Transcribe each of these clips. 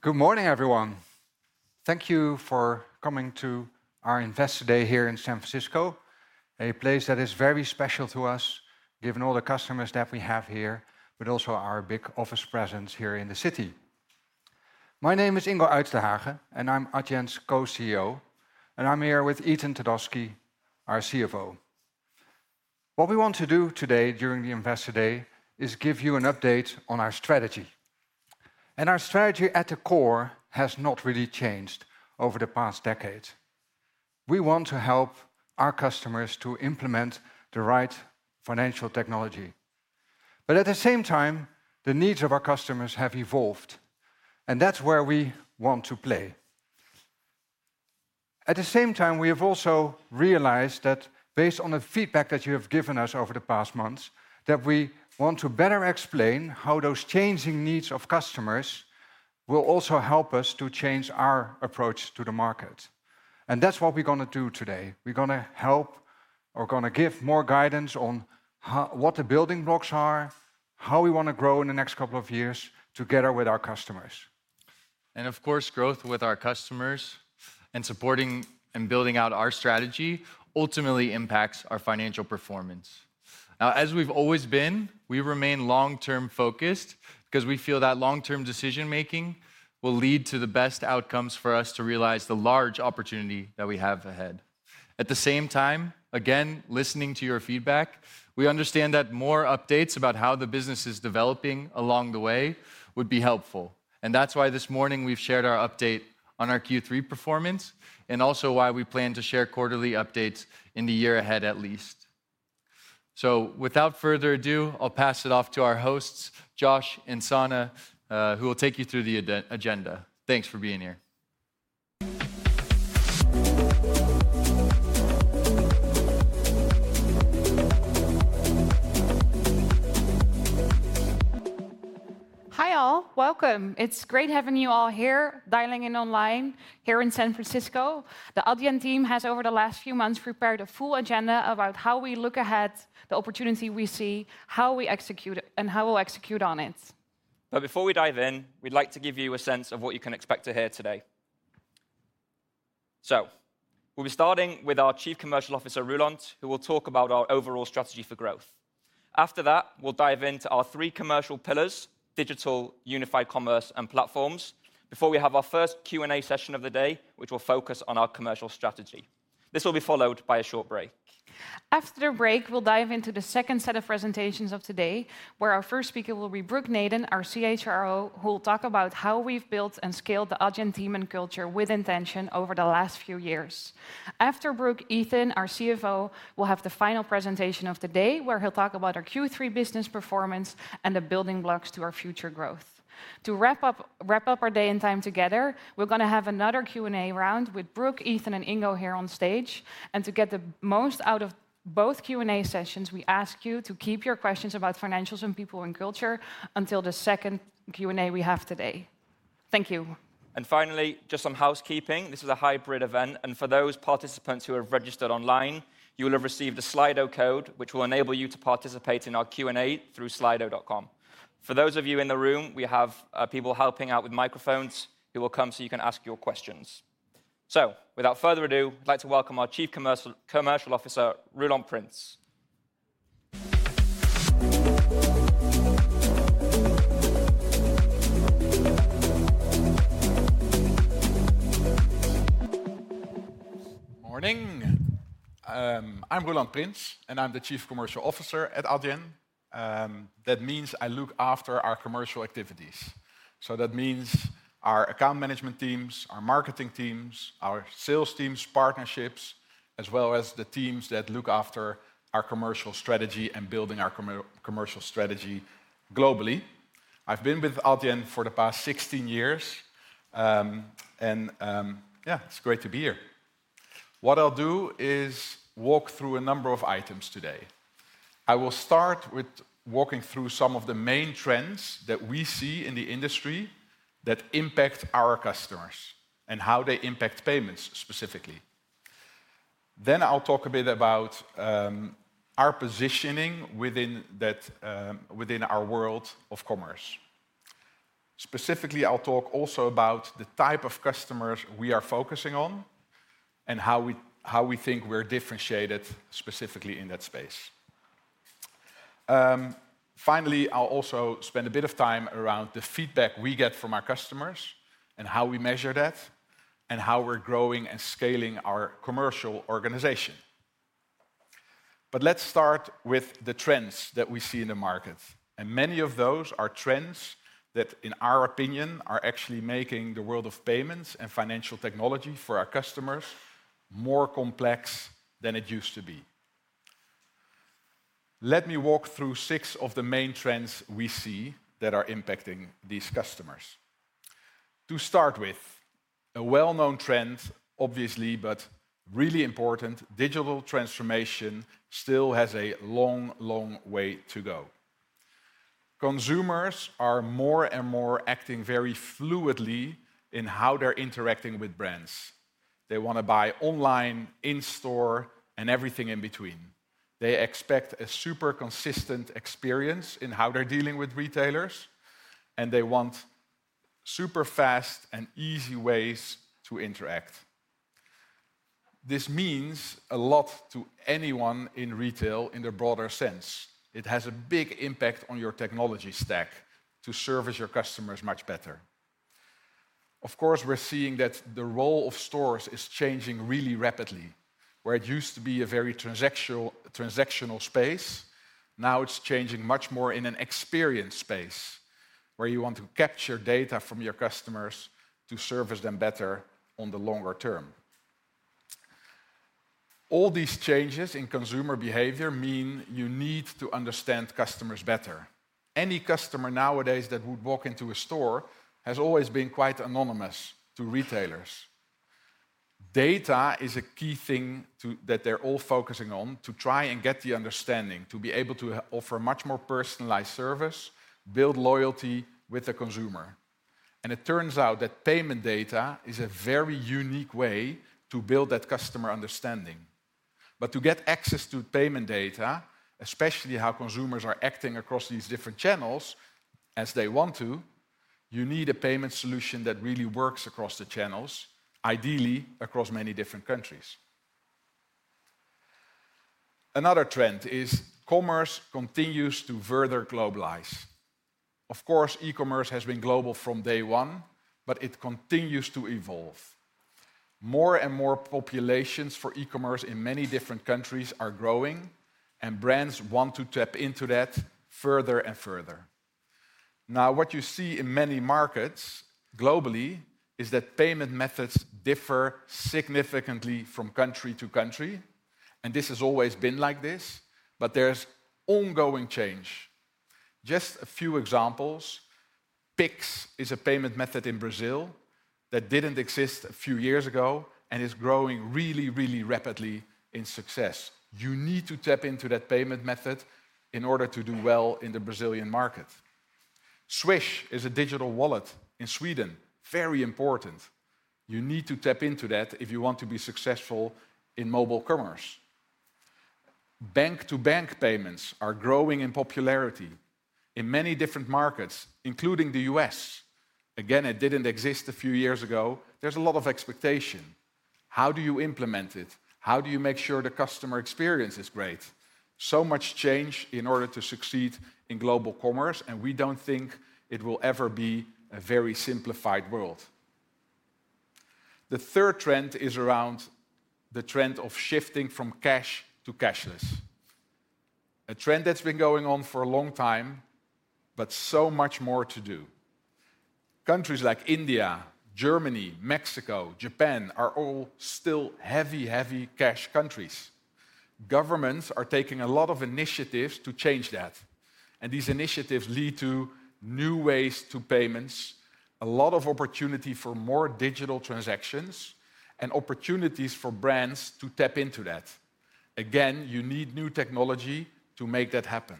Good morning, everyone. Thank you for coming to our Investor Day here in San Francisco, a place that is very special to us, given all the customers that we have here, but also our big office presence here in the city. My name is Ingo Uytdehaage, and I'm Adyen's co-CEO, and I'm here with Ethan Tandowsky, our CFO. What we want to do today during the Investor Day is give you an update on our strategy. And our strategy at the core has not really changed over the past decade. We want to help our customers to implement the right financial technology. But at the same time, the needs of our customers have evolved, and that's where we want to play. At the same time, we have also realized that based on the feedback that you have given us over the past months, that we want to better explain how those changing needs of customers will also help us to change our approach to the market, and that's what we're gonna do today. We're gonna give more guidance on how, what the building blocks are, how we wanna grow in the next couple of years together with our customers. And of course, growth with our customers and supporting and building out our strategy ultimately impacts our financial performance. Now, as we've always been, we remain long-term focused 'cause we feel that long-term decision-making will lead to the best outcomes for us to realize the large opportunity that we have ahead. At the same time, again, listening to your feedback, we understand that more updates about how the business is developing along the way would be helpful, and that's why this morning we've shared our update on our Q3 performance, and also why we plan to share quarterly updates in the year ahead at least. So without further ado, I'll pass it off to our hosts, Josh and Sanne, who will take you through the agenda. Thanks for being here. Hi, all. Welcome! It's great having you all here, dialing in online, here in San Francisco. The Adyen team has, over the last few months, prepared a full agenda about how we look ahead, the opportunity we see, how we execute, and how we'll execute on it. But before we dive in, we'd like to give you a sense of what you can expect to hear today. So we'll be starting with our Chief Commercial Officer, Roelant, who will talk about our overall strategy for growth. After that, we'll dive into our three commercial pillars: Digital, Unified Commerce, and Platforms, before we have our first Q&A session of the day, which will focus on our commercial strategy. This will be followed by a short break. After the break, we'll dive into the second set of presentations of today, where our first speaker will be Brooke Nayden, our CHRO, who will talk about how we've built and scaled the Adyen team and culture with intention over the last few years. After Brooke, Ethan, our CFO, will have the final presentation of the day, where he'll talk about our Q3 business performance and the building blocks to our future growth. To wrap up our day and time together, we're gonna have another Q&A round with Brooke, Ethan, and Ingo here on stage. To get the most out of both Q&A sessions, we ask you to keep your questions about financials and people and culture until the second Q&A we have today. Thank you. Finally, just some housekeeping. This is a hybrid event, and for those participants who have registered online, you will have received a Slido code, which will enable you to participate in our Q&A through slido.com. For those of you in the room, we have people helping out with microphones, who will come so you can ask your questions. So, without further ado, I'd like to welcome our Chief Commercial Officer, Roelant Prins. Morning. I'm Roelant Prins, and I'm the Chief Commercial Officer at Adyen. That means I look after our commercial activities, so that means our account management teams, our marketing teams, our sales teams, partnerships, as well as the teams that look after our commercial strategy and building our commercial strategy globally. I've been with Adyen for the past 16 years, and yeah, it's great to be here. What I'll do is walk through a number of items today. I will start with walking through some of the main trends that we see in the industry that impact our customers and how they impact payments specifically. Then I'll talk a bit about our positioning within that, within our world of commerce. Specifically, I'll talk also about the type of customers we are focusing on and how we, how we think we're differentiated specifically in that space. Finally, I'll also spend a bit of time around the feedback we get from our customers and how we measure that, and how we're growing and scaling our commercial organization. But let's start with the trends that we see in the market, and many of those are trends that, in our opinion, are actually making the world of payments and financial technology for our customers more complex than it used to be. Let me walk through six of the main trends we see that are impacting these customers. To start with, a well-known trend, obviously, but really important, digital transformation still has a long, long way to go. Consumers are more and more acting very fluidly in how they're interacting with brands. They wanna buy online, in-store, and everything in between. They expect a super consistent experience in how they're dealing with retailers, and they want super fast and easy ways to interact. This means a lot to anyone in retail in the broader sense. It has a big impact on your technology stack to service your customers much better. Of course, we're seeing that the role of stores is changing really rapidly. Where it used to be a very transactional space, now it's changing much more in an experience space, where you want to capture data from your customers to service them better on the longer term. All these changes in consumer behavior mean you need to understand customers better. Any customer nowadays that would walk into a store has always been quite anonymous to retailers. Data is a key thing that they're all focusing on to try and get the understanding, to be able to offer a much more personalized service, build loyalty with the consumer. It turns out that payment data is a very unique way to build that customer understanding. To get access to payment data, especially how consumers are acting across these different channels as they want to, you need a payment solution that really works across the channels, ideally across many different countries. Another trend is commerce continues to further globalize. Of course, e-commerce has been global from day one, but it continues to evolve. More and more populations for e-commerce in many different countries are growing, and brands want to tap into that further and further. Now, what you see in many markets globally is that payment methods differ significantly from country to country, and this has always been like this, but there's ongoing change. Just a few examples. Pix is a payment method in Brazil that didn't exist a few years ago and is growing really, really rapidly in success. You need to tap into that payment method in order to do well in the Brazilian market. Swish is a digital wallet in Sweden, very important. You need to tap into that if you want to be successful in mobile commerce. Bank-to-bank payments are growing in popularity in many different markets, including the U.S. Again, it didn't exist a few years ago. There's a lot of expectation. How do you implement it? How do you make sure the customer experience is great? So much change in order to succeed in global commerce, and we don't think it will ever be a very simplified world. The third trend is around the trend of shifting from cash to cashless, a trend that's been going on for a long time, but so much more to do. Countries like India, Germany, Mexico, Japan are all still heavy, heavy cash countries. Governments are taking a lot of initiatives to change that, and these initiatives lead to new ways to payments, a lot of opportunity for more digital transactions, and opportunities for brands to tap into that. Again, you need new technology to make that happen.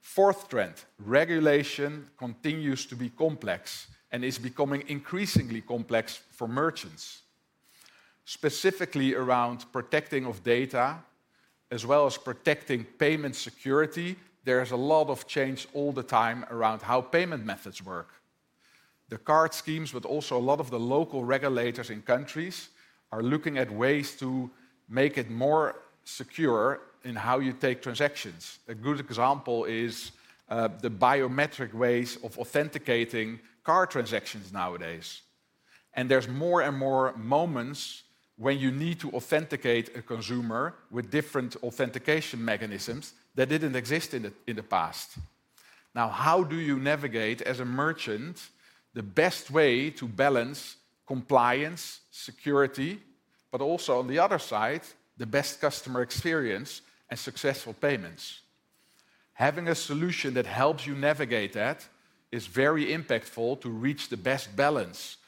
Fourth trend, regulation continues to be complex and is becoming increasingly complex for merchants. Specifically around protecting of data, as well as protecting payment security, there is a lot of change all the time around how payment methods work. The card schemes, but also a lot of the local regulators in countries, are looking at ways to make it more secure in how you take transactions. A good example is the biometric ways of authenticating card transactions nowadays, and there's more and more moments when you need to authenticate a consumer with different authentication mechanisms that didn't exist in the past. Now, how do you navigate as a merchant the best way to balance compliance, security, but also on the other side, the best customer experience and successful payments? Having a solution that helps you navigate that is very impactful to reach the best balance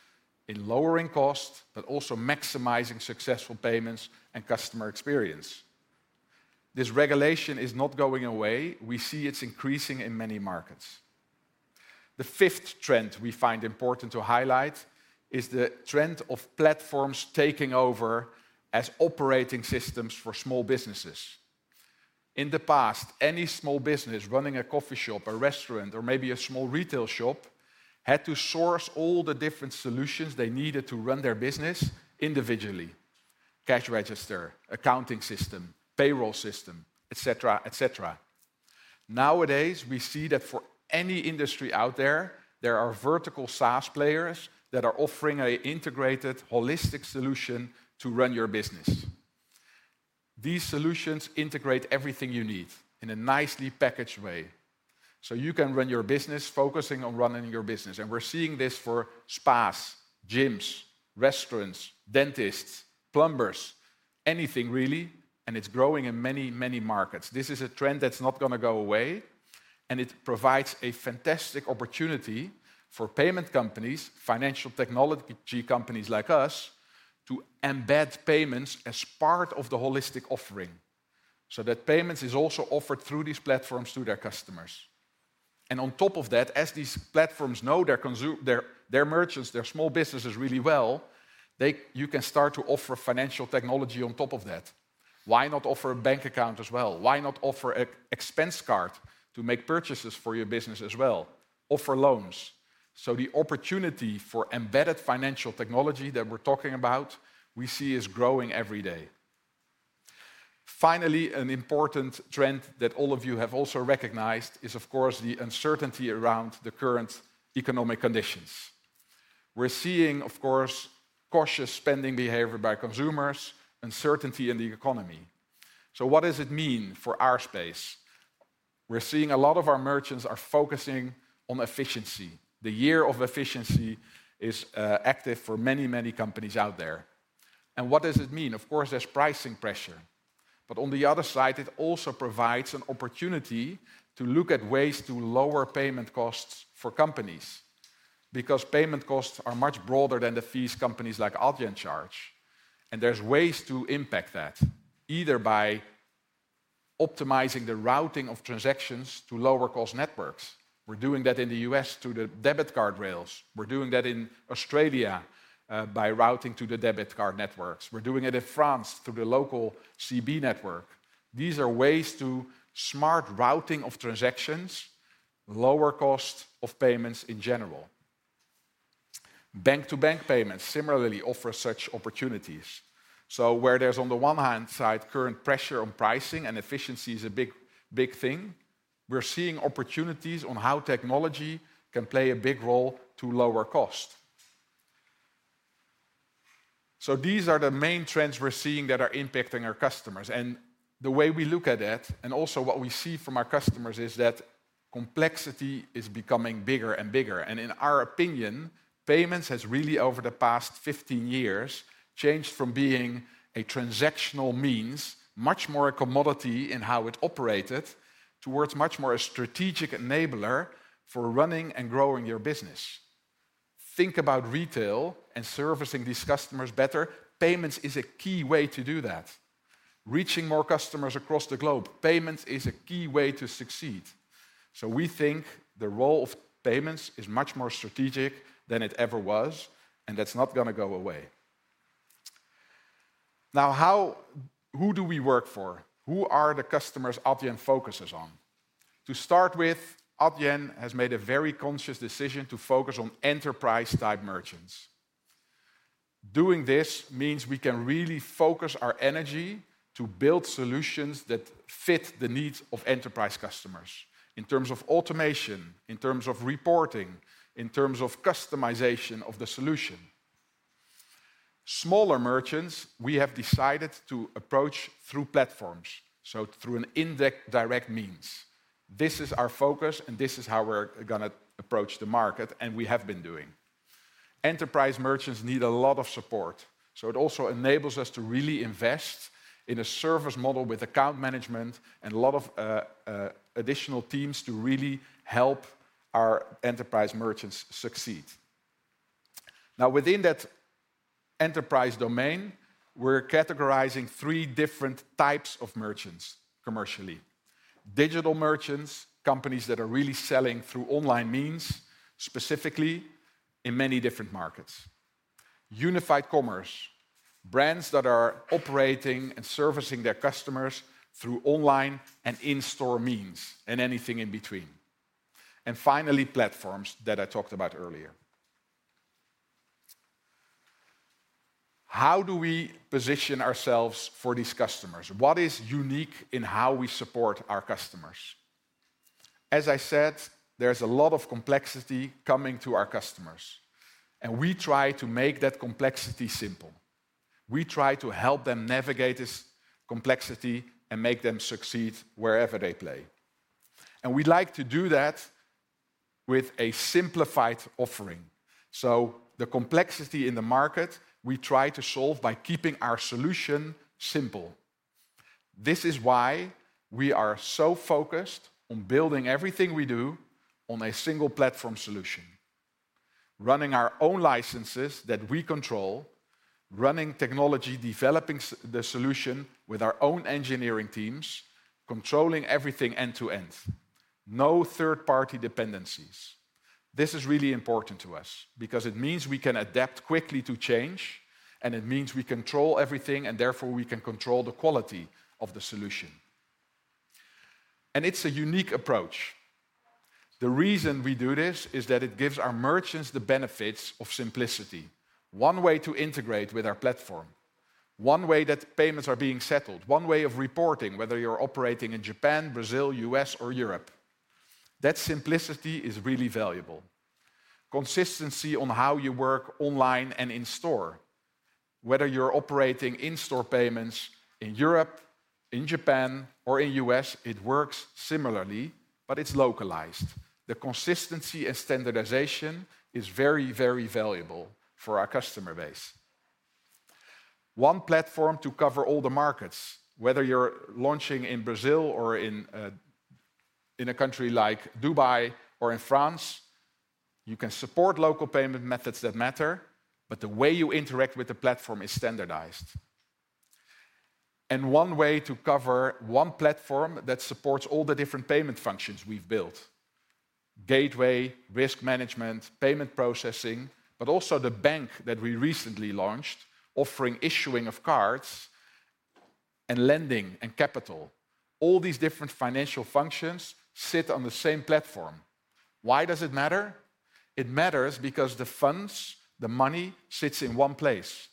in lowering costs, but also maximizing successful payments and customer experience. This regulation is not going away. We see it's increasing in many markets. The fifth trend we find important to highlight is the trend of platforms taking over as operating systems for small businesses. In the past, any small business running a coffee shop, a restaurant, or maybe a small retail shop, had to source all the different solutions they needed to run their business individually: cash register, accounting system, payroll system, et cetera, et cetera. Nowadays, we see that for any industry out there, there are vertical SaaS players that are offering an integrated, holistic solution to run your business. These solutions integrate everything you need in a nicely packaged way, so you can run your business focusing on running your business. We're seeing this for spas, gyms, restaurants, dentists, plumbers, anything really, and it's growing in many, many markets. This is a trend that's not gonna go away, and it provides a fantastic opportunity for payment companies, financial technology companies like us, to embed payments as part of the holistic offering so that payments is also offered through these platforms to their customers. And on top of that, as these platforms know their their merchants, their small businesses really well, you can start to offer financial technology on top of that. Why not offer a bank account as well? Why not offer an expense card to make purchases for your business as well? Offer loans. So the opportunity for embedded financial technology that we're talking about, we see is growing every day. Finally, an important trend that all of you have also recognized is, of course, the uncertainty around the current economic conditions. We're seeing, of course, cautious spending behavior by consumers, uncertainty in the economy. So what does it mean for our space? We're seeing a lot of our merchants are focusing on efficiency. The year of efficiency is active for many, many companies out there. What does it mean? Of course, there's pricing pressure, but on the other side, it also provides an opportunity to look at ways to lower payment costs for companies. Because payment costs are much broader than the fees companies like Adyen charge, and there's ways to impact that, either by optimizing the routing of transactions to lower-cost networks. We're doing that in the U.S. through the debit card rails. We're doing that in Australia by routing to the debit card networks. We're doing it in France through the local CB network. These are ways to smart routing of transactions, lower cost of payments in general. Bank-to-bank payments similarly offer such opportunities. So where there's, on the one hand side, current pressure on pricing and efficiency is a big, big thing, we're seeing opportunities on how technology can play a big role to lower cost. These are the main trends we're seeing that are impacting our customers. The way we look at it, and also what we see from our customers, is that complexity is becoming bigger and bigger. In our opinion, payments has really, over the past 15 years, changed from being a transactional means, much more a commodity in how it operated, towards much more a strategic enabler for running and growing your business. Think about retail and servicing these customers better, payments is a key way to do that. Reaching more customers across the globe, payments is a key way to succeed. So we think the role of payments is much more strategic than it ever was, and that's not gonna go away. Now, who do we work for? Who are the customers Adyen focuses on? To start with, Adyen has made a very conscious decision to focus on enterprise-type merchants. Doing this means we can really focus our energy to build solutions that fit the needs of enterprise customers in terms of automation, in terms of reporting, in terms of customization of the solution. Smaller merchants, we have decided to approach through platforms, so through an indirect-direct means. This is our focus, and this is how we're gonna approach the market, and we have been doing. Enterprise merchants need a lot of support, so it also enables us to really invest in a service model with account management and a lot of additional teams to really help our enterprise merchants succeed. Now, within that enterprise domain, we're categorizing three different types of merchants commercially. Digital merchants, companies that are really selling through online means, specifically in many different markets. Unified Commerce, brands that are operating and servicing their customers through online and in-store means, and anything in between. And finally, Platforms that I talked about earlier. How do we position ourselves for these customers? What is unique in how we support our customers? As I said, there's a lot of complexity coming to our customers, and we try to make that complexity simple. We try to help them navigate this complexity and make them succeed wherever they play. We like to do that with a simplified offering. So the complexity in the market, we try to solve by keeping our solution simple. This is why we are so focused on building everything we do on a single platform solution. Running our own licenses that we control, running technology, developing the solution with our own engineering teams, controlling everything end to end, no third-party dependencies. This is really important to us because it means we can adapt quickly to change, and it means we control everything, and therefore, we can control the quality of the solution. And it's a unique approach. The reason we do this is that it gives our merchants the benefits of simplicity. One way to integrate with our platform, one way that payments are being settled, one way of reporting, whether you're operating in Japan, Brazil, U.S., or Europe. That simplicity is really valuable. Consistency on how you work online and in-store, whether you're operating in-store payments in Europe, in Japan, or in U.S., it works similarly, but it's localized. The consistency and standardization is very, very valuable for our customer base. One platform to cover all the markets, whether you're launching in Brazil or in a country like Dubai or in France, you can support local payment methods that matter, but the way you interact with the platform is standardized... and one way to cover one platform that supports all the different payment functions we've built: gateway, risk management, payment processing, but also the bank that we recently launched, offering issuing of cards and lending and capital. All these different financial functions sit on the same platform. Why does it matter? It matters because the funds, the money, sits in one place.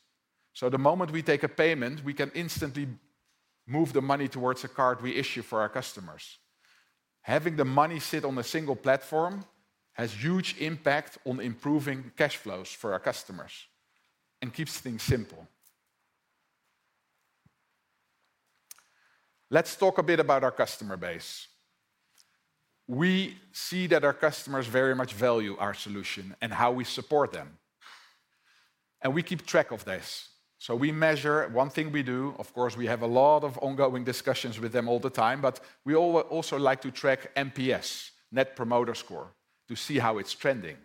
So the moment we take a payment, we can instantly move the money towards a card we issue for our customers. Having the money sit on a single platform has huge impact on improving cash flows for our customers and keeps things simple. Let's talk a bit about our customer base. We see that our customers very much value our solution and how we support them, and we keep track of this, so we measure. One thing we do, of course, we have a lot of ongoing discussions with them all the time, but we also like to track NPS, Net Promoter Score, to see how it's trending.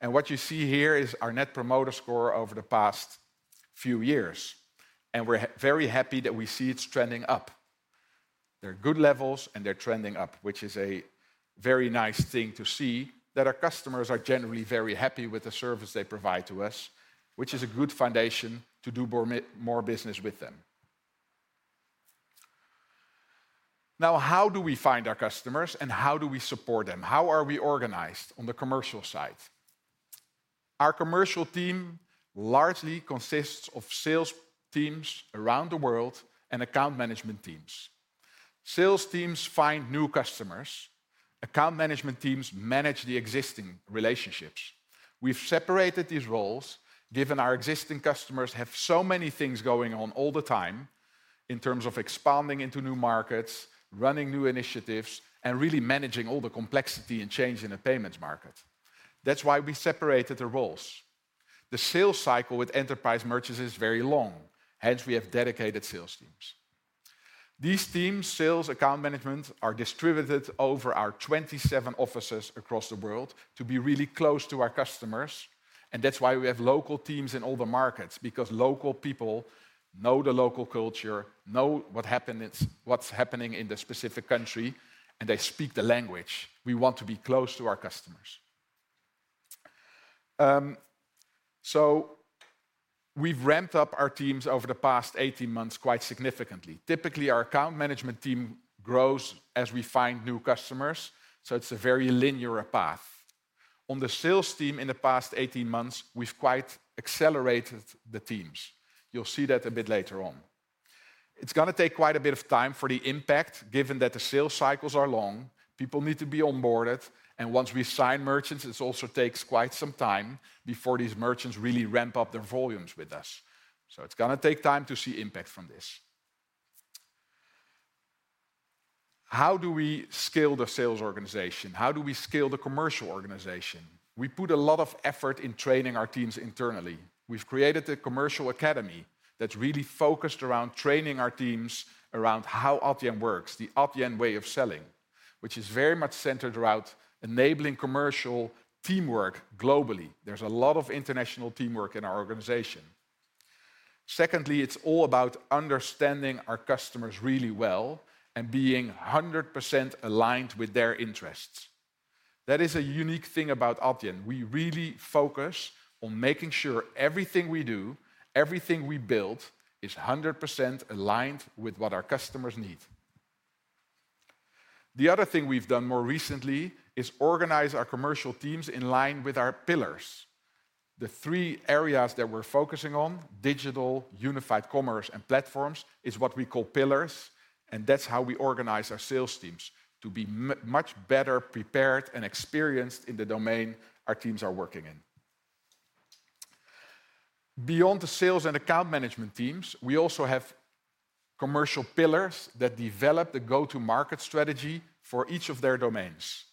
And what you see here is our Net Promoter Score over the past few years, and we're very happy that we see it's trending up. They're good levels, and they're trending up, which is a very nice thing to see, that our customers are generally very happy with the service they provide to us, which is a good foundation to do more business with them. Now, how do we find our customers, and how do we support them? How are we organized on the commercial side? Our commercial team largely consists of sales teams around the world and account management teams. Sales teams find new customers. Account management teams manage the existing relationships. We've separated these roles, given our existing customers have so many things going on all the time in terms of expanding into new markets, running new initiatives, and really managing all the complexity and change in the payments market. That's why we separated the roles. The sales cycle with enterprise merchants is very long, hence we have dedicated sales teams. These teams, sales, account management, are distributed over our 27 offices across the world to be really close to our customers, and that's why we have local teams in all the markets, because local people know the local culture, know what happened, that's what's happening in the specific country, and they speak the language. We want to be close to our customers. So we've ramped up our teams over the past 18 months quite significantly. Typically, our account management team grows as we find new customers, so it's a very linear path. On the sales team in the past 18 months, we've quite accelerated the teams. You'll see that a bit later on. It's gonna take quite a bit of time for the impact, given that the sales cycles are long, people need to be onboarded, and once we sign merchants, it also takes quite some time before these merchants really ramp up their volumes with us. So it's gonna take time to see impact from this. How do we scale the sales organization? How do we scale the commercial organization? We put a lot of effort in training our teams internally. We've created a commercial academy that's really focused around training our teams around how Adyen works, the Adyen way of selling, which is very much centered around enabling commercial teamwork globally. There's a lot of international teamwork in our organization. Secondly, it's all about understanding our customers really well and being 100% aligned with their interests. That is a unique thing about Adyen. We really focus on making sure everything we do, everything we build, is 100% aligned with what our customers need. The other thing we've done more recently is organize our commercial teams in line with our pillars. The three areas that we're focusing on, Digital, Unified Commerce, and Platforms, is what we call pillars, and that's how we organize our sales teams, to be much better prepared and experienced in the domain our teams are working in. Beyond the sales and account management teams, we also have commercial pillars that develop the go-to-market strategy for each of their domains.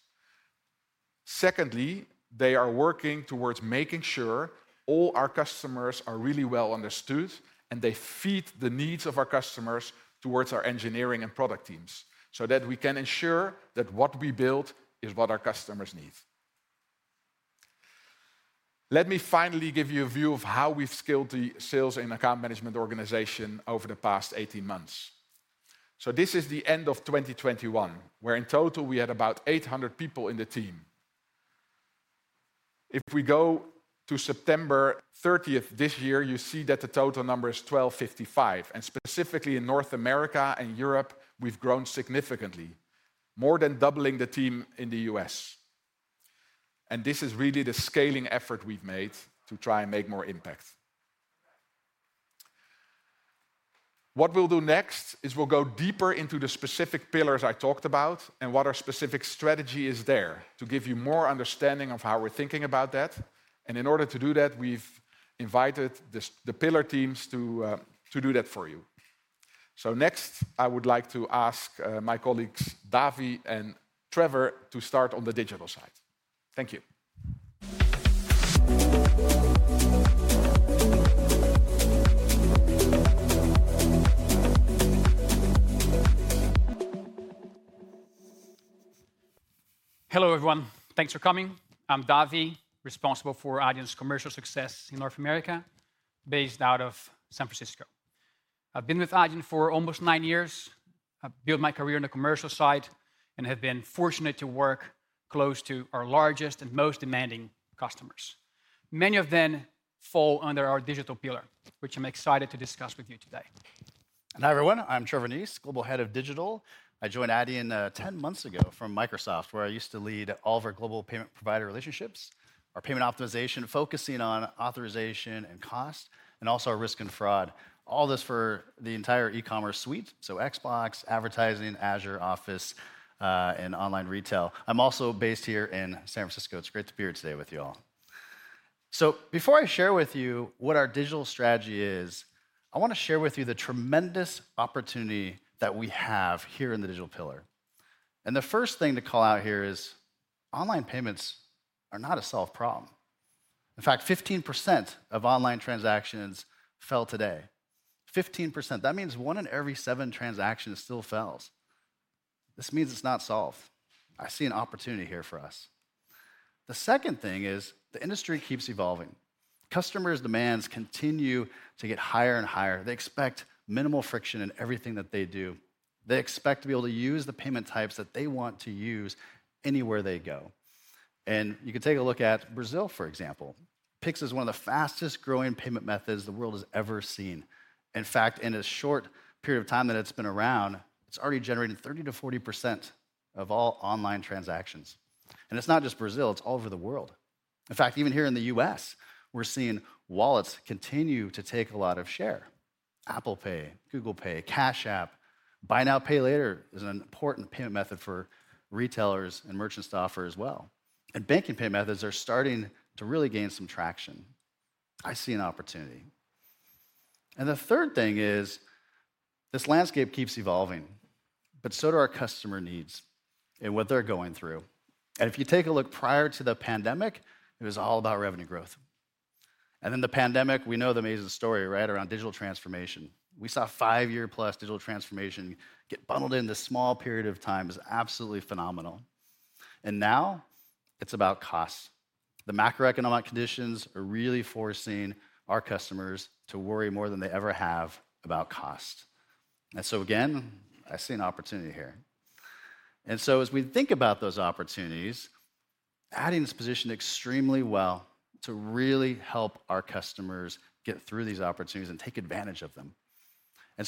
Secondly, they are working towards making sure all our customers are really well understood, and they feed the needs of our customers towards our engineering and product teams, so that we can ensure that what we build is what our customers need. Let me finally give you a view of how we've scaled the sales and account management organization over the past 18 months. So this is the end of 2021, where in total we had about 800 people in the team. If we go to September 30th this year, you see that the total number is 1,255, and specifically in North America and Europe, we've grown significantly, more than doubling the team in the U.S. And this is really the scaling effort we've made to try and make more impact. What we'll do next is we'll go deeper into the specific pillars I talked about and what our specific strategy is there to give you more understanding of how we're thinking about that. And in order to do that, we've invited the pillar teams to do that for you. Next, I would like to ask my colleagues, Davi and Trevor, to start on the digital side. Thank you.... Hello, everyone. Thanks for coming. I'm Davi, responsible for Adyen's commercial success in North America, based out of San Francisco. I've been with Adyen for almost nine years. I've built my career in the commercial side and have been fortunate to work close to our largest and most demanding customers. Many of them fall under our digital pillar, which I'm excited to discuss with you today. Hi, everyone, I'm Trevor Nies, Global Head of Digital. I joined Adyen 10 months ago from Microsoft, where I used to lead all of our global payment provider relationships, our payment optimization, focusing on authorization and cost, and also our risk and fraud, all this for the entire e-commerce suite, so Xbox, advertising, Azure, Office, and online retail. I'm also based here in San Francisco. It's great to be here today with you all. So before I share with you what our digital strategy is, I wanna share with you the tremendous opportunity that we have here in the digital pillar. And the first thing to call out here is online payments are not a solved problem. In fact, 15% of online transactions fail today. 15%, that means one in every seven transactions still fails. This means it's not solved. I see an opportunity here for us. The second thing is the industry keeps evolving. Customers' demands continue to get higher and higher. They expect minimal friction in everything that they do. They expect to be able to use the payment types that they want to use anywhere they go. And you can take a look at Brazil, for example. Pix is one of the fastest-growing payment methods the world has ever seen. In fact, in a short period of time that it's been around, it's already generating 30%-40% of all online transactions. And it's not just Brazil, it's all over the world. In fact, even here in the U.S., we're seeing wallets continue to take a lot of share. Apple Pay, Google Pay, Cash App, Buy Now, Pay Later is an important payment method for retailers and merchants to offer as well. Banking payment methods are starting to really gain some traction. I see an opportunity. The third thing is, this landscape keeps evolving, but so do our customer needs and what they're going through. If you take a look prior to the pandemic, it was all about revenue growth. Then the pandemic, we know the amazing story, right, around digital transformation. We saw a five-year-plus digital transformation get bundled in this small period of time, which is absolutely phenomenal. Now it's about cost. The macroeconomic conditions are really forcing our customers to worry more than they ever have about cost. So again, I see an opportunity here. As we think about those opportunities, Adyen is positioned extremely well to really help our customers get through these opportunities and take advantage of them.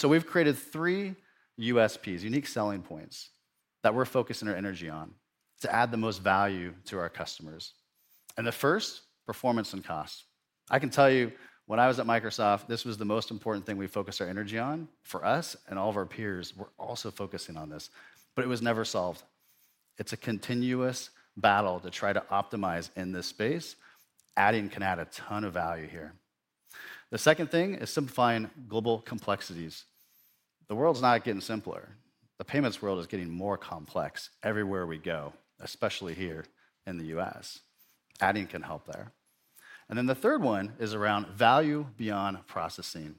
We've created three USPs, unique selling points, that we're focusing our energy on to add the most value to our customers. The first, performance and cost. I can tell you, when I was at Microsoft, this was the most important thing we focused our energy on for us, and all of our peers were also focusing on this, but it was never solved. It's a continuous battle to try to optimize in this space. Adyen can add a ton of value here. The second thing is simplifying global complexities. The world's not getting simpler. The payments world is getting more complex everywhere we go, especially here in the U.S. Adyen can help there. The third one is around value beyond processing.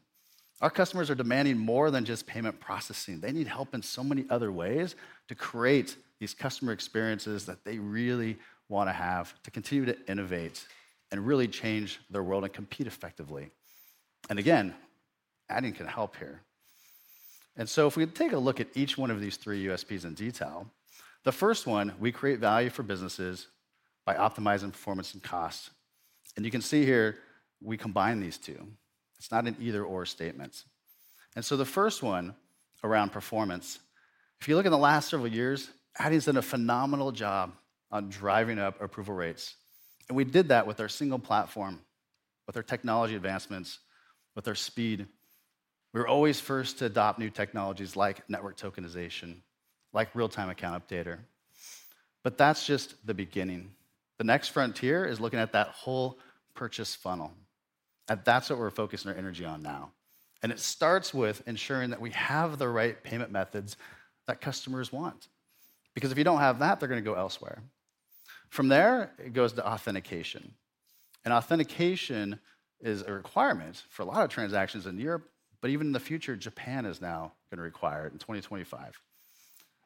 Our customers are demanding more than just payment processing. They need help in so many other ways to create these customer experiences that they really wanna have to continue to innovate and really change their world and compete effectively. Again, Adyen can help here. So if we take a look at each one of these three USPs in detail, the first one, we create value for businesses by optimizing performance and cost. You can see here we combine these two. It's not an either/or statement. The first one around performance, if you look in the last several years, Adyen's done a phenomenal job on driving up approval rates, and we did that with our single platform, with our technology advancements, with our speed. We're always first to adopt new technologies like network tokenization, like Real-time Account Updater, but that's just the beginning. The next frontier is looking at that whole purchase funnel, and that's what we're focusing our energy on now. It starts with ensuring that we have the right payment methods that customers want, because if you don't have that, they're gonna go elsewhere. From there, it goes to authentication, and authentication is a requirement for a lot of transactions in Europe, but even in the future, Japan is now gonna require it in 2025.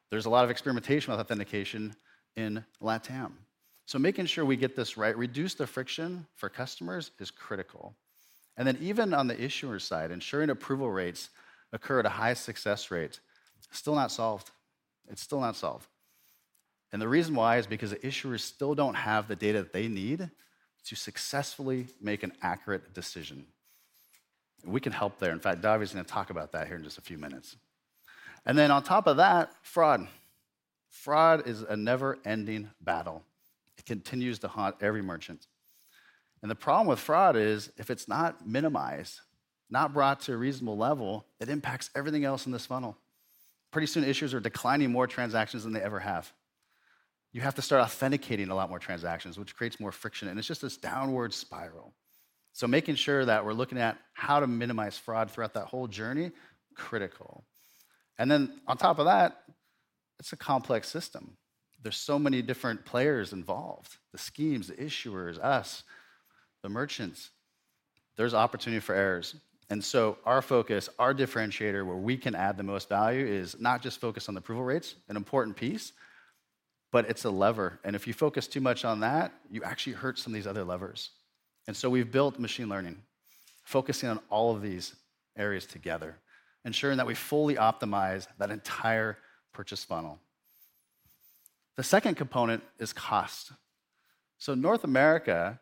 There's a lot of experimentation with authentication in LatAm. Making sure we get this right, reduce the friction for customers, is critical. Then even on the issuer side, ensuring approval rates occur at a high success rate, still not solved. It's still not solved. The reason why is because the issuers still don't have the data they need to successfully make an accurate decision. We can help there. In fact, Davi is gonna talk about that here in just a few minutes. And then on top of that, fraud. Fraud is a never-ending battle. It continues to haunt every merchant. And the problem with fraud is, if it's not minimized, not brought to a reasonable level, it impacts everything else in this funnel. Pretty soon, issuers are declining more transactions than they ever have. You have to start authenticating a lot more transactions, which creates more friction, and it's just this downward spiral. So making sure that we're looking at how to minimize fraud throughout that whole journey, critical. And then on top of that, it's a complex system. There's so many different players involved, the schemes, the issuers, us, the merchants... There's opportunity for errors. So our focus, our differentiator, where we can add the most value, is not just focused on the approval rates, an important piece, but it's a lever, and if you focus too much on that, you actually hurt some of these other levers. We've built machine learning, focusing on all of these areas together, ensuring that we fully optimize that entire purchase funnel. The second component is cost. North America,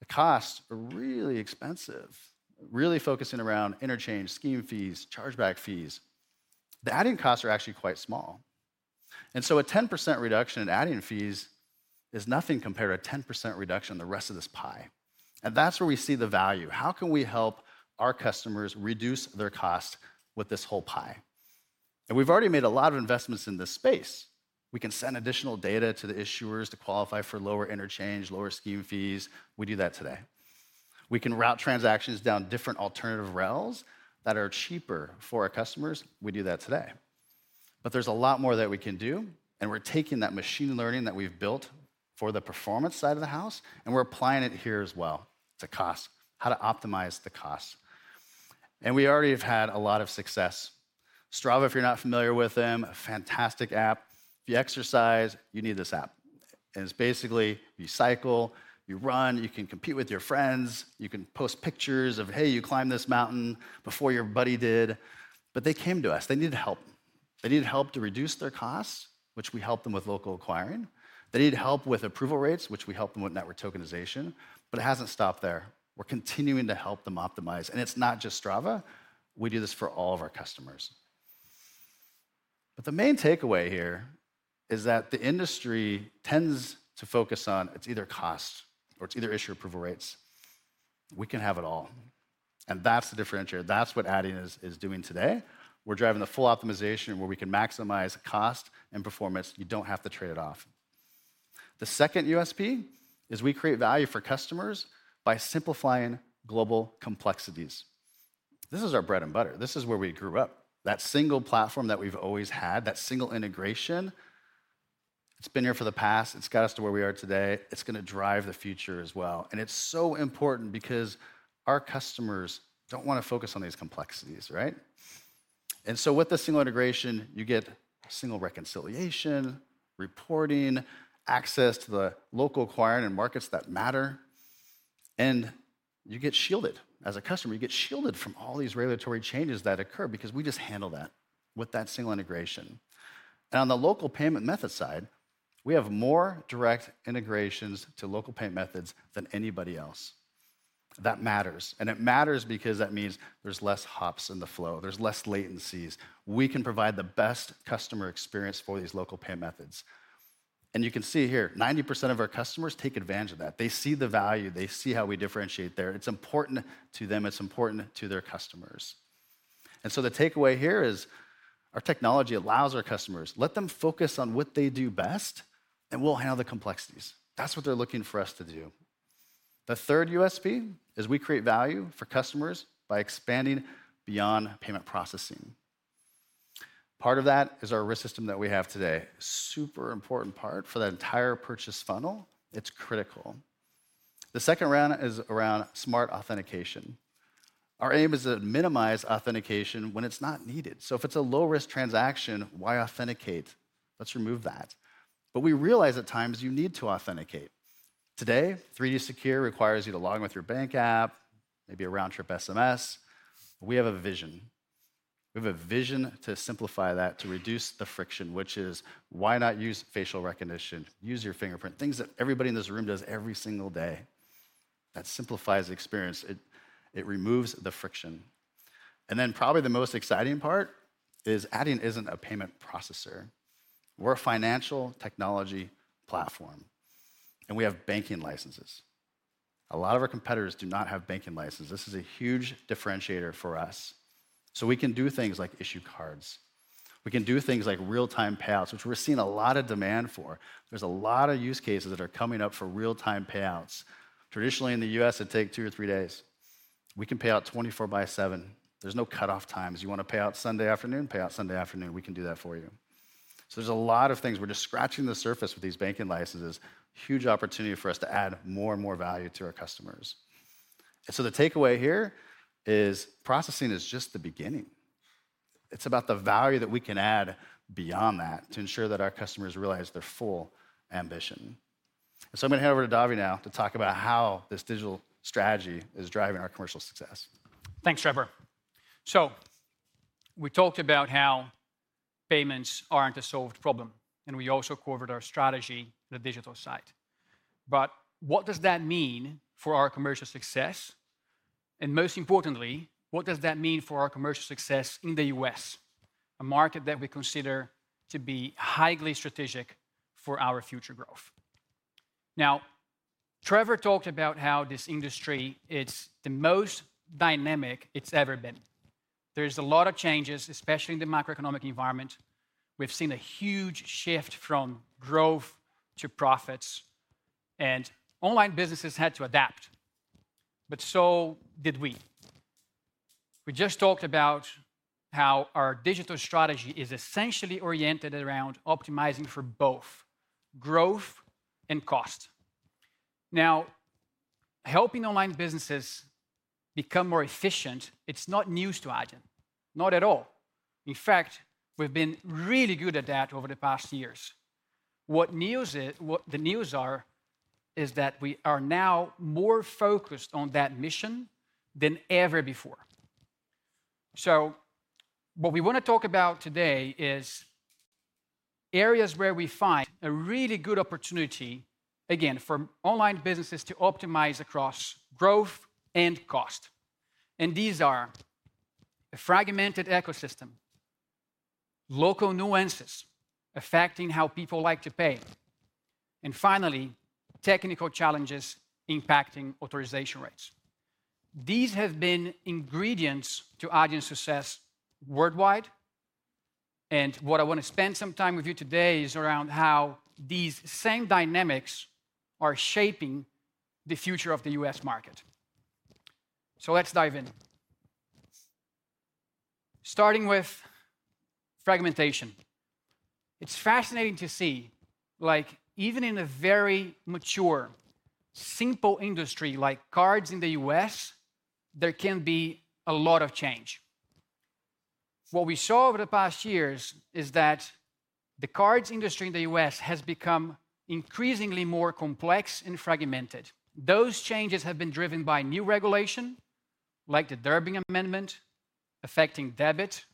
the costs are really expensive, really focusing around interchange, scheme fees, chargeback fees. The Adyen costs are actually quite small, and so a 10% reduction in Adyen fees is nothing compared to a 10% reduction in the rest of this pie, and that's where we see the value. How can we help our customers reduce their costs with this whole pie? We've already made a lot of investments in this space. We can send additional data to the issuers to qualify for lower interchange, lower scheme fees. We do that today. We can route transactions down different alternative rails that are cheaper for our customers. We do that today. But there's a lot more that we can do, and we're taking that machine learning that we've built for the performance side of the house, and we're applying it here as well, to cost, how to optimize the cost. And we already have had a lot of success. Strava, if you're not familiar with them, a fantastic app. If you exercise, you need this app, and it's basically, you cycle, you run, you can compete with your friends, you can post pictures of, hey, you climbed this mountain before your buddy did. But they came to us. They needed help. They needed help to reduce their costs, which we helped them with local acquiring. They needed help with approval rates, which we helped them with network tokenization, but it hasn't stopped there. We're continuing to help them optimize, and it's not just Strava, we do this for all of our customers. But the main takeaway here is that the industry tends to focus on it's either cost or it's either issuer approval rates. We can have it all, and that's the differentiator. That's what Adyen is, is doing today. We're driving the full optimization where we can maximize cost and performance. You don't have to trade it off. The second USP is we create value for customers by simplifying global complexities. This is our bread and butter. This is where we grew up. That single platform that we've always had, that single integration, it's been here for the past. It's got us to where we are today. It's gonna drive the future as well, and it's so important because our customers don't wanna focus on these complexities, right? And so with the single integration, you get a single reconciliation, reporting, access to the local acquiring and markets that matter, and you get shielded. As a customer, you get shielded from all these regulatory changes that occur because we just handle that with that single integration. And on the local payment method side, we have more direct integrations to local payment methods than anybody else. That matters, and it matters because that means there's less hops in the flow, there's less latencies. We can provide the best customer experience for these local pay methods. And you can see here, 90% of our customers take advantage of that. They see the value, they see how we differentiate there. It's important to them, it's important to their customers. So the takeaway here is, our technology allows our customers, let them focus on what they do best, and we'll handle the complexities. That's what they're looking for us to do. The third USP is we create value for customers by expanding beyond payment processing. Part of that is our risk system that we have today. Super important part for that entire purchase funnel, it's critical. The second round is around smart authentication. Our aim is to minimize authentication when it's not needed. So if it's a low-risk transaction, why authenticate? Let's remove that. But we realize at times you need to authenticate. Today, 3D Secure requires you to log in with your bank app, maybe a round trip SMS. We have a vision. We have a vision to simplify that, to reduce the friction, which is, why not use facial recognition, use your fingerprint? Things that everybody in this room does every single day. That simplifies the experience. It, it removes the friction. And then probably the most exciting part is Adyen isn't a payment processor. We're a financial technology platform, and we have banking licenses. A lot of our competitors do not have banking licenses. This is a huge differentiator for us. So we can do things like issue cards. We can do things like real-time payouts, which we're seeing a lot of demand for. There's a lot of use cases that are coming up for real-time payouts. Traditionally, in the U.S., it'd take two or three days. We can pay out 24/7. There's no cutoff times. You want to pay out Sunday afternoon, pay out Sunday afternoon, we can do that for you. So there's a lot of things. We're just scratching the surface with these banking licenses. Huge opportunity for us to add more and more value to our customers. And so the takeaway here is processing is just the beginning. It's about the value that we can add beyond that to ensure that our customers realize their full ambition. So I'm gonna hand it over to Davi now, to talk about how this digital strategy is driving our commercial success. Thanks, Trevor. So we talked about how payments aren't a solved problem, and we also covered our strategy on the digital side. But what does that mean for our commercial success? And most importantly, what does that mean for our commercial success in the U.S., a market that we consider to be highly strategic for our future growth? Now, Trevor talked about how this industry, it's the most dynamic it's ever been. There's a lot of changes, especially in the macroeconomic environment. We've seen a huge shift from growth to profits, and online businesses had to adapt, but so did we.... We just talked about how our digital strategy is essentially oriented around optimizing for both growth and cost. Now, helping online businesses become more efficient, it's not news to Adyen, not at all. In fact, we've been really good at that over the past years. What the news are is that we are now more focused on that mission than ever before. So what we want to talk about today is areas where we find a really good opportunity, again, for online businesses to optimize across growth and cost. And these are: a fragmented ecosystem, local nuances affecting how people like to pay, and finally, technical challenges impacting authorization rates. These have been ingredients to Adyen's success worldwide, and what I want to spend some time with you today is around how these same dynamics are shaping the future of the U.S. market. So let's dive in. Starting with fragmentation. It's fascinating to see, like, even in a very mature, simple industry, like cards in the U.S., there can be a lot of change. What we saw over the past years is that the cards industry in the U.S. has become increasingly more complex and fragmented. Those changes have been driven by new regulation, like the Durbin Amendment, affecting debit,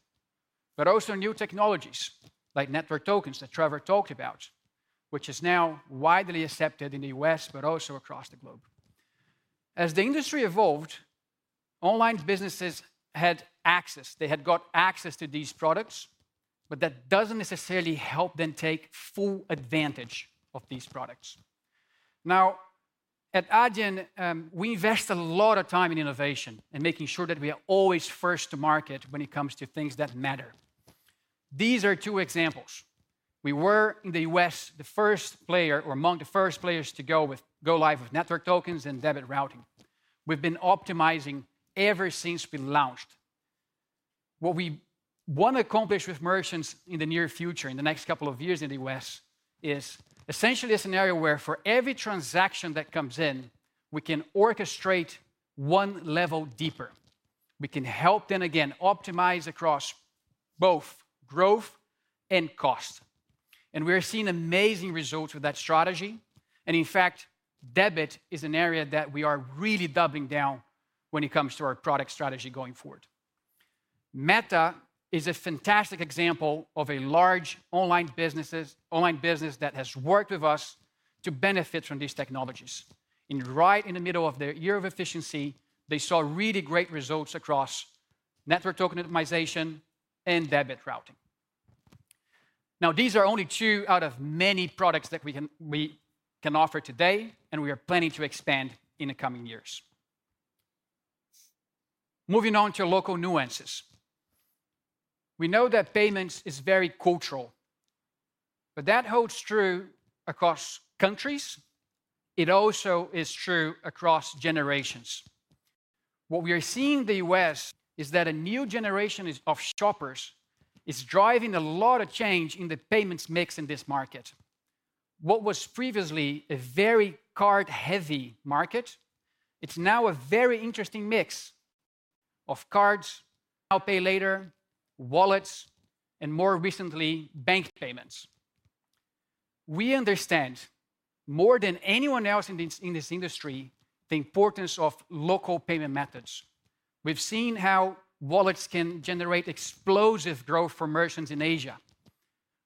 but also new technologies, like network tokens that Trevor talked about, which is now widely accepted in the U.S., but also across the globe. As the industry evolved, online businesses had access, they had got access to these products, but that doesn't necessarily help them take full advantage of these products. Now, at Adyen, we invest a lot of time in innovation and making sure that we are always first to market when it comes to things that matter. These are two examples. We were, in the U.S., the first player, or among the first players, to go live with network tokens and debit routing. We've been optimizing ever since we launched. What we want to accomplish with merchants in the near future, in the next couple of years in the U.S., is essentially a scenario where for every transaction that comes in, we can orchestrate one level deeper. We can help them, again, optimize across both growth and cost, and we are seeing amazing results with that strategy. And in fact, debit is an area that we are really doubling down when it comes to our product strategy going forward. Meta is a fantastic example of a large online businesses, online business that has worked with us to benefit from these technologies. And right in the middle of their year of efficiency, they saw really great results across network token optimization and debit routing. Now, these are only two out of many products that we can offer today, and we are planning to expand in the coming years. Moving on to local nuances. We know that payments is very cultural, but that holds true across countries. It also is true across generations. What we are seeing in the U.S. is that a new generation of shoppers is driving a lot of change in the payments mix in this market. What was previously a very card-heavy market, it's now a very interesting mix of cards, now pay later, wallets, and more recently, bank payments. We understand, more than anyone else in this industry, the importance of local payment methods. We've seen how wallets can generate explosive growth for merchants in Asia.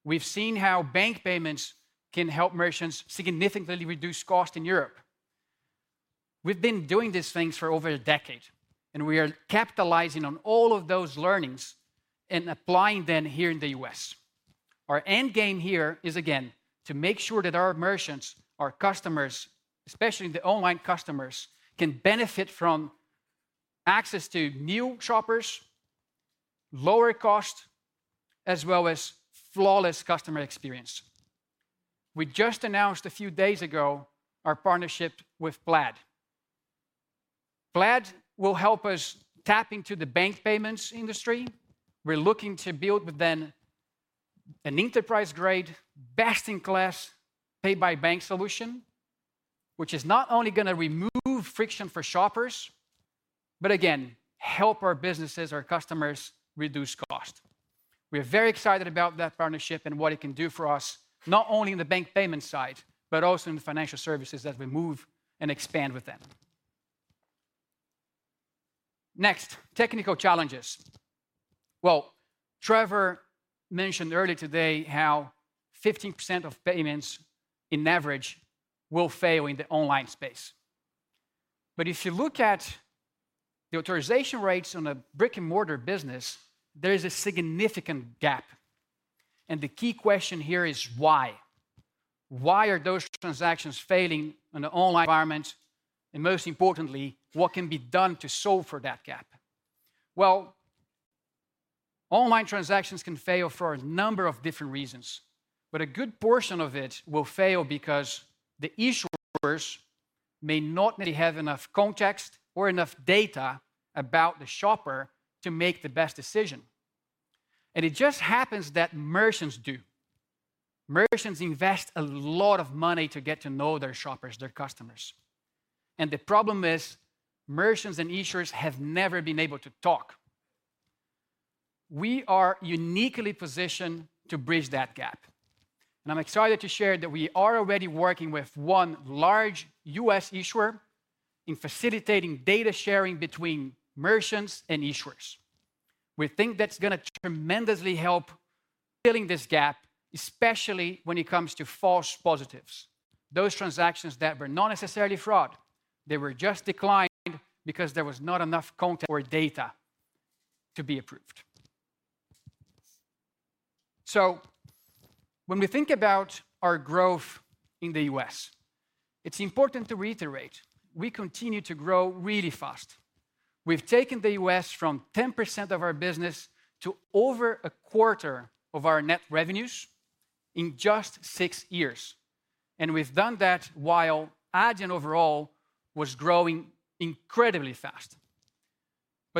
We've seen how bank payments can help merchants significantly reduce cost in Europe. We've been doing these things for over a decade, and we are capitalizing on all of those learnings and applying them here in the U.S. Our end game here is, again, to make sure that our merchants, our customers, especially the online customers, can benefit from access to new shoppers, lower cost, as well as flawless customer experience. We just announced a few days ago our partnership with Plaid. Plaid will help us tap into the bank payments industry. We're looking to build with them an enterprise-grade, best-in-class, pay-by-bank solution, which is not only going to remove friction for shoppers, but again, help our businesses, our customers, reduce cost. We are very excited about that partnership and what it can do for us, not only in the bank payment side, but also in the financial services as we move and expand with them. Next, technical challenges. Well, Trevor mentioned earlier today how 15% of payments, on average, will fail in the online space. But if you look at the authorization rates on a brick-and-mortar business, there is a significant gap, and the key question here is, why? Why are those transactions failing in the online environment? And most importantly, what can be done to solve for that gap? Online transactions can fail for a number of different reasons, but a good portion of it will fail because the issuers may not really have enough context or enough data about the shopper to make the best decision. And it just happens that merchants do. Merchants invest a lot of money to get to know their shoppers, their customers, and the problem is, merchants and issuers have never been able to talk. We are uniquely positioned to bridge that gap, and I'm excited to share that we are already working with one large U.S. issuer in facilitating data sharing between merchants and issuers. We think that's gonna tremendously help filling this gap, especially when it comes to false positives, those transactions that were not necessarily fraud, they were just declined because there was not enough context or data to be approved. So when we think about our growth in the U.S., it's important to reiterate, we continue to grow really fast. We've taken the U.S. from 10% of our business to over 25% of our net revenues in just six years, and we've done that while Adyen overall was growing incredibly fast.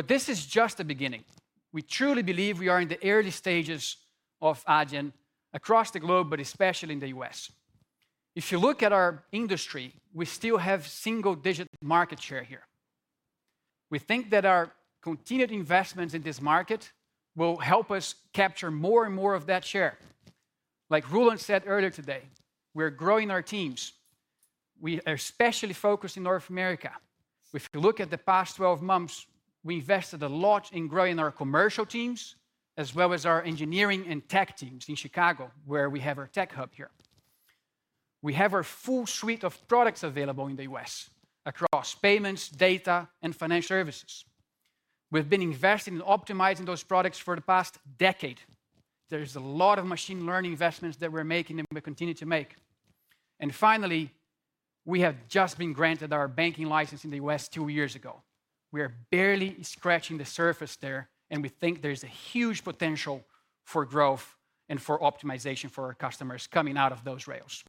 This is just the beginning. We truly believe we are in the early stages of Adyen across the globe, but especially in the U.S. If you look at our industry, we still have single-digit market share here. We think that our continued investments in this market will help us capture more and more of that share. Like Roelant said earlier today, we're growing our teams. We are especially focused in North America. If you look at the past 12 months, we invested a lot in growing our commercial teams, as well as our engineering and tech teams in Chicago, where we have our tech hub here. We have our full suite of products available in the U.S. across payments, data, and financial services. We've been investing in optimizing those products for the past decade. There's a lot of machine learning investments that we're making and we continue to make. And finally, we have just been granted our banking license in the U.S. two years ago. We are barely scratching the surface there, and we think there's a huge potential for growth and for optimization for our customers coming out of those rails.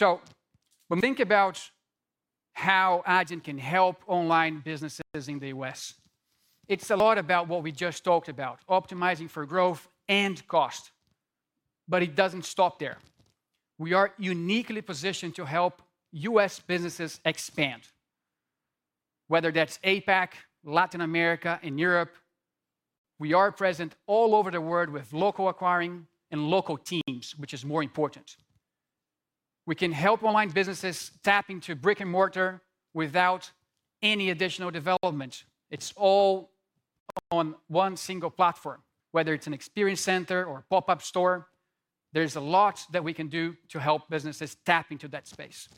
When we think about how Adyen can help online businesses in the U.S., it's a lot about what we just talked about, optimizing for growth and cost, but it doesn't stop there. We are uniquely positioned to help U.S. businesses expand, whether that's APAC, Latin America, and Europe. We are present all over the world with local acquiring and local teams, which is more important. We can help online businesses tap into brick-and-mortar without any additional development. It's all on one single platform. Whether it's an experience center or a pop-up store, there's a lot that we can do to help businesses tap into that space.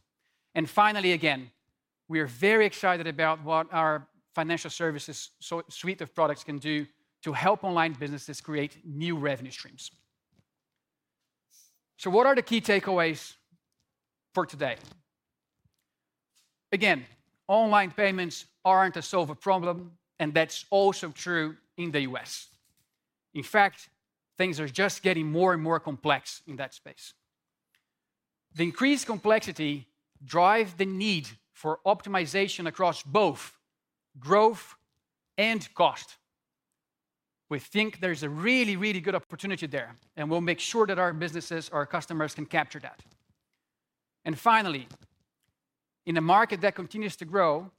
And finally, again, we are very excited about what our financial services suite of products can do to help online businesses create new revenue streams. So what are the key takeaways for today? Again, online payments aren't a solved problem, and that's also true in the U.S. In fact, things are just getting more and more complex in that space. The increased complexity drive the need for optimization across both growth and cost. We think there's a really, really good opportunity there, and we'll make sure that our businesses, our customers, can capture that. And finally, in a market that continues to grow,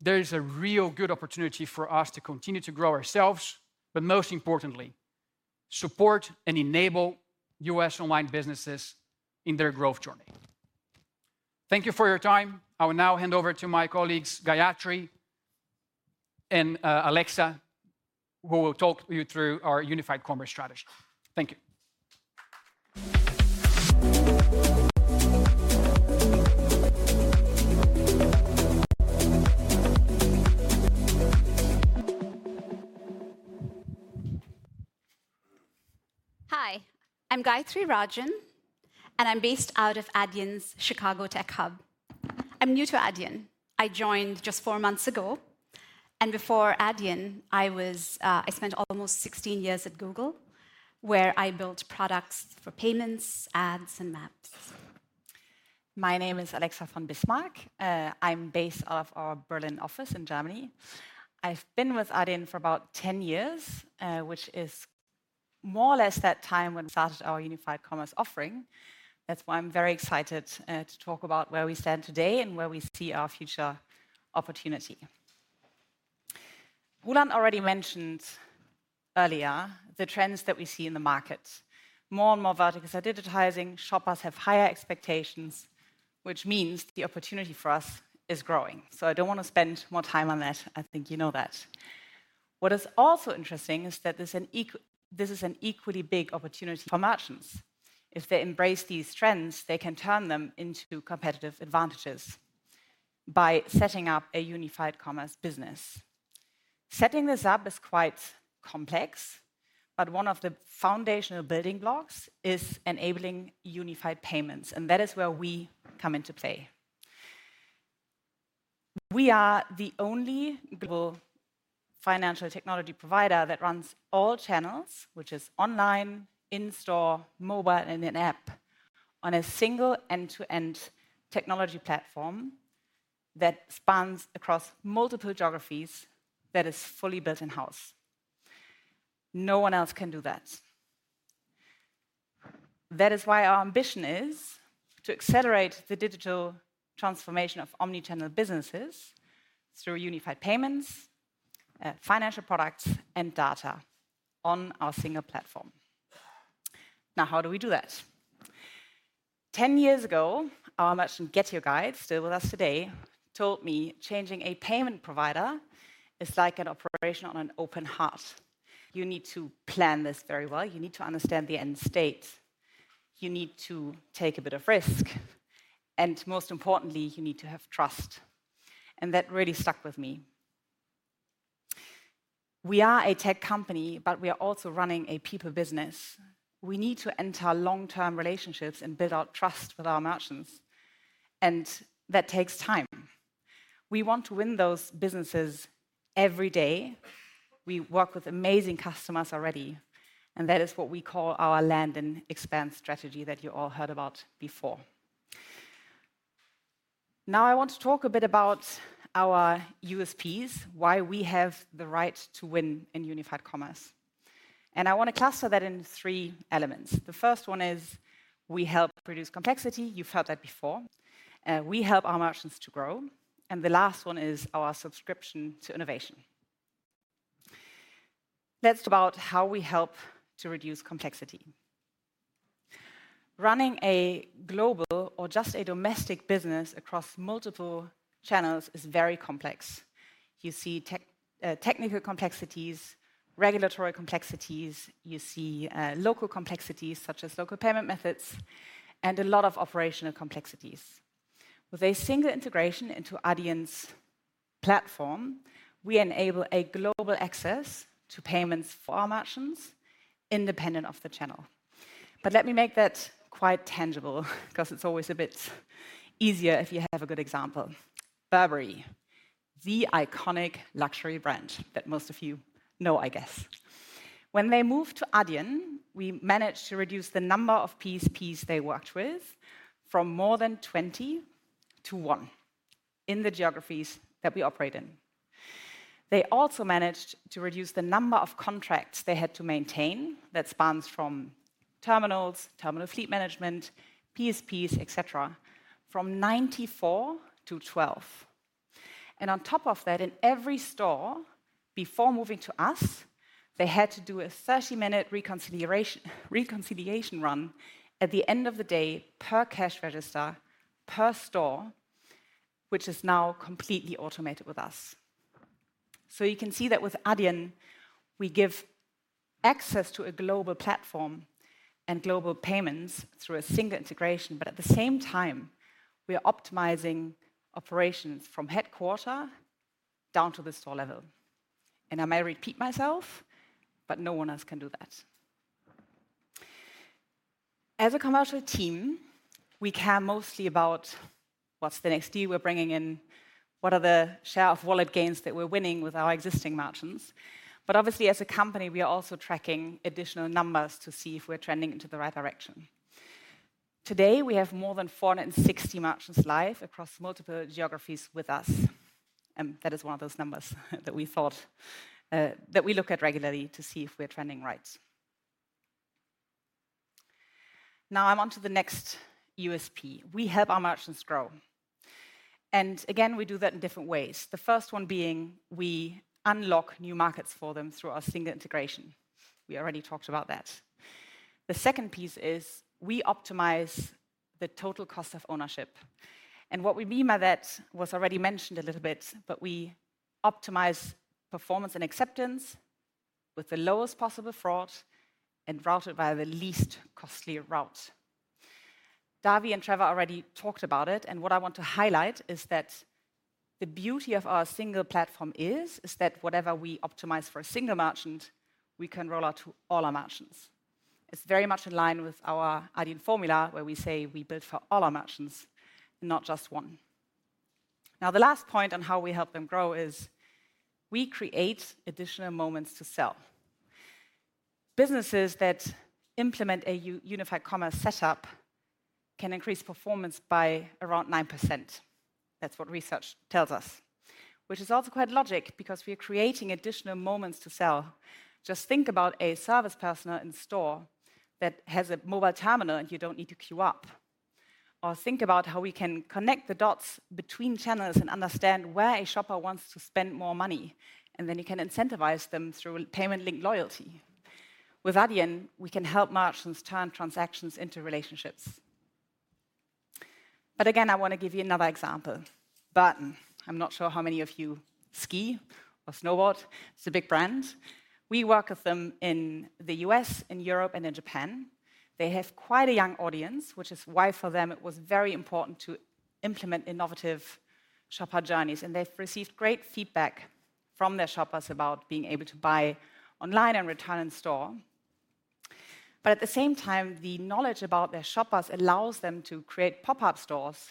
there is a real good opportunity for us to continue to grow ourselves, but most importantly, support and enable U.S. online businesses in their growth journey. Thank you for your time. I will now hand over to my colleagues, Gayathri and Alexa, who will talk you through our Unified Commerce strategy. Thank you. Hi, I'm Gayathri Rajan, and I'm based out of Adyen's Chicago Tech Hub. I'm new to Adyen. I joined just four months ago, and before Adyen, I was. I spent almost 16 years at Google, where I built products for payments, ads, and maps. My name is Alexa von Bismarck. I'm based out of our Berlin office in Germany. I've been with Adyen for about 10 years, which is more or less that time when we started our unified commerce offering. That's why I'm very excited to talk about where we stand today and where we see our future opportunity. Roelant already mentioned earlier the trends that we see in the market. More and more verticals are digitizing. Shoppers have higher expectations, which means the opportunity for us is growing. So I don't want to spend more time on that. I think you know that. What is also interesting is that this is an equally big opportunity for merchants. If they embrace these trends, they can turn them into competitive advantages by setting up a unified commerce business. Setting this up is quite complex, but one of the foundational building blocks is enabling unified payments, and that is where we come into play. We are the only global financial technology provider that runs all channels, which is online, in-store, mobile, and an app, on a single end-to-end technology platform that spans across multiple geographies that is fully built in-house. No one else can do that. That is why our ambition is to accelerate the digital transformation of omni-channel businesses through unified payments, financial products, and data on our single platform. Now, how do we do that? 10 years ago, our merchant GetYourGuide, still with us today, told me changing a payment provider is like an operation on an open heart. You need to plan this very well. You need to understand the end state. You need to take a bit of risk, and most importantly, you need to have trust, and that really stuck with me. We are a tech company, but we are also running a people business. We need to enter long-term relationships and build out trust with our merchants, and that takes time. We want to win those businesses every day. We work with amazing customers already, and that is what we call our land and expand strategy that you all heard about before. Now, I want to talk a bit about our USPs, why we have the right to win in Unified Commerce. And I wanna cluster that into three elements. The first one is, we help reduce complexity. You've heard that before. We help our merchants to grow, and the last one is our subscription to innovation. Let's talk about how we help to reduce complexity. Running a global or just a domestic business across multiple channels is very complex. You see tech, technical complexities, regulatory complexities, you see, local complexities, such as local payment methods, and a lot of operational complexities. With a single integration into Adyen's platform, we enable a global access to payments for our merchants, independent of the channel. But let me make that quite tangible 'cause it's always a bit easier if you have a good example. Burberry, the iconic luxury brand that most of you know, I guess. When they moved to Adyen, we managed to reduce the number of PSPs they worked with from more than 20 to one in the geographies that we operate in. They also managed to reduce the number of contracts they had to maintain, that spans from terminals, terminal fleet management, PSPs, et cetera, from 94 to 12. On top of that, in every store, before moving to us, they had to do a 30-minute reconciliation, reconciliation run at the end of the day, per cash register, per store, which is now completely automated with us. So you can see that with Adyen, we give access to a global platform and global payments through a single integration, but at the same time, we are optimizing operations from headquarters down to the store level. I may repeat myself, but no one else can do that. As a commercial team, we care mostly about what's the next deal we're bringing in? What are the share of wallet gains that we're winning with our existing merchants? But obviously, as a company, we are also tracking additional numbers to see if we're trending into the right direction. Today, we have more than 460 merchants live across multiple geographies with us, and that is one of those numbers that we thought, that we look at regularly to see if we're trending right. Now, I'm on to the next USP. We help our merchants grow, and again, we do that in different ways. The first one being, we unlock new markets for them through our single integration. We already talked about that. The second piece is, we optimize the total cost of ownership, and what we mean by that was already mentioned a little bit, but we optimize performance and acceptance with the lowest possible fraud and routed via the least costly route. Davi and Trevor already talked about it, and what I want to highlight is that the beauty of our single platform is, is that whatever we optimize for a single merchant, we can roll out to all our merchants. It's very much in line with our Adyen Formula, where we say we build for all our merchants, not just one. Now, the last point on how we help them grow is, we create additional moments to sell. Businesses that implement a Unified Commerce setup can increase performance by around 9%. That's what research tells us, which is also quite logical because we are creating additional moments to sell. Just think about a service personnel in store that has a mobile terminal, and you don't need to queue up. Or think about how we can connect the dots between channels and understand where a shopper wants to spend more money, and then you can incentivize them through payment link loyalty. With Adyen, we can help merchants turn transactions into relationships. But again, I wanna give you another example. Burton. I'm not sure how many of you ski or snowboard. It's a big brand. We work with them in the U.S., in Europe, and in Japan. They have quite a young audience, which is why for them, it was very important to implement innovative shopper journeys, and they've received great feedback from their shoppers about being able to buy online and return in store. But at the same time, the knowledge about their shoppers allows them to create pop-up stores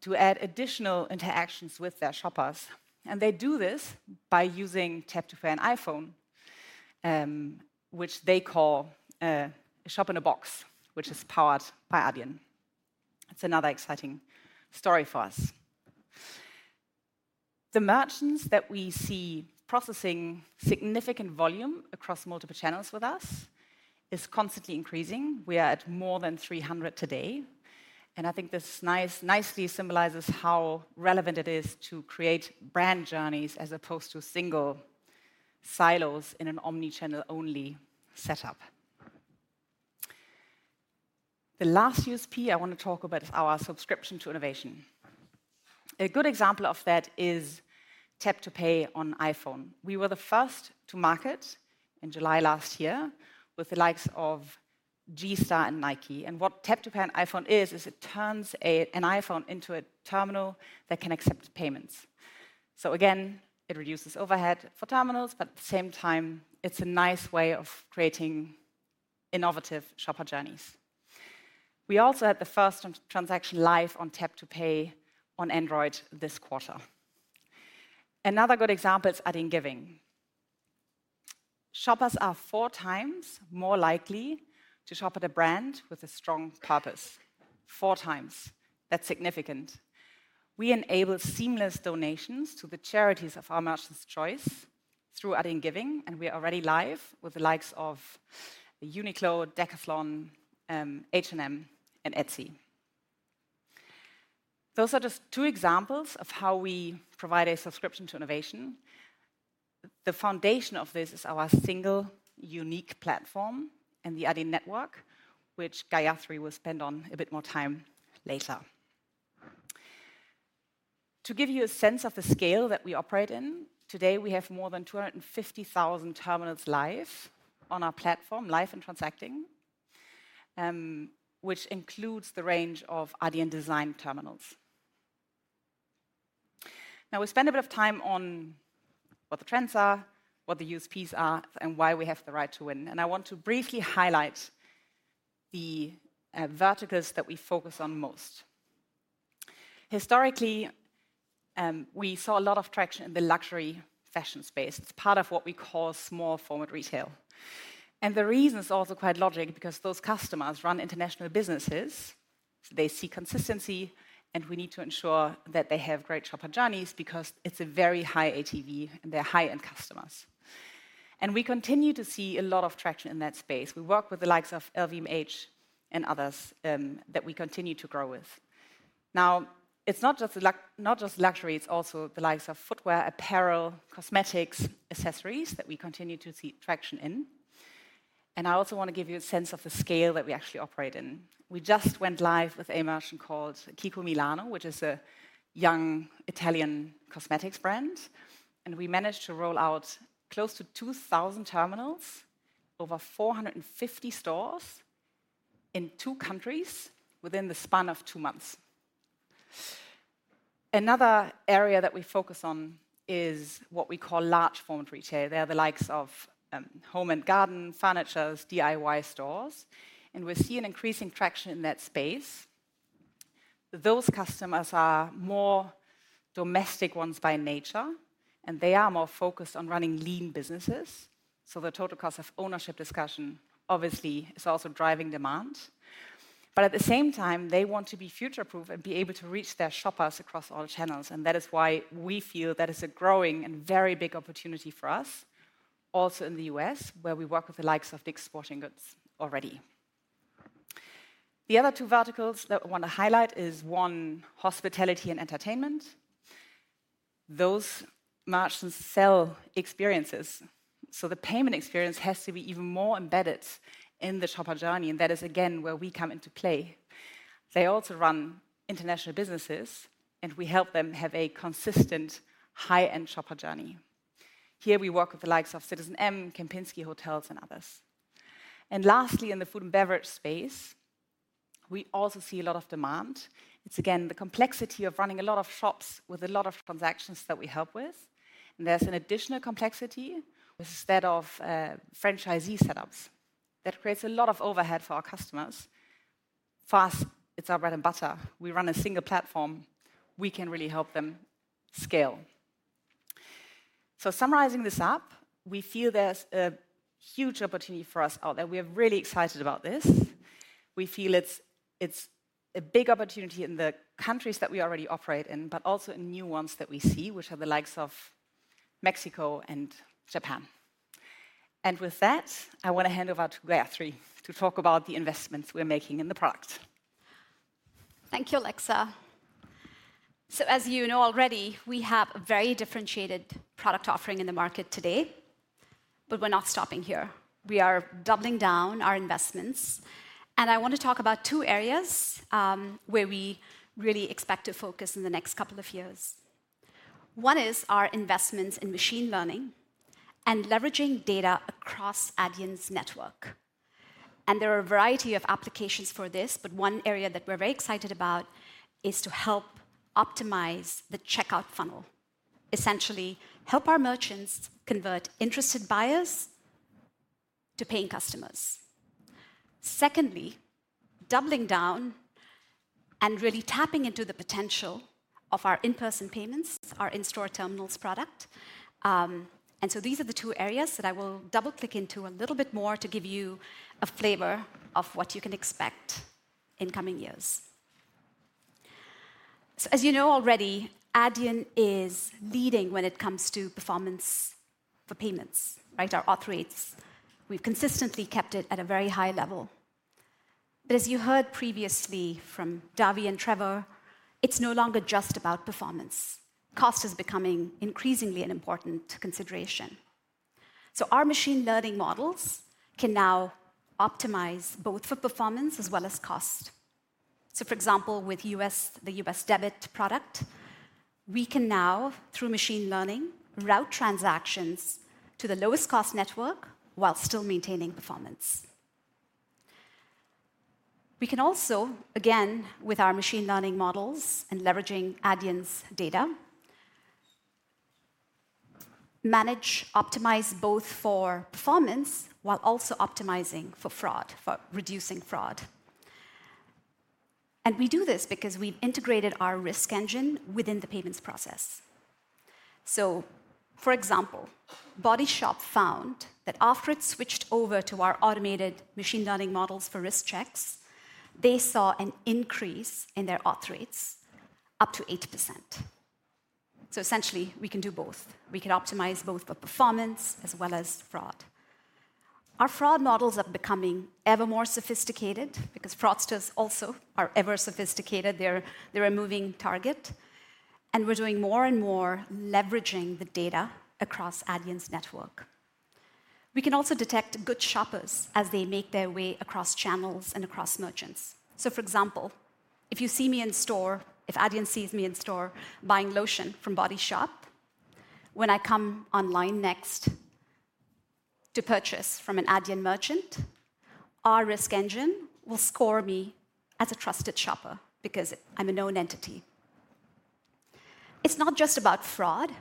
to add additional interactions with their shoppers. They do this by using Tap to Pay on iPhone, which they call a shop in a box, which is powered by Adyen. It's another exciting story for us. The merchants that we see processing significant volume across multiple channels with us is constantly increasing. We are at more than 300 today, and I think this nicely symbolizes how relevant it is to create brand journeys as opposed to single silos in an omni-channel only setup. The last USP I wanna talk about is our subscription to innovation. A good example of that is Tap to Pay on iPhone. We were the first to market in July last year with the likes of G-Star and Nike, and what Tap to Pay on iPhone is, is it turns an iPhone into a terminal that can accept payments. So again, it reduces overhead for terminals, but at the same time, it's a nice way of creating innovative shopper journeys. We also had the first transaction live on Tap to Pay on Android this quarter. Another good example is Adyen Giving. Shoppers are four times more likely to shop at a brand with a strong purpose. Four times, that's significant. We enable seamless donations to the charities of our merchants' choice through Adyen Giving, and we are already live with the likes of Uniqlo, Decathlon, H&M, and Etsy. Those are just two examples of how we provide a subscription to innovation. The foundation of this is our single unique platform and the Adyen network, which Gayathri will spend a bit more time on later. To give you a sense of the scale that we operate in, today we have more than 250,000 terminals live on our platform, live and transacting, which includes the range of Adyen-designed terminals. Now, we spent a bit of time on what the trends are, what the USPs are, and why we have the right to win, and I want to briefly highlight the verticals that we focus on most. Historically, we saw a lot of traction in the luxury fashion space. It's part of what we call small format retail, and the reason is also quite logical because those customers run international businesses, they seek consistency, and we need to ensure that they have great shopper journeys because it's a very high ATV, and they're high-end customers. We continue to see a lot of traction in that space. We work with the likes of LVMH and others that we continue to grow with. Now, it's not just luxury, it's also the likes of footwear, apparel, cosmetics, accessories that we continue to see traction in. I also wanna give you a sense of the scale that we actually operate in. We just went live with a merchant called Kiko Milano, which is a young Italian cosmetics brand, and we managed to roll out close to 2,000 terminals, over 450 stores in two countries within the span of two months. Another area that we focus on is what we call large format retail. They are the likes of home and garden, furniture, DIY stores, and we're seeing an increasing traction in that space. Those customers are more domestic ones by nature, and they are more focused on running lean businesses, so the total cost of ownership discussion, obviously, is also driving demand. But at the same time, they want to be future-proof and be able to reach their shoppers across all channels, and that is why we feel that it's a growing and very big opportunity for us also in the U.S., where we work with the likes of Dick's Sporting Goods already. The other two verticals that we wanna highlight is, one, hospitality and entertainment. Those merchants sell experiences, so the payment experience has to be even more embedded in the shopper journey, and that is, again, where we come into play. They also run international businesses, and we help them have a consistent high-end shopper journey. Here we work with the likes of CitizenM, Kempinski Hotels, and others. Lastly, in the food and beverage space, we also see a lot of demand. It's again, the complexity of running a lot of shops with a lot of transactions that we help with. There's an additional complexity with a set of franchisee setups that creates a lot of overhead for our customers. For us, it's our bread and butter. We run a single platform. We can really help them scale. So summarizing this up, we feel there's a huge opportunity for us out there. We are really excited about this. We feel it's, it's a big opportunity in the countries that we already operate in, but also in new ones that we see, which are the likes of Mexico and Japan. And with that, I wanna hand over to Gayatri to talk about the investments we're making in the product. Thank you, Alexa. So as you know already, we have a very differentiated product offering in the market today, but we're not stopping here. We are doubling down our investments, and I want to talk about two areas, where we really expect to focus in the next couple of years. One is our investments in machine learning and leveraging data across Adyen's network, and there are a variety of applications for this, but one area that we're very excited about is to help optimize the checkout funnel. Essentially, help our merchants convert interested buyers to paying customers. Secondly, doubling down and really tapping into the potential of our in-person payments, our in-store terminals product. And so these are the two areas that I will double-click into a little bit more to give you a flavor of what you can expect in coming years. So as you know already, Adyen is leading when it comes to performance for payments, right? Our auth rates, we've consistently kept it at a very high level. But as you heard previously from Davi and Trevor, it's no longer just about performance. Cost is becoming increasingly an important consideration. So our machine learning models can now optimize both for performance as well as cost. So for example, with U.S., the U.S. debit product, we can now, through machine learning, route transactions to the lowest cost network while still maintaining performance. We can also, again, with our machine learning models and leveraging Adyen's data, manage, optimize both for performance while also optimizing for fraud, for reducing fraud. And we do this because we've integrated our risk engine within the payments process. So, for example, Body Shop found that after it switched over to our automated machine learning models for risk checks, they saw an increase in their auth rates up to 80%. So essentially, we can do both. We can optimize both for performance as well as fraud. Our fraud models are becoming ever more sophisticated because fraudsters also are ever sophisticated. They're, they're a moving target, and we're doing more and more leveraging the data across Adyen's network. We can also detect good shoppers as they make their way across channels and across merchants. So for example, if you see me in store, if Adyen sees me in store buying lotion from Body Shop, when I come online next to purchase from an Adyen merchant, our risk engine will score me as a trusted shopper because I'm a known entity. It's not just about fraud,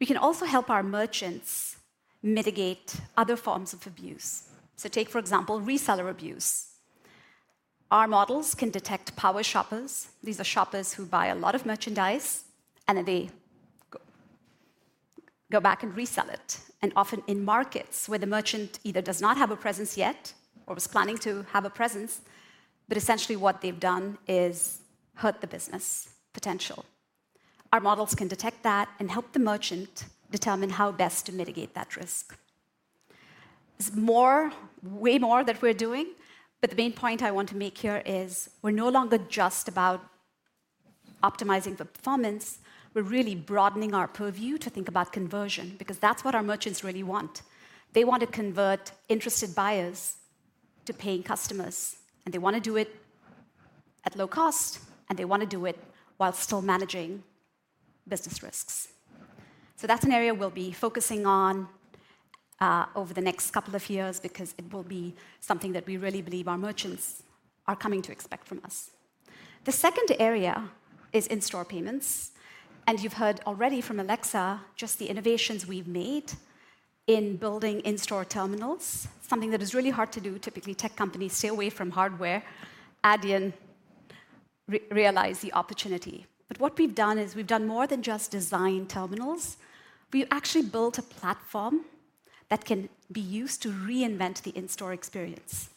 we can also help our merchants mitigate other forms of abuse. So take, for example, reseller abuse. Our models can detect power shoppers. These are shoppers who buy a lot of merchandise, and then they go back and resell it, and often in markets where the merchant either does not have a presence yet or was planning to have a presence, but essentially what they've done is hurt the business potential. Our models can detect that and help the merchant determine how best to mitigate that risk. There's more, way more that we're doing, but the main point I want to make here is we're no longer just about optimizing for performance. We're really broadening our purview to think about conversion, because that's what our merchants really want. They want to convert interested buyers to paying customers, and they wanna do it at low cost, and they wanna do it while still managing business risks. So that's an area we'll be focusing on over the next couple of years because it will be something that we really believe our merchants are coming to expect from us. The second area is in-store payments, and you've heard already from Alexa just the innovations we've made in building in-store terminals, something that is really hard to do. Typically, tech companies stay away from hardware. Adyen realized the opportunity. But what we've done is we've done more than just design terminals. We've actually built a platform that can be used to reinvent the in-store experience.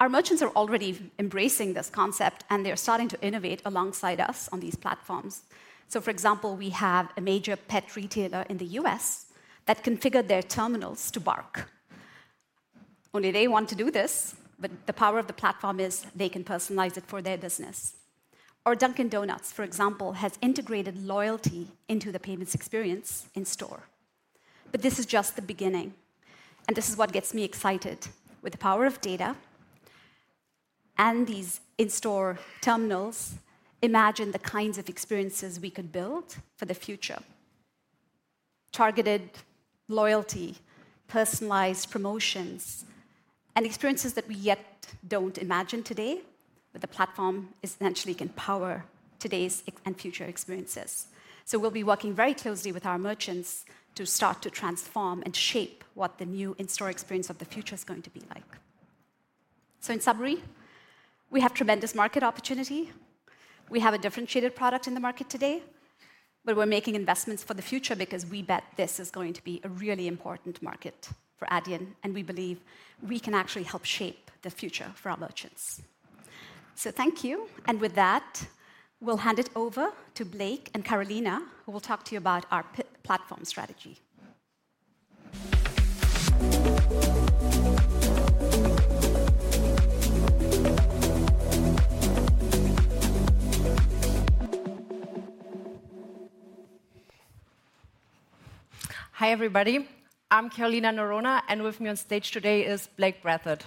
Our merchants are already embracing this concept, and they're starting to innovate alongside us on these platforms. So for example, we have a major pet retailer in the U.S. that configured their terminals to bark. Only they want to do this, but the power of the platform is they can personalize it for their business. Or Dunkin' Donuts, for example, has integrated loyalty into the payments experience in store. But this is just the beginning, and this is what gets me excited. With the power of data and these in-store terminals, imagine the kinds of experiences we could build for the future. Targeted loyalty, personalized promotions, and experiences that we yet don't imagine today, but the platform essentially can power today's existing and future experiences. So we'll be working very closely with our merchants to start to transform and shape what the new in-store experience of the future is going to be like. So in summary, we have tremendous market opportunity. We have a differentiated product in the market today, but we're making investments for the future because we bet this is going to be a really important market for Adyen, and we believe we can actually help shape the future for our merchants. So thank you, and with that, we'll hand it over to Blake and Karolina, who will talk to you about our platform strategy. Hi, everybody. I'm Karolina Noronha, and with me on stage today is Blake Breathitt.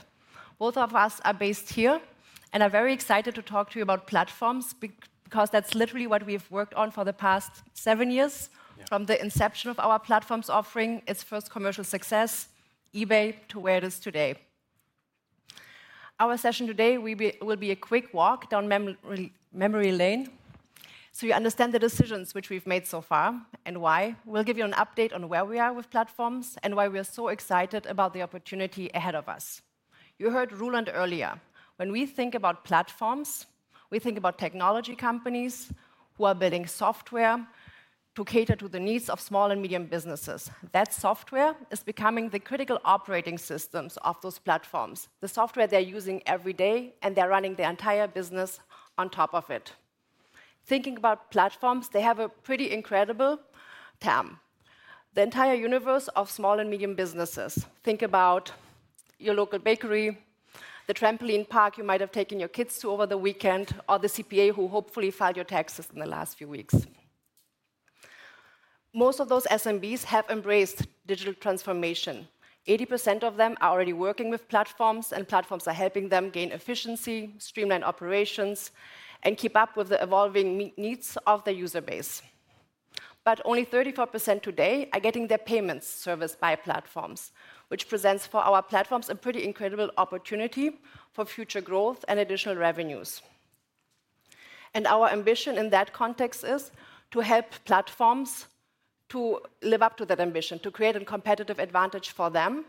Both of us are based here and are very excited to talk to you about platforms, because that's literally what we've worked on for the past seven years- Yeah From the inception of our platforms offering, its first commercial success, eBay, to where it is today. Our session today will be a quick walk down memory lane, so you understand the decisions which we've made so far and why. We'll give you an update on where we are with platforms, and why we are so excited about the opportunity ahead of us. You heard Roelant earlier. When we think about platforms, we think about technology companies who are building software to cater to the needs of small and medium businesses. That software is becoming the critical operating systems of those platforms, the software they're using every day, and they're running their entire business on top of it. Thinking about platforms, they have a pretty incredible TAM, the entire universe of small and medium businesses. Think about your local bakery, the trampoline park you might have taken your kids to over the weekend, or the CPA who hopefully filed your taxes in the last few weeks. Most of those SMBs have embraced digital transformation. 80% of them are already working with platforms, and platforms are helping them gain efficiency, streamline operations, and keep up with the evolving needs of their user base. But only 34% today are getting their payments serviced by platforms, which presents for our platforms a pretty incredible opportunity for future growth and additional revenues. Our ambition in that context is to help platforms to live up to that ambition, to create a competitive advantage for them,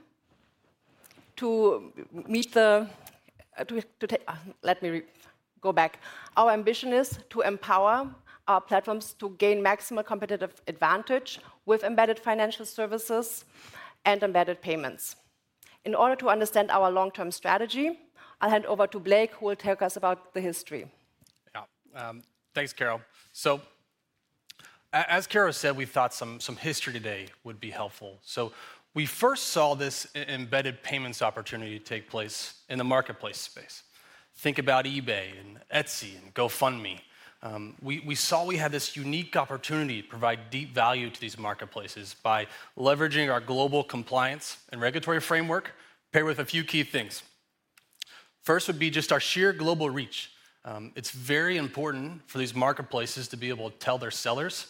to meet the. Our ambition is to empower our platforms to gain maximum competitive advantage with embedded financial services and embedded payments. In order to understand our long-term strategy, I'll hand over to Blake, who will tell us about the history. Yeah. Thanks, Karol. So as Karol said, we thought some history today would be helpful. So we first saw this embedded payments opportunity take place in the marketplace space. Think about eBay, and Etsy, and GoFundMe. We saw we had this unique opportunity to provide deep value to these marketplaces by leveraging our global compliance and regulatory framework, paired with a few key things. First, would be just our sheer global reach. It's very important for these marketplaces to be able to tell their sellers,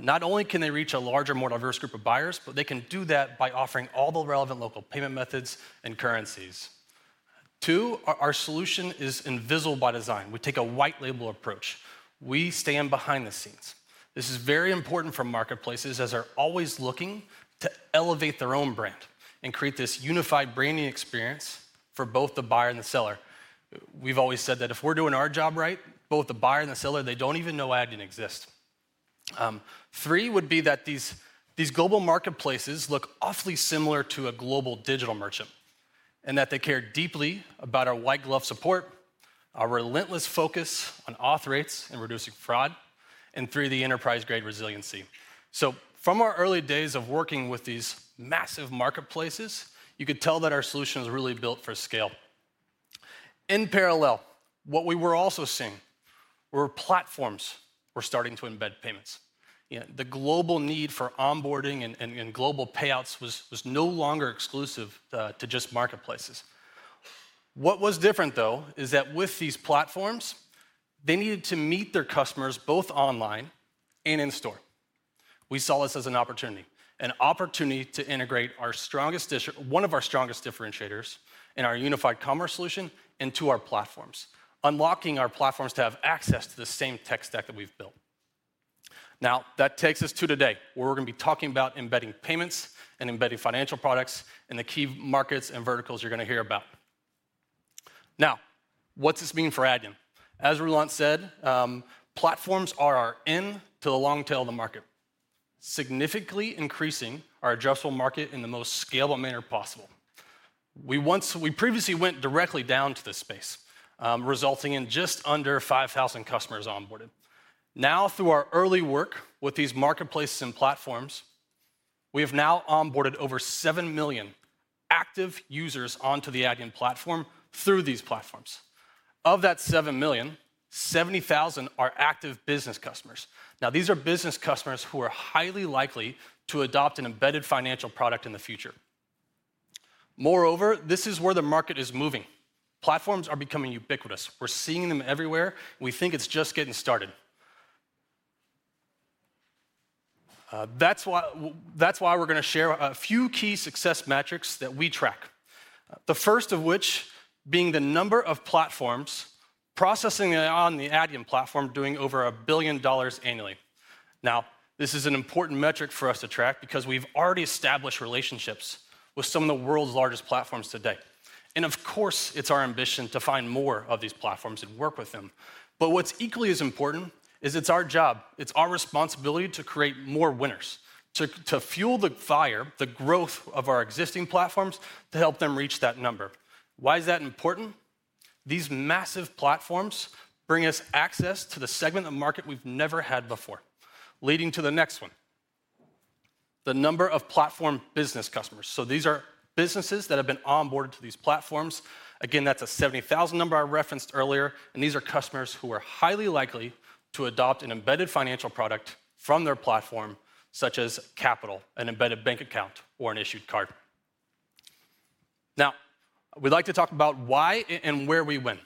not only can they reach a larger, more diverse group of buyers, but they can do that by offering all the relevant local payment methods and currencies. Two, our solution is invisible by design. We take a white label approach. We stay in behind the scenes. This is very important for marketplaces, as they're always looking to elevate their own brand and create this unified branding experience for both the buyer and the seller. We've always said that if we're doing our job right, both the buyer and the seller, they don't even know Adyen exists. Three, would be that these global marketplaces look awfully similar to a global digital merchant, and that they care deeply about our white glove support, our relentless focus on auth rates and reducing fraud, and through the enterprise-grade resiliency. So from our early days of working with these massive marketplaces, you could tell that our solution was really built for scale. In parallel, what we were also seeing were platforms were starting to embed payments. Yeah, the global need for onboarding and global payouts was no longer exclusive to just marketplaces. What was different, though, is that with these platforms, they needed to meet their customers both online and in store. We saw this as an opportunity, an opportunity to integrate one of our strongest differentiators in our unified commerce solution into our platforms, unlocking our platforms to have access to the same tech stack that we've built. Now, that takes us to today, where we're gonna be talking about embedding payments and embedding financial products in the key markets and verticals you're gonna hear about. Now, what's this mean for Adyen? As Roelant said, platforms are our in to the long tail of the market, significantly increasing our addressable market in the most scalable manner possible. We previously went directly down to this space, resulting in just under 5,000 customers onboarded. Now, through our early work with these marketplaces and platforms, we have now onboarded over seven million active users onto the Adyen platform through these platforms. Of that seven million, 70,000 are active business customers. Now, these are business customers who are highly likely to adopt an embedded financial product in the future. Moreover, this is where the market is moving. Platforms are becoming ubiquitous. We're seeing them everywhere. We think it's just getting started. That's why, that's why we're gonna share a few key success metrics that we track. The first of which being the number of platforms processing on the Adyen platform, doing over $1 billion annually. Now, this is an important metric for us to track because we've already established relationships with some of the world's largest platforms to date. Of course, it's our ambition to find more of these platforms and work with them. But what's equally as important is it's our job, it's our responsibility to create more winners, to fuel the fire, the growth of our existing platforms, to help them reach that number. Why is that important? These massive platforms bring us access to the segment of the market we've never had before, leading to the next one, the number of platform business customers. So these are businesses that have been onboarded to these platforms. Again, that's a 70,000 number I referenced earlier, and these are customers who are highly likely to adopt an embedded financial product from their platform, such as capital, an embedded bank account, or an issued card.... Now, we'd like to talk about why and where we win.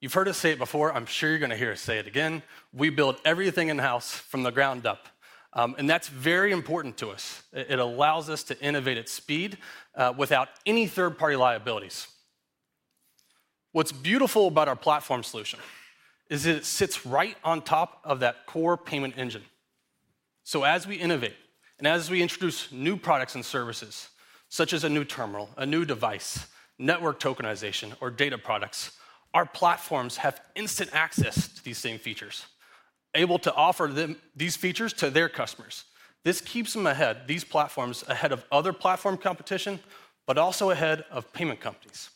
You've heard us say it before, I'm sure you're gonna hear us say it again: we build everything in-house from the ground up. And that's very important to us. It, it allows us to innovate at speed, without any third-party liabilities. What's beautiful about our platform solution is that it sits right on top of that core payment engine. So as we innovate and as we introduce new products and services, such as a new terminal, a new device, Network Tokenization, or data products, our platforms have instant access to these same features, able to offer them, these features to their customers. This keeps them ahead, these platforms, ahead of other platform competition, but also ahead of payment companies,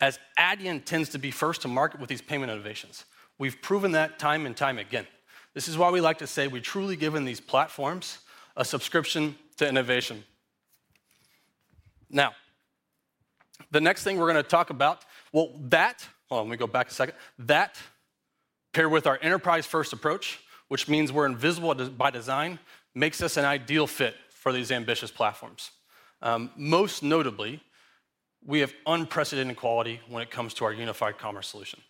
as Adyen tends to be first to market with these payment innovations. We've proven that time and time again. This is why we like to say we've truly given these platforms a subscription to innovation. Now, the next thing we're gonna talk about. Well, hold on, let me go back a second. That, paired with our enterprise-first approach, which means we're invisible by design, makes us an ideal fit for these ambitious platforms. Most notably, we have unprecedented quality when it comes to our Unified Commerce solution.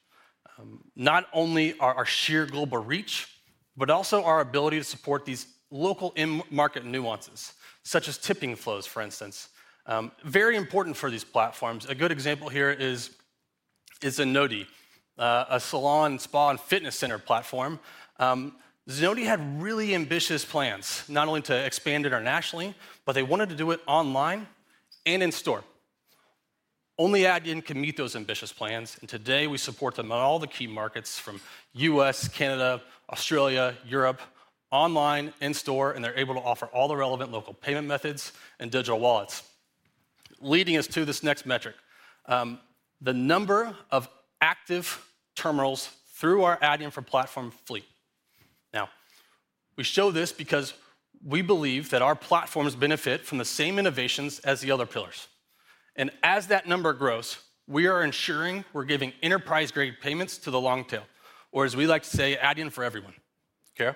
Not only our sheer global reach, but also our ability to support these local in-market nuances, such as tipping flows, for instance. Very important for these platforms. A good example here is Zenoti, a salon, spa, and fitness center platform. Zenoti had really ambitious plans, not only to expand internationally, but they wanted to do it online and in-store. Only Adyen can meet those ambitious plans, and today we support them in all the key markets from U.S., Canada, Australia, Europe, online, in-store, and they're able to offer all the relevant local payment methods and digital wallets. Leading us to this next metric, the number of active terminals through our Adyen platform fleet. Now, we show this because we believe that our platforms benefit from the same innovations as the other pillars, and as that number grows, we are ensuring we're giving enterprise-grade payments to the long tail, or as we like to say, Adyen for everyone. Karo?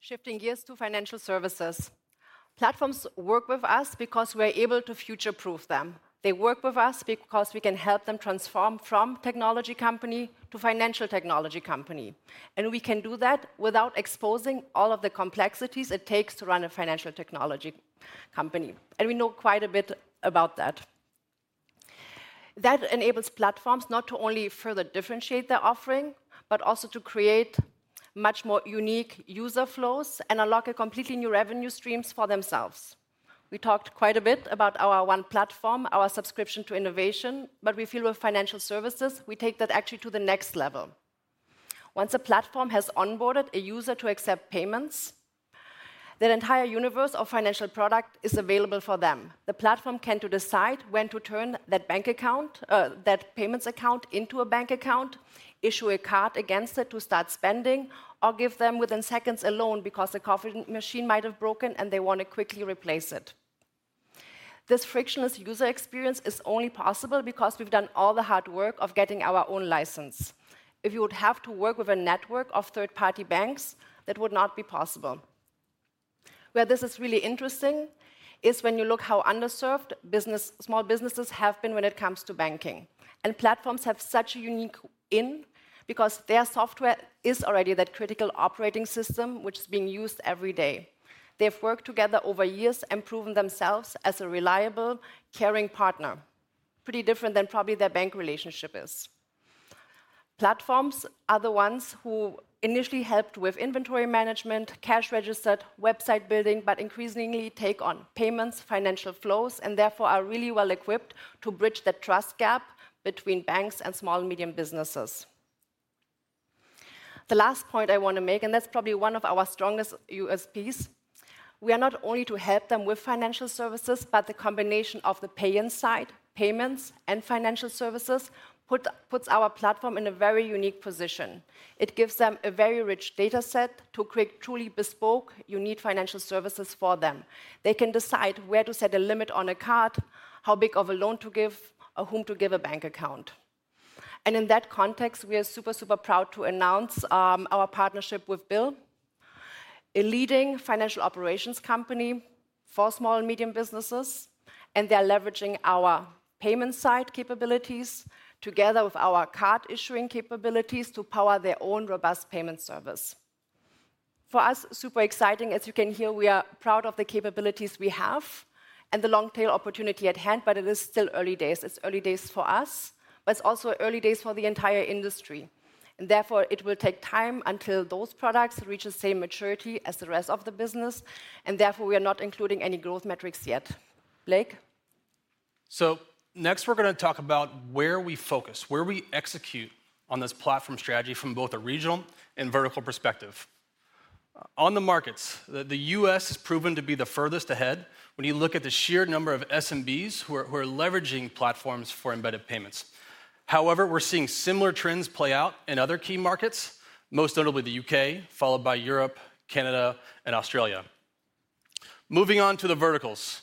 Shifting gears to financial services. Platforms work with us because we're able to future-proof them. They work with us because we can help them transform from technology company to financial technology company, and we can do that without exposing all of the complexities it takes to run a financial technology company, and we know quite a bit about that. That enables platforms not to only further differentiate their offering, but also to create much more unique user flows and unlock a completely new revenue streams for themselves. We talked quite a bit about our one platform, our subscription to innovation, but we feel with financial services, we take that actually to the next level. Once a platform has onboarded a user to accept payments, that entire universe of financial product is available for them. The platform can to decide when to turn that bank account, that payments account into a bank account, issue a card against it to start spending, or give them, within seconds, a loan because the coffee machine might have broken and they want to quickly replace it. This frictionless user experience is only possible because we've done all the hard work of getting our own license. If you would have to work with a network of third-party banks, that would not be possible. Where this is really interesting is when you look how underserved business, small businesses have been when it comes to banking, and platforms have such a unique in, because their software is already that critical operating system which is being used every day. They have worked together over years and proven themselves as a reliable, caring partner. Pretty different than probably their bank relationship is. Platforms are the ones who initially helped with inventory management, cash register, website building, but increasingly take on payments, financial flows, and therefore are really well-equipped to bridge the trust gap between banks and small and medium businesses. The last point I want to make, and that's probably one of our strongest USPs, we are not only to help them with financial services, but the combination of the pay-in side, payments and financial services, puts our platform in a very unique position. It gives them a very rich data set to create truly bespoke, unique financial services for them. They can decide where to set a limit on a card, how big of a loan to give, or whom to give a bank account. In that context, we are super, super proud to announce our partnership with BILL, a leading financial operations company for small and medium businesses, and they are leveraging our payment and card issuing capabilities to power their own robust payment service. For us, super exciting. As you can hear, we are proud of the capabilities we have and the long tail opportunity at hand, but it is still early days. It's early days for us, but it's also early days for the entire industry, and therefore, it will take time until those products reach the same maturity as the rest of the business, and therefore, we are not including any growth metrics yet. Blake? So next, we're gonna talk about where we focus, where we execute on this platform strategy from both a regional and vertical perspective. On the markets, the US has proven to be the furthest ahead when you look at the sheer number of SMBs who are leveraging platforms for embedded payments. However, we're seeing similar trends play out in other key markets, most notably the UK, followed by Europe, Canada, and Australia. Moving on to the verticals.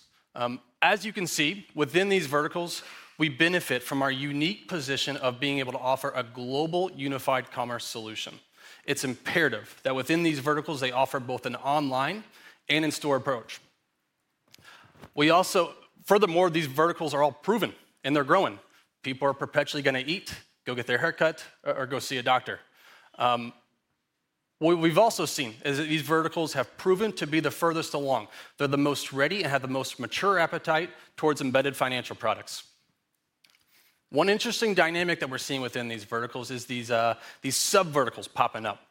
As you can see, within these verticals, we benefit from our unique position of being able to offer a global unified commerce solution. It's imperative that within these verticals, they offer both an online and in-store approach. We also, furthermore, these verticals are all proven, and they're growing. People are perpetually gonna eat, go get their hair cut, or go see a doctor. What we've also seen is that these verticals have proven to be the furthest along. They're the most ready and have the most mature appetite towards embedded financial products. One interesting dynamic that we're seeing within these verticals is these, these sub-verticals popping up.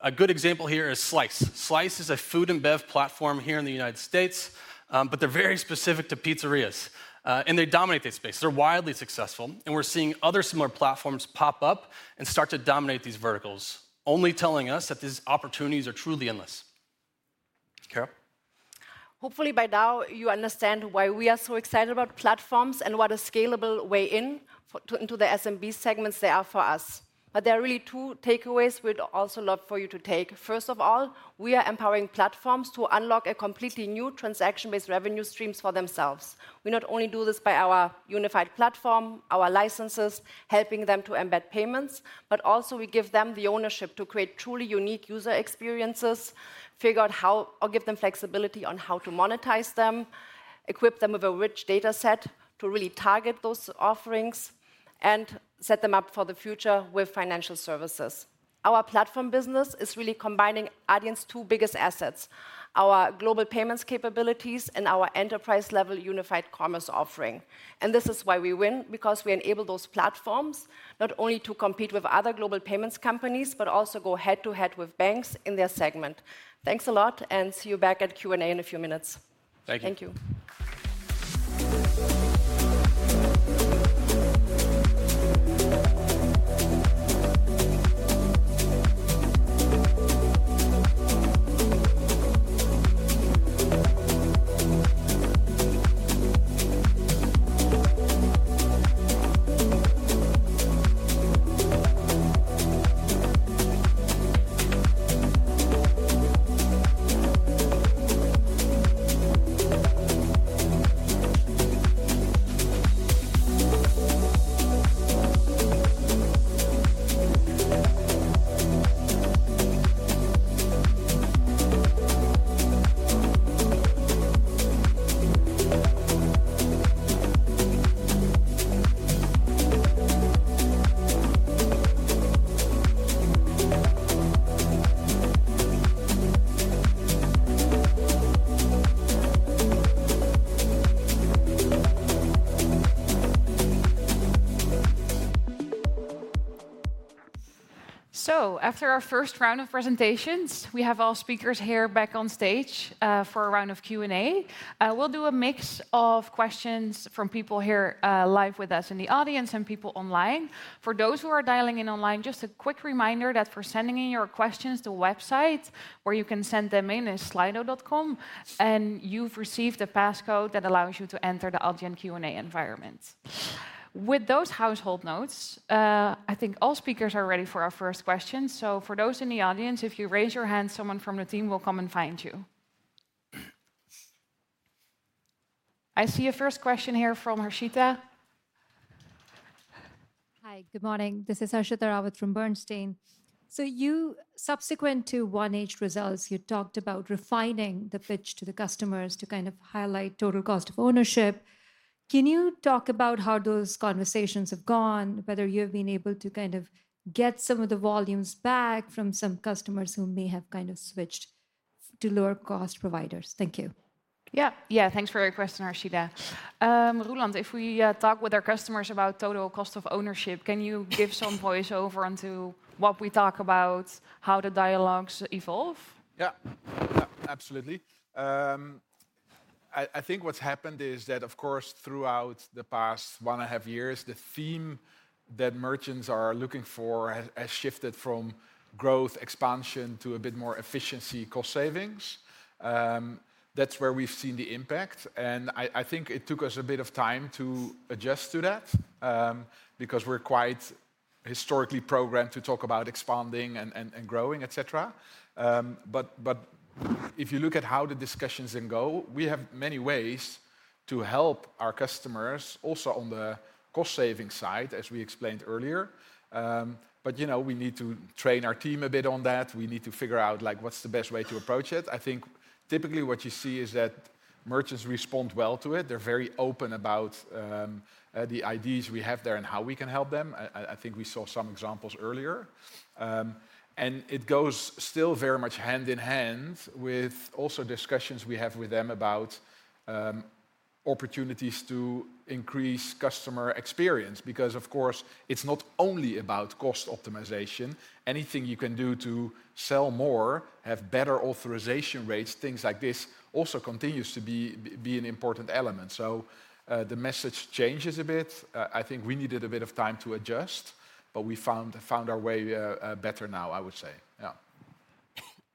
A good example here is Slice. Slice is a food and bev platform here in the United States, but they're very specific to pizzerias, and they dominate this space. They're wildly successful, and we're seeing other similar platforms pop up and start to dominate these verticals, only telling us that these opportunities are truly endless. Karo? Hopefully by now you understand why we are so excited about platforms and what a scalable way into the SMB segments they are for us. There are really two takeaways we'd also love for you to take. First of all, we are empowering platforms to unlock a completely new transaction-based revenue streams for themselves. We not only do this by our unified platform, our licenses, helping them to embed payments, but also we give them the ownership to create truly unique user experiences, figure out how... or give them flexibility on how to monetize them, equip them with a rich data set to really target those offerings, and set them up for the future with financial services. Our platform business is really combining Adyen's two biggest assets: our global payments capabilities and our enterprise-level unified commerce offering. This is why we win, because we enable those platforms, not only to compete with other global payments companies, but also go head-to-head with banks in their segment. Thanks a lot, and see you back at Q&A in a few minutes. Thank you. Thank you. So after our first round of presentations, we have all speakers here back on stage, for a round of Q&A. We'll do a mix of questions from people here, live with us in the audience and people online. For those who are dialing in online, just a quick reminder that for sending in your questions, the website where you can send them in is Slido.com, and you've received a passcode that allows you to enter the Adyen Q&A environment. With those housekeeping notes, I think all speakers are ready for our first question. So for those in the audience, if you raise your hand, someone from the team will come and find you. I see a first question here from Harshita. Hi, good morning. This is Harshita Rawat from Bernstein. So you, subsequent to 1H results, you talked about refining the pitch to the customers to kind of highlight total cost of ownership. Can you talk about how those conversations have gone, whether you've been able to kind of get some of the volumes back from some customers who may have kind of switched to lower-cost providers? Thank you. Yeah. Yeah, thanks for your question, Harshita. Roelant, if we talk with our customers about total cost of ownership, can you give some voice over onto what we talk about, how the dialogues evolve? Yeah. Yeah, absolutely. I think what's happened is that, of course, throughout the past one and a half years, the theme that merchants are looking for has shifted from growth expansion to a bit more efficiency, cost savings. That's where we've seen the impact, and I think it took us a bit of time to adjust to that, because we're quite historically programmed to talk about expanding and growing, et cetera. But if you look at how the discussions then go, we have many ways to help our customers also on the cost-saving side, as we explained earlier. But you know, we need to train our team a bit on that. We need to figure out, like, what's the best way to approach it. I think typically what you see is that merchants respond well to it. They're very open about the ideas we have there and how we can help them. I think we saw some examples earlier. And it goes still very much hand in hand with also discussions we have with them about opportunities to increase customer experience, because, of course, it's not only about cost optimization. Anything you can do to sell more, have better authorization rates, things like this, also continues to be an important element. So, the message changes a bit. I think we needed a bit of time to adjust, but we found our way better now, I would say. Yeah.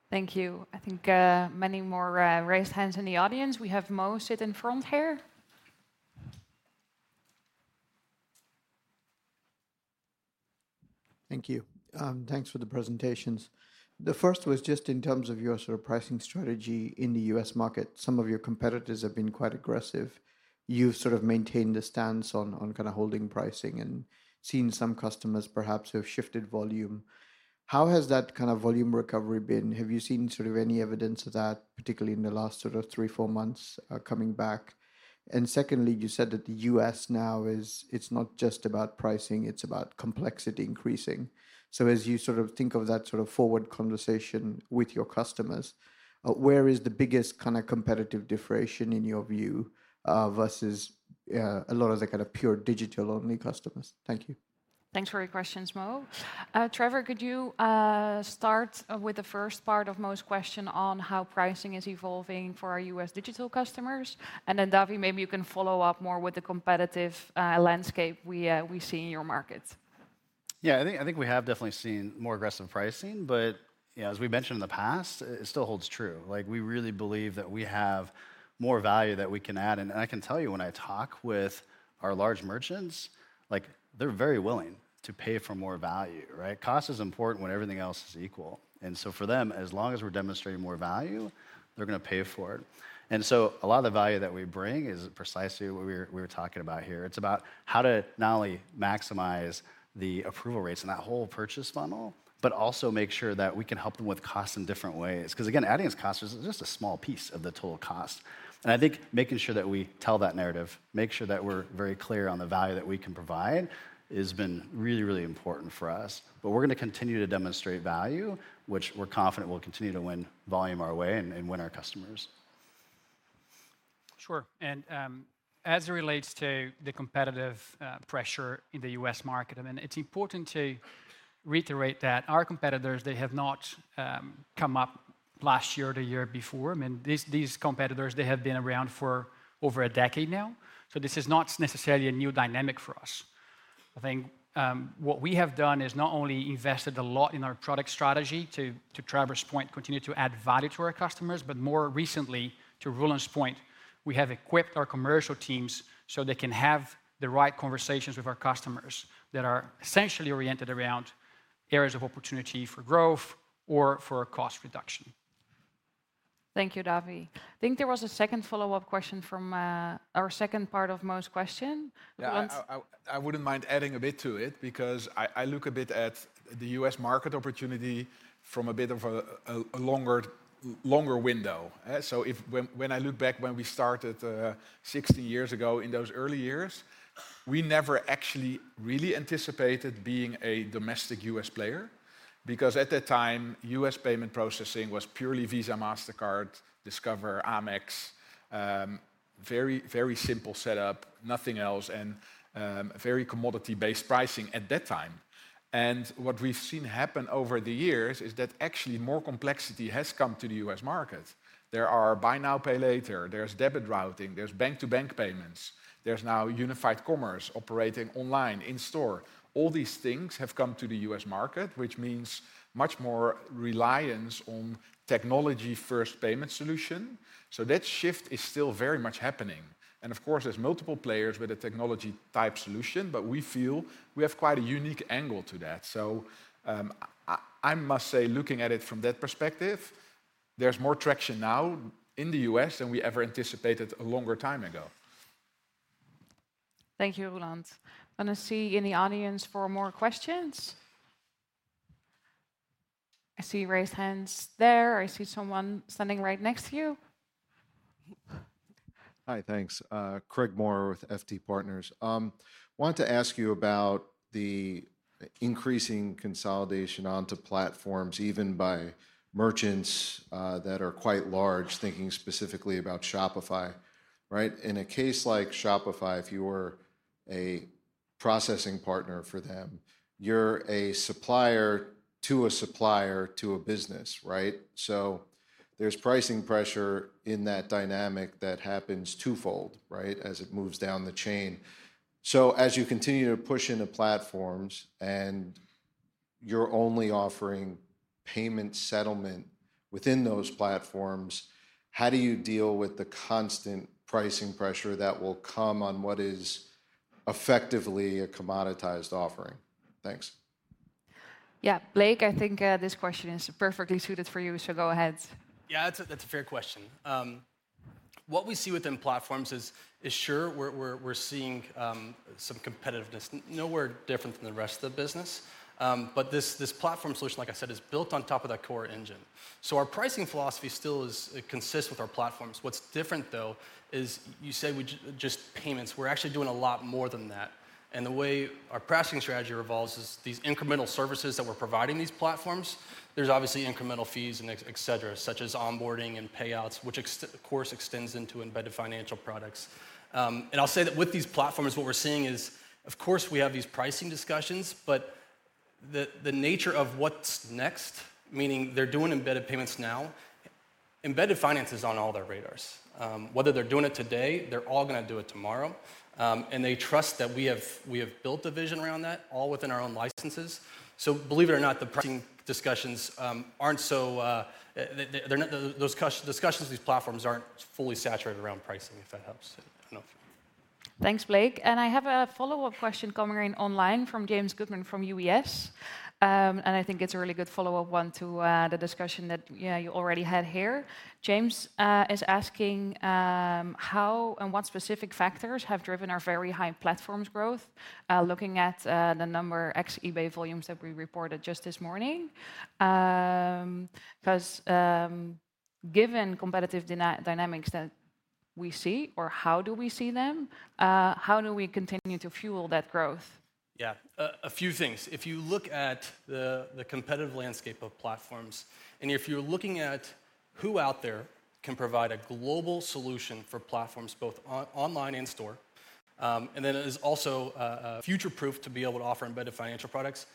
Thank you. I think many more raised hands in the audience. We have Mo sitting front here.... Thank you. Thanks for the presentations. The first was just in terms of your sort of pricing strategy in the U.S. market. Some of your competitors have been quite aggressive. You've sort of maintained a stance on, on kind of holding pricing, and seen some customers perhaps who have shifted volume. How has that kind of volume recovery been? Have you seen sort of any evidence of that, particularly in the last sort of three four months coming back? And secondly, you said that the U.S. now is- it's not just about pricing, it's about complexity increasing. So as you sort of think of that sort of forward conversation with your customers, where is the biggest kind of competitive differentiation in your view, versus a lot of the kind of pure digital-only customers? Thank you. Thanks for your questions, Mo. Trevor, could you start with the first part of Mo's question on how pricing is evolving for our U.S. digital customers? And then, Davi, maybe you can follow up more with the competitive landscape we see in your markets. Yeah, I think, I think we have definitely seen more aggressive pricing, but yeah, as we've mentioned in the past, it, it still holds true. Like, we really believe that we have more value that we can add. And I can tell you, when I talk with our large merchants, like, they're very willing to pay for more value, right? Cost is important when everything else is equal, and so for them, as long as we're demonstrating more value, they're gonna pay for it. And so a lot of the value that we bring is precisely what we're, we're talking about here. It's about how to not only maximize the approval rates in that whole purchase funnel, but also make sure that we can help them with costs in different ways. 'Cause again, Adyen's cost is just a small piece of the total cost, and I think making sure that we tell that narrative, make sure that we're very clear on the value that we can provide, has been really, really important for us. But we're gonna continue to demonstrate value, which we're confident will continue to win volume our way and win our customers. Sure, and, as it relates to the competitive, pressure in the U.S. market, I mean, it's important to reiterate that our competitors, they have not, come up last year or the year before. I mean, these, these competitors, they have been around for over a decade now, so this is not necessarily a new dynamic for us. I think, what we have done is not only invested a lot in our product strategy, to, to Trevor's point, continued to add value to our customers, but more recently, to Roelant's point, we have equipped our commercial teams so they can have the right conversations with our customers that are essentially oriented around areas of opportunity for growth or for a cost reduction. Thank you, Davi. I think there was a second follow-up question from, or a second part of Mo's question. Roelant? Yeah, I wouldn't mind adding a bit to it because I look a bit at the U.S. market opportunity from a bit of a longer window, eh? So when I look back when we started 16 years ago, in those early years, we never actually really anticipated being a domestic U.S. player. Because at that time, U.S. payment processing was purely Visa, Mastercard, Discover, Amex. Very, very simple setup, nothing else, and very commodity-based pricing at that time. And what we've seen happen over the years is that actually more complexity has come to the U.S. market. There are buy now, pay later, there's debit routing, there's bank-to-bank payments, there's now unified commerce operating online, in-store. All these things have come to the U.S. market, which means much more reliance on technology first payment solution, so that shift is still very much happening. Of course, there's multiple players with a technology-type solution, but we feel we have quite a unique angle to that. I must say, looking at it from that perspective, there's more traction now in the U.S. than we ever anticipated a longer time ago. Thank you, Roelant. Wanna see in the audience for more questions? I see raised hands there. I see someone standing right next to you. Mm. Hi, thanks. Craig Maurer with FT Partners. Wanted to ask you about the increasing consolidation onto platforms, even by merchants, that are quite large, thinking specifically about Shopify, right? In a case like Shopify, if you were a processing partner for them, you're a supplier to a supplier to a business, right? So there's pricing pressure in that dynamic that happens twofold, right, as it moves down the chain. So as you continue to push into platforms, and you're only offering payment settlement within those platforms, how do you deal with the constant pricing pressure that will come on what is effectively a commoditized offering? Thanks. Yeah. Blake, I think, this question is perfectly suited for you, so go ahead. Yeah, that's a fair question. What we see within platforms is sure, we're seeing some competitiveness. Nowhere different than the rest of the business. But this platform solution, like I said, is built on top of that core engine. So our pricing philosophy still is, it consistent with our platforms. What's different though, is you say we just payments, we're actually doing a lot more than that, and the way our pricing strategy revolves is these incremental services that we're providing these platforms, there's obviously incremental fees and etc., such as onboarding and payouts, which, of course, extends into embedded financial products. I'll say that with these platforms, what we're seeing is, of course, we have these pricing discussions, but the nature of what's next, meaning they're doing embedded payments now, embedded finance is on all their radars. Whether they're doing it today, they're all gonna do it tomorrow. And they trust that we have built a vision around that, all within our own licenses. So believe it or not, the pricing discussions aren't so, they're not, those discussions with these platforms aren't fully saturated around pricing, if that helps. I don't know if-... Thanks, Blake. And I have a follow-up question coming in online from James Goodman from UBS, and I think it's a really good follow-up one to the discussion that, yeah, you already had here. James is asking how and what specific factors have driven our very high platforms growth, looking at the next eBay volumes that we reported just this morning? 'Cause, given competitive dynamics that we see, or how do we see them, how do we continue to fuel that growth? Yeah. A few things. If you look at the competitive landscape of platforms, and if you're looking at who out there can provide a global solution for platforms both online, in store, and then is also future-proof to be able to offer embedded financial products,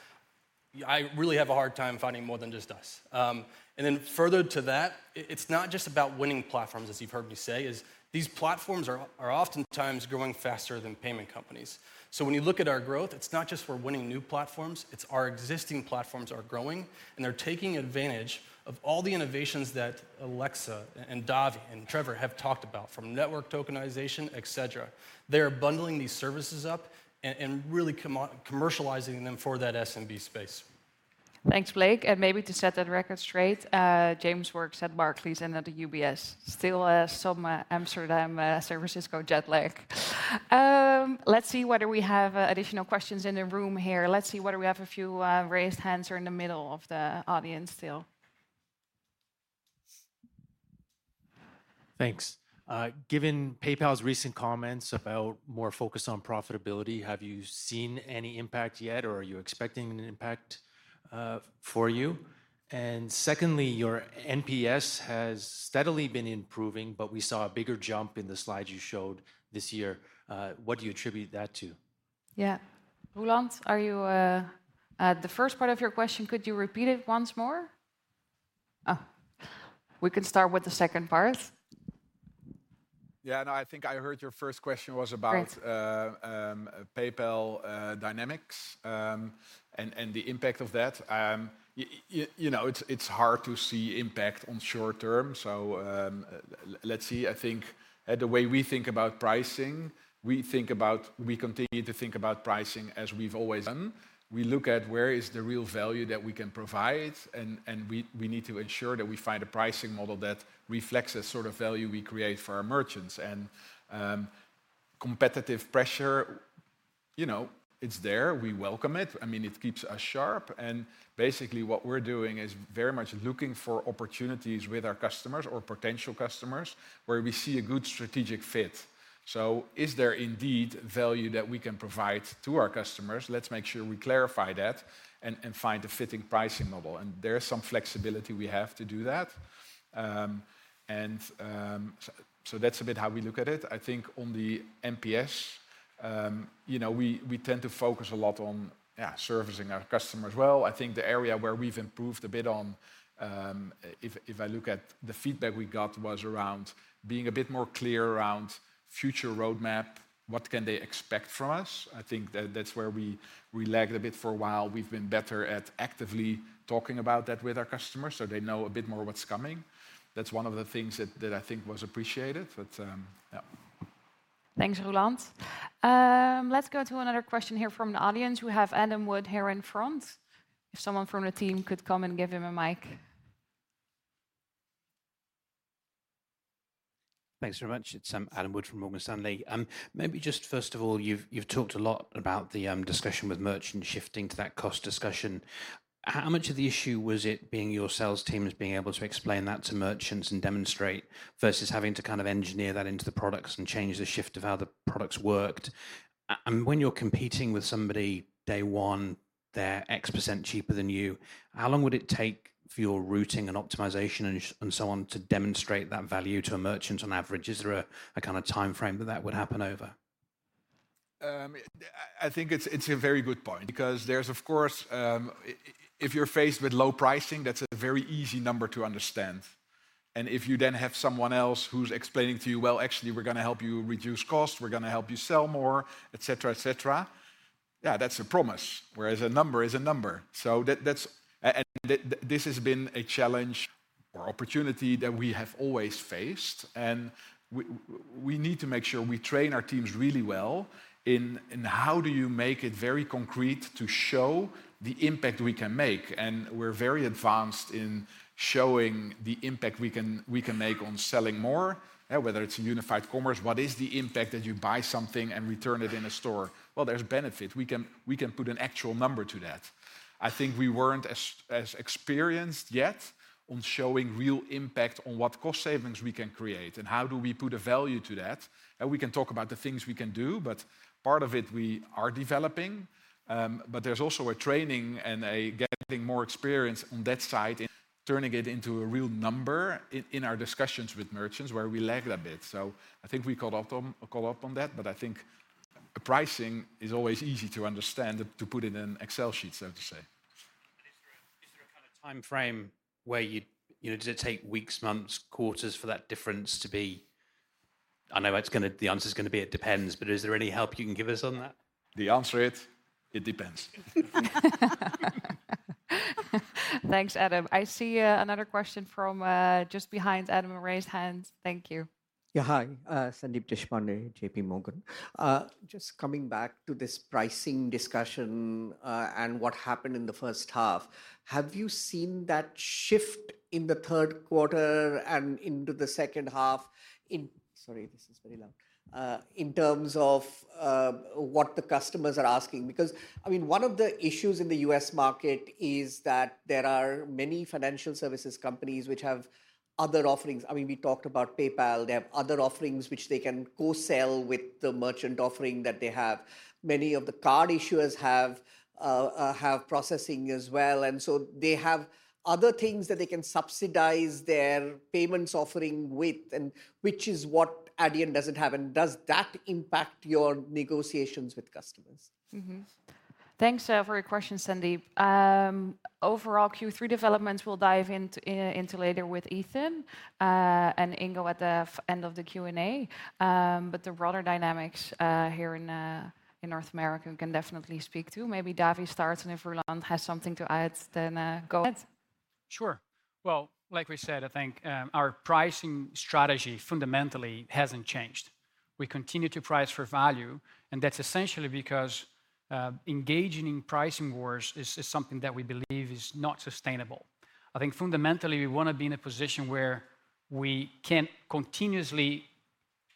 I really have a hard time finding more than just us. And then further to that, it's not just about winning platforms, as you've heard me say, is these platforms are oftentimes growing faster than payment companies. So when you look at our growth, it's not just we're winning new platforms, it's our existing platforms are growing, and they're taking advantage of all the innovations that Alexa, and Davi, and Trevor have talked about, from network tokenization, et cetera. They're bundling these services up and really commercializing them for that SMB space. Thanks, Blake. And maybe to set the record straight, James works at Barclays and not at UBS. Still, some Amsterdam, San Francisco jet lag. Let's see whether we have additional questions in the room here. Let's see whether we have a few raised hands in the middle of the audience still. Thanks. Given PayPal's recent comments about more focus on profitability, have you seen any impact yet, or are you expecting an impact, for you? And secondly, your NPS has steadily been improving, but we saw a bigger jump in the slides you showed this year. What do you attribute that to? Yeah. Roelant, are you... The first part of your question, could you repeat it once more? Oh, we can start with the second part. Yeah, no, I think I heard your first question was about- Great... PayPal dynamics, and the impact of that. You know, it's hard to see impact on short term, so, let's see. I think, the way we think about pricing, we think about... We continue to think about pricing as we've always done. We look at where is the real value that we can provide, and we need to ensure that we find a pricing model that reflects the sort of value we create for our merchants. And competitive pressure, you know, it's there. We welcome it. I mean, it keeps us sharp, and basically what we're doing is very much looking for opportunities with our customers or potential customers, where we see a good strategic fit. So is there indeed value that we can provide to our customers? Let's make sure we clarify that and find a fitting pricing model, and there is some flexibility we have to do that. So that's a bit how we look at it. I think on the NPS, you know, we tend to focus a lot on, yeah, servicing our customers well. I think the area where we've improved a bit on, if I look at the feedback we got, was around being a bit more clear around future roadmap, what can they expect from us? I think that's where we lagged a bit for a while. We've been better at actively talking about that with our customers, so they know a bit more what's coming. That's one of the things that I think was appreciated. But yeah. Thanks, Roelant. Let's go to another question here from the audience. We have Adam Wood here in front, if someone from the team could come and give him a mic. Thanks very much. It's Adam Wood from Morgan Stanley. Maybe just first of all, you've talked a lot about the discussion with merchants shifting to that cost discussion. How much of the issue was it being your sales teams being able to explain that to merchants and demonstrate, versus having to kind of engineer that into the products and change the shift of how the products worked? And when you're competing with somebody, day one, they're X% cheaper than you, how long would it take for your routing and optimization and so on, to demonstrate that value to a merchant on average? Is there a kind of timeframe that that would happen over? I think it's a very good point because there's... Of course, if you're faced with low pricing, that's a very easy number to understand. And if you then have someone else who's explaining to you, "Well, actually, we're gonna help you reduce cost, we're gonna help you sell more," et cetera, et cetera, yeah, that's a promise, whereas a number is a number. So this has been a challenge or opportunity that we have always faced, and we need to make sure we train our teams really well in how do you make it very concrete to show the impact we can make? And we're very advanced in showing the impact we can make on selling more. Whether it's in unified commerce, what is the impact that you buy something and return it in a store? Well, there's benefit. We can, we can put an actual number to that. I think we weren't as, as experienced yet on showing real impact on what cost savings we can create, and how do we put a value to that? And we can talk about the things we can do, but part of it, we are developing. But there's also a training and a getting more experience on that side and turning it into a real number in our discussions with merchants, where we lagged a bit. So I think we caught up on, caught up on that, but I think the pricing is always easy to understand, to put it in an Excel sheet, so to say. Is there a kind of timeframe where you... You know, does it take weeks, months, quarters for that difference to be...? I know it's gonna- the answer's gonna be it depends, but is there any help you can give us on that? The answer is, it depends. Thanks, Adam. I see, another question from, just behind Adam. A raised hand. Thank you. Yeah, hi. Sandeep Deshpande, JPMorgan. Just coming back to this pricing discussion, and what happened in the first half, have you seen that shift in the third quarter and into the second half? Sorry, this is very loud. In terms of what the customers are asking? Because, I mean, one of the issues in the U.S. market is that there are many financial services companies which have other offerings. I mean, we talked about PayPal. They have other offerings which they can co-sell with the merchant offering that they have. Many of the card issuers have processing as well, and so they have other things that they can subsidize their payments offering with, and which is what Adyen doesn't have. And does that impact your negotiations with customers? Mm-hmm. Thanks for your question, Sandeep. Overall, Q3 developments, we'll dive into later with Ethan and Ingo at the end of the Q&A. But the broader dynamics here in North America, we can definitely speak to. Maybe Davi starts, and if Roelant has something to add, then go ahead. Sure. Well, like we said, I think, our pricing strategy fundamentally hasn't changed. We continue to price for value, and that's essentially because engaging in pricing wars is something that we believe is not sustainable. I think fundamentally we want to be in a position where we can continuously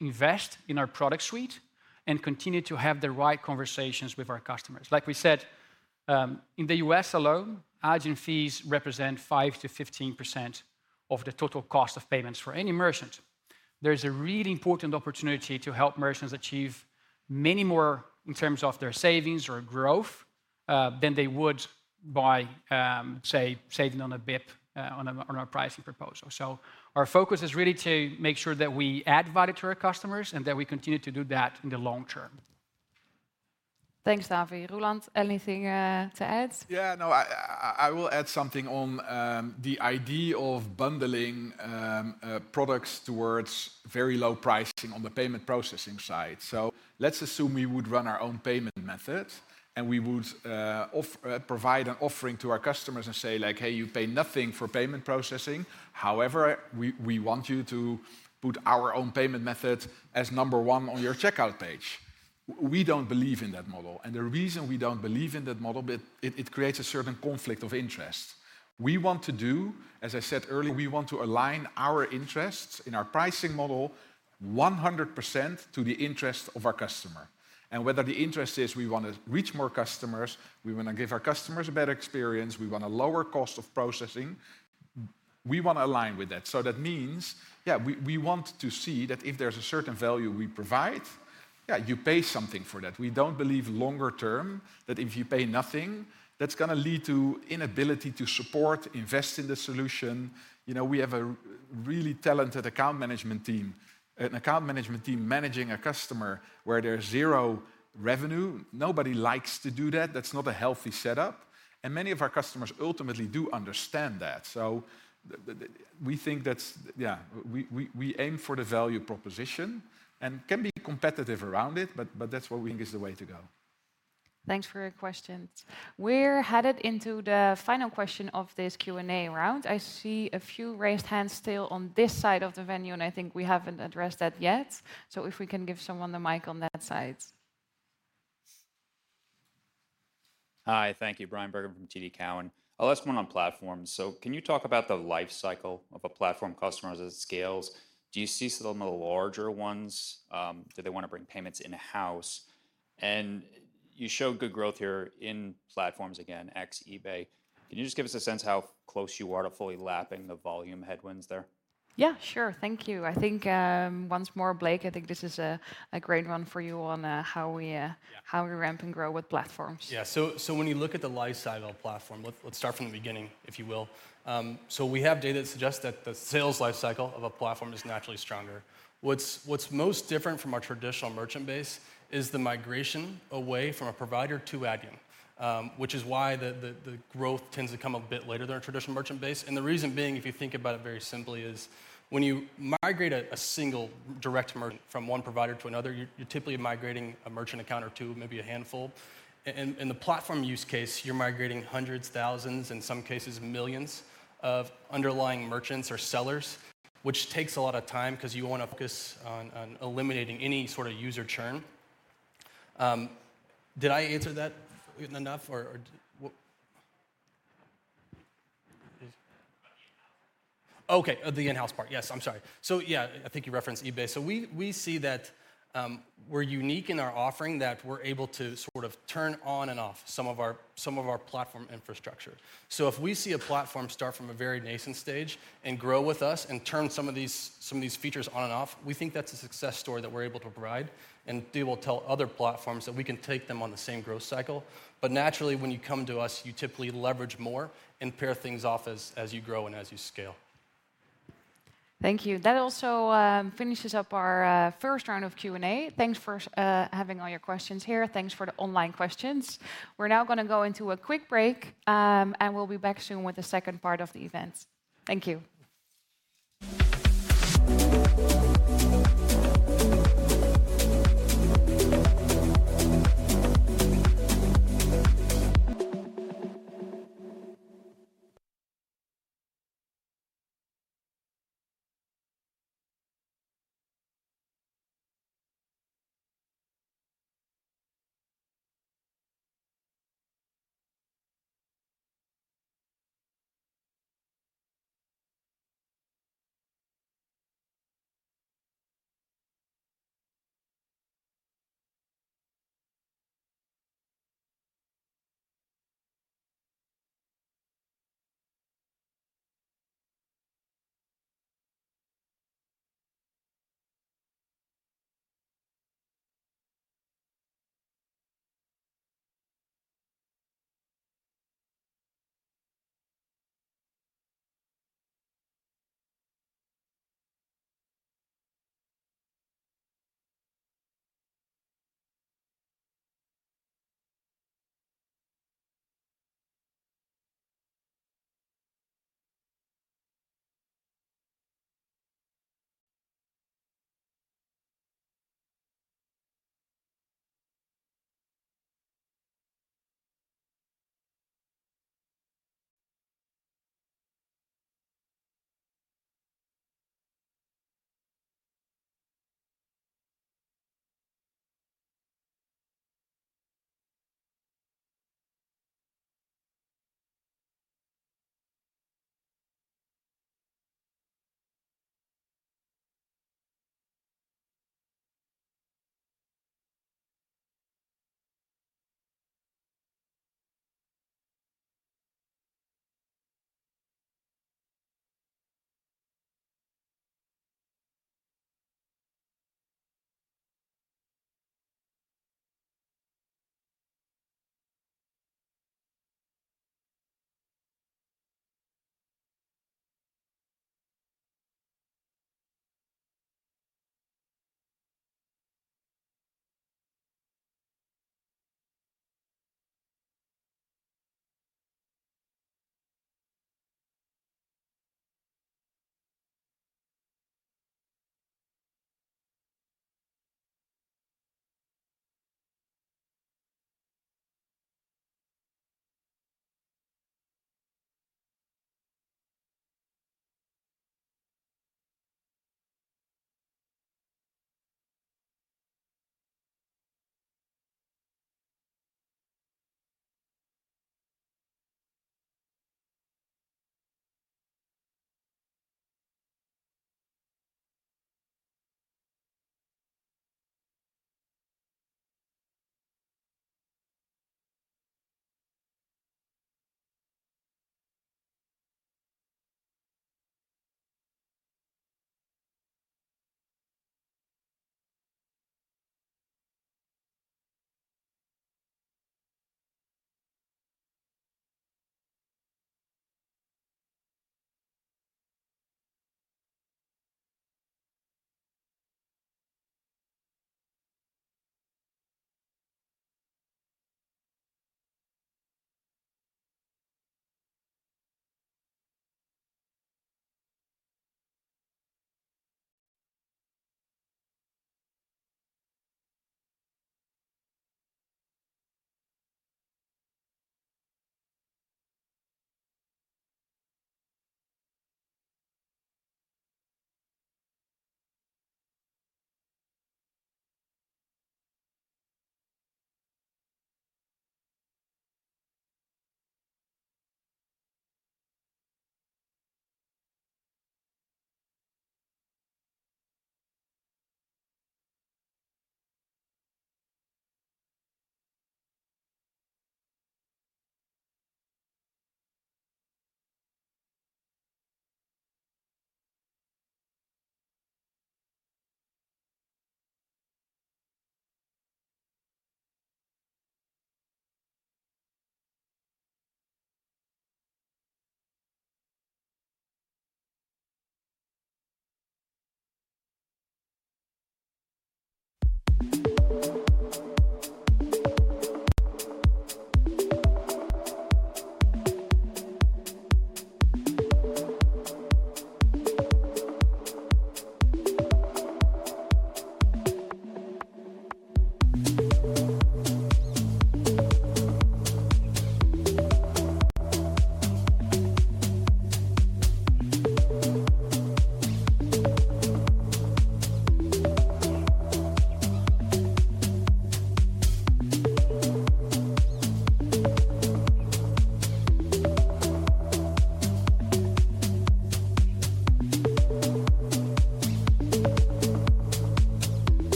invest in our product suite and continue to have the right conversations with our customers. Like we said, in the U.S. alone, Adyen fees represent 5%-15% of the total cost of payments for any merchant. There is a really important opportunity to help merchants achieve many more in terms of their savings or growth than they would by, say, saving on a pricing proposal. Our focus is really to make sure that we add value to our customers, and that we continue to do that in the long term. Thanks, Davi. Roelant, anything to add? Yeah, no, I will add something on the idea of bundling products towards very low pricing on the payment processing side. So let's assume we would run our own payment method, and we would provide an offering to our customers and say like, "Hey, you pay nothing for payment processing. However, we want you to put our own payment method as number one on your checkout page." We don't believe in that model, and the reason we don't believe in that model, it creates a certain conflict of interest. We want to do... As I said earlier, we want to align our interests in our pricing model 100% to the interest of our customer. Whether the interest is we want to reach more customers, we want to give our customers a better experience, we want a lower cost of processing, we want to align with that. So that means, yeah, we want to see that if there's a certain value we provide, yeah, you pay something for that. We don't believe longer term that if you pay nothing, that's gonna lead to inability to support, invest in the solution. You know, we have a really talented account management team. An account management team managing a customer where there's zero revenue, nobody likes to do that. That's not a healthy setup, and many of our customers ultimately do understand that. So the, the... We think that's, yeah, we aim for the value proposition, and can be competitive around it, but that's what we think is the way to go. Thanks for your questions. We're headed into the final question of this Q&A round. I see a few raised hands still on this side of the venue, and I think we haven't addressed that yet, so if we can give someone the mic on that side. Hi. Thank you. Bryan Bergin from TD Cowen. The last one on platforms. So can you talk about the life cycle of a platform customer as it scales? Do you see some of the larger ones, do they want to bring payments in-house? And you showed good growth here in platforms again, ex-eBay. Can you just give us a sense of how close you are to fully lapping the volume headwinds there? Yeah, sure. Thank you. I think, once more, Blake, I think this is a great one for you on how we- Yeah... how we ramp and grow with platforms. Yeah. So when you look at the life cycle of platform, let's start from the beginning, if you will. So we have data that suggests that the sales life cycle of a platform is naturally stronger. What's most different from our traditional merchant base is the migration away from a provider to Adyen. Which is why the growth tends to come a bit later than our traditional merchant base. And the reason being, if you think about it very simply, is when you migrate a single direct merchant from one provider to another, you're typically migrating a merchant account or two, maybe a handful. In the platform use case, you're migrating hundreds, thousands, in some cases, millions of underlying merchants or sellers, which takes a lot of time 'cause you wanna focus on eliminating any sort of user churn. Did I answer that enough, or what...? Okay, the in-house part. Yes, I'm sorry. So yeah, I think you referenced eBay. So we see that we're unique in our offering, that we're able to sort of turn on and off some of our platform infrastructure. So if we see a platform start from a very nascent stage and grow with us, and turn some of these features on and off, we think that's a success story that we're able to provide, and they will tell other platforms that we can take them on the same growth cycle. But naturally, when you come to us, you typically leverage more and pair things off as you grow and as you scale. Thank you. That also finishes up our first round of Q&A. Thanks for having all your questions here. Thanks for the online questions. We're now gonna go into a quick break, and we'll be back soon with the second part of the event. Thank you.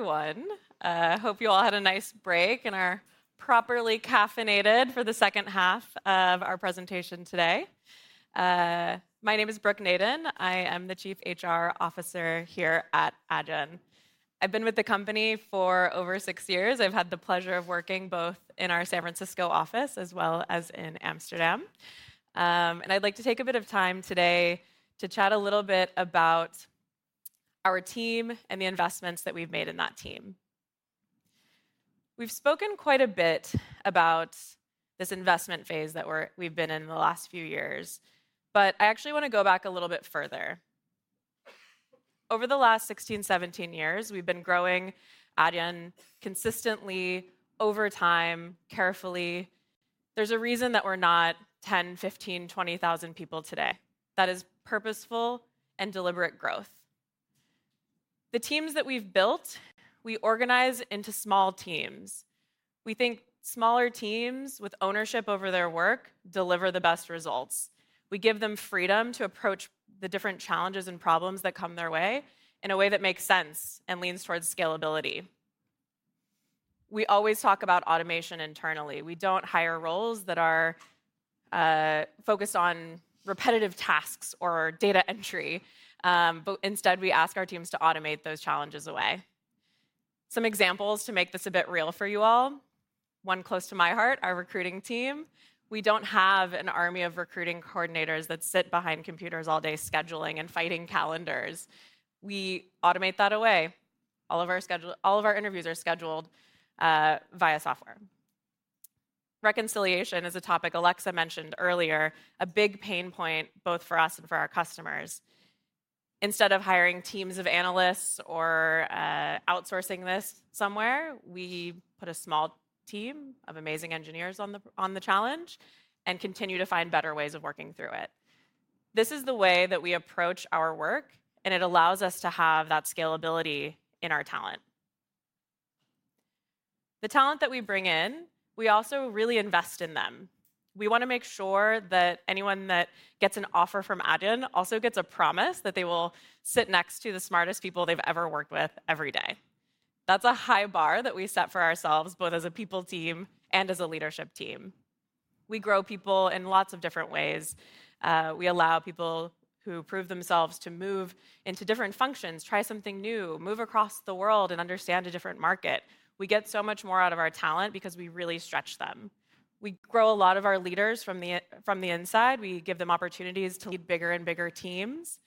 Hi, everyone. Hope you all had a nice break and are properly caffeinated for the second half of our presentation today. My name is Brooke Nayden. I am the Chief HR Officer here at Adyen. I've been with the company for over six years. I've had the pleasure of working both in our San Francisco office as well as in Amsterdam. And I'd like to take a bit of time today to chat a little bit about our team and the investments that we've made in that team. We've spoken quite a bit about this investment phase that we've been in the last few years, but I actually wanna go back a little bit further. Over the last 16, 17 years, we've been growing Adyen consistently, over time, carefully. There's a reason that we're not 10, 15, 20 thousand people today. That is purposeful and deliberate growth. The teams that we've built, we organize into small teams. We think smaller teams with ownership over their work deliver the best results. We give them freedom to approach the different challenges and problems that come their way in a way that makes sense and leans towards scalability. We always talk about automation internally. We don't hire roles that are focused on repetitive tasks or data entry, but instead, we ask our teams to automate those challenges away. Some examples to make this a bit real for you all, one close to my heart, our recruiting team. We don't have an army of recruiting coordinators that sit behind computers all day, scheduling and fighting calendars. We automate that away. All of our interviews are scheduled via software. Reconciliation is a topic Alexa mentioned earlier, a big pain point, both for us and for our customers. Instead of hiring teams of analysts or outsourcing this somewhere, we put a small team of amazing engineers on the challenge and continue to find better ways of working through it. This is the way that we approach our work, and it allows us to have that scalability in our talent. The talent that we bring in, we also really invest in them. We wanna make sure that anyone that gets an offer from Adyen also gets a promise that they will sit next to the smartest people they've ever worked with every day. That's a high bar that we set for ourselves, both as a people team and as a leadership team. We grow people in lots of different ways. We allow people who prove themselves to move into different functions, try something new, move across the world, and understand a different market. We get so much more out of our talent because we really stretch them. We grow a lot of our leaders from the inside. We give them opportunities to lead bigger and bigger teams.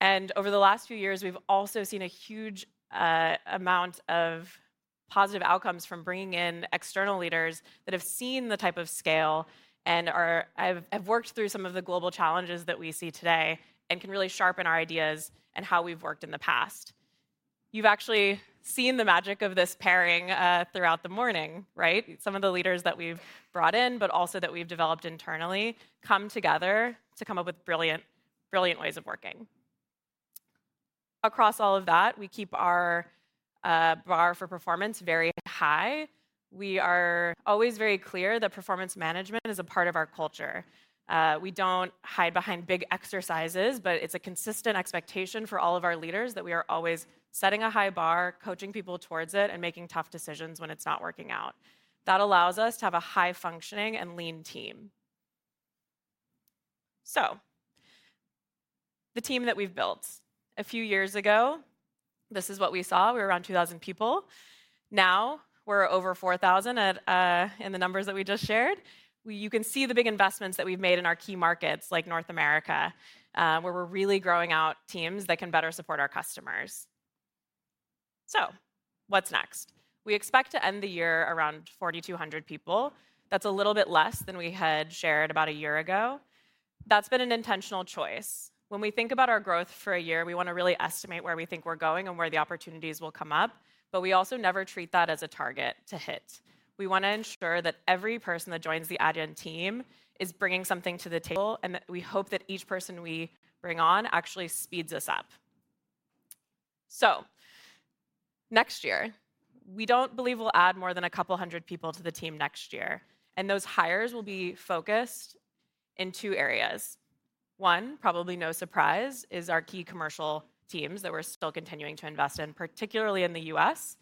And over the last few years, we've also seen a huge amount of positive outcomes from bringing in external leaders that have seen the type of scale and have worked through some of the global challenges that we see today, and can really sharpen our ideas and how we've worked in the past. You've actually seen the magic of this pairing throughout the morning, right? Some of the leaders that we've brought in, but also that we've developed internally, come together to come up with brilliant, brilliant ways of working. Across all of that, we keep our bar for performance very high. We are always very clear that performance management is a part of our culture. We don't hide behind big exercises, but it's a consistent expectation for all of our leaders that we are always setting a high bar, coaching people towards it, and making tough decisions when it's not working out. That allows us to have a high-functioning and lean team. So, the team that we've built. A few years ago, this is what we saw. We were around 2,000 people. Now, we're over 4,000 at, in the numbers that we just shared. You can see the big investments that we've made in our key markets, like North America, where we're really growing out teams that can better support our customers. So, what's next? We expect to end the year around 4,200 people. That's a little bit less than we had shared about a year ago. That's been an intentional choice. When we think about our growth for a year, we wanna really estimate where we think we're going and where the opportunities will come up, but we also never treat that as a target to hit. We wanna ensure that every person that joins the Adyen team is bringing something to the table, and that we hope that each person we bring on actually speeds us up. Next year, we don't believe we'll add more than 200 people to the team next year, and those hires will be focused in two areas. One, probably no surprise, is our key commercial teams that we're still continuing to invest in, particularly in the U.S.,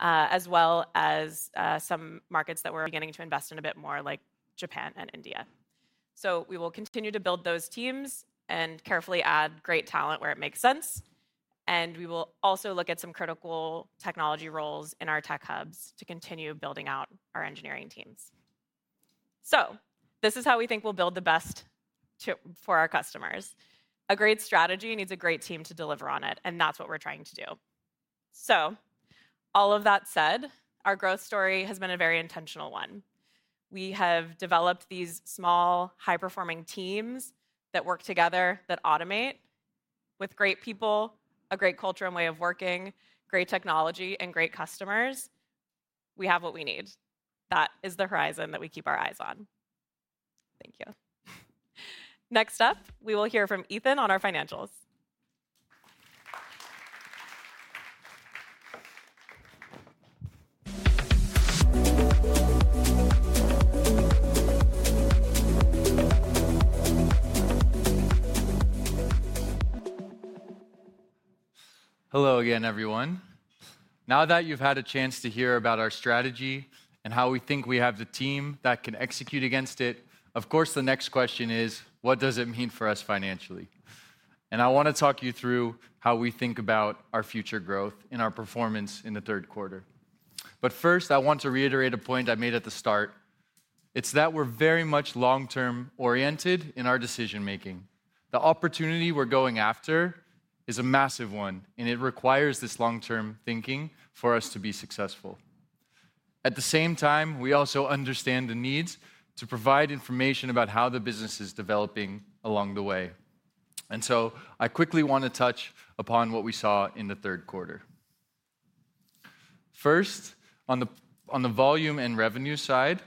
as well as some markets that we're beginning to invest in a bit more, like Japan and India. We will continue to build those teams and carefully add great talent where it makes sense, and we will also look at some critical technology roles in our tech hubs to continue building out our engineering teams. This is how we think we'll build the best for our customers. A great strategy needs a great team to deliver on it, and that's what we're trying to do. All of that said, our growth story has been a very intentional one. We have developed these small, high-performing teams that work together, that automate. With great people, a great culture and way of working, great technology, and great customers, we have what we need. That is the horizon that we keep our eyes on. Thank you. Next up, we will hear from Ethan on our financials. Hello again, everyone. Now that you've had a chance to hear about our strategy and how we think we have the team that can execute against it, of course, the next question is: What does it mean for us financially? And I wanna talk you through how we think about our future growth and our performance in the third quarter. But first, I want to reiterate a point I made at the start, it's that we're very much long-term oriented in our decision-making. The opportunity we're going after is a massive one, and it requires this long-term thinking for us to be successful. At the same time, we also understand the needs to provide information about how the business is developing along the way. And so I quickly wanna touch upon what we saw in the third quarter. First, on the volume and revenue side,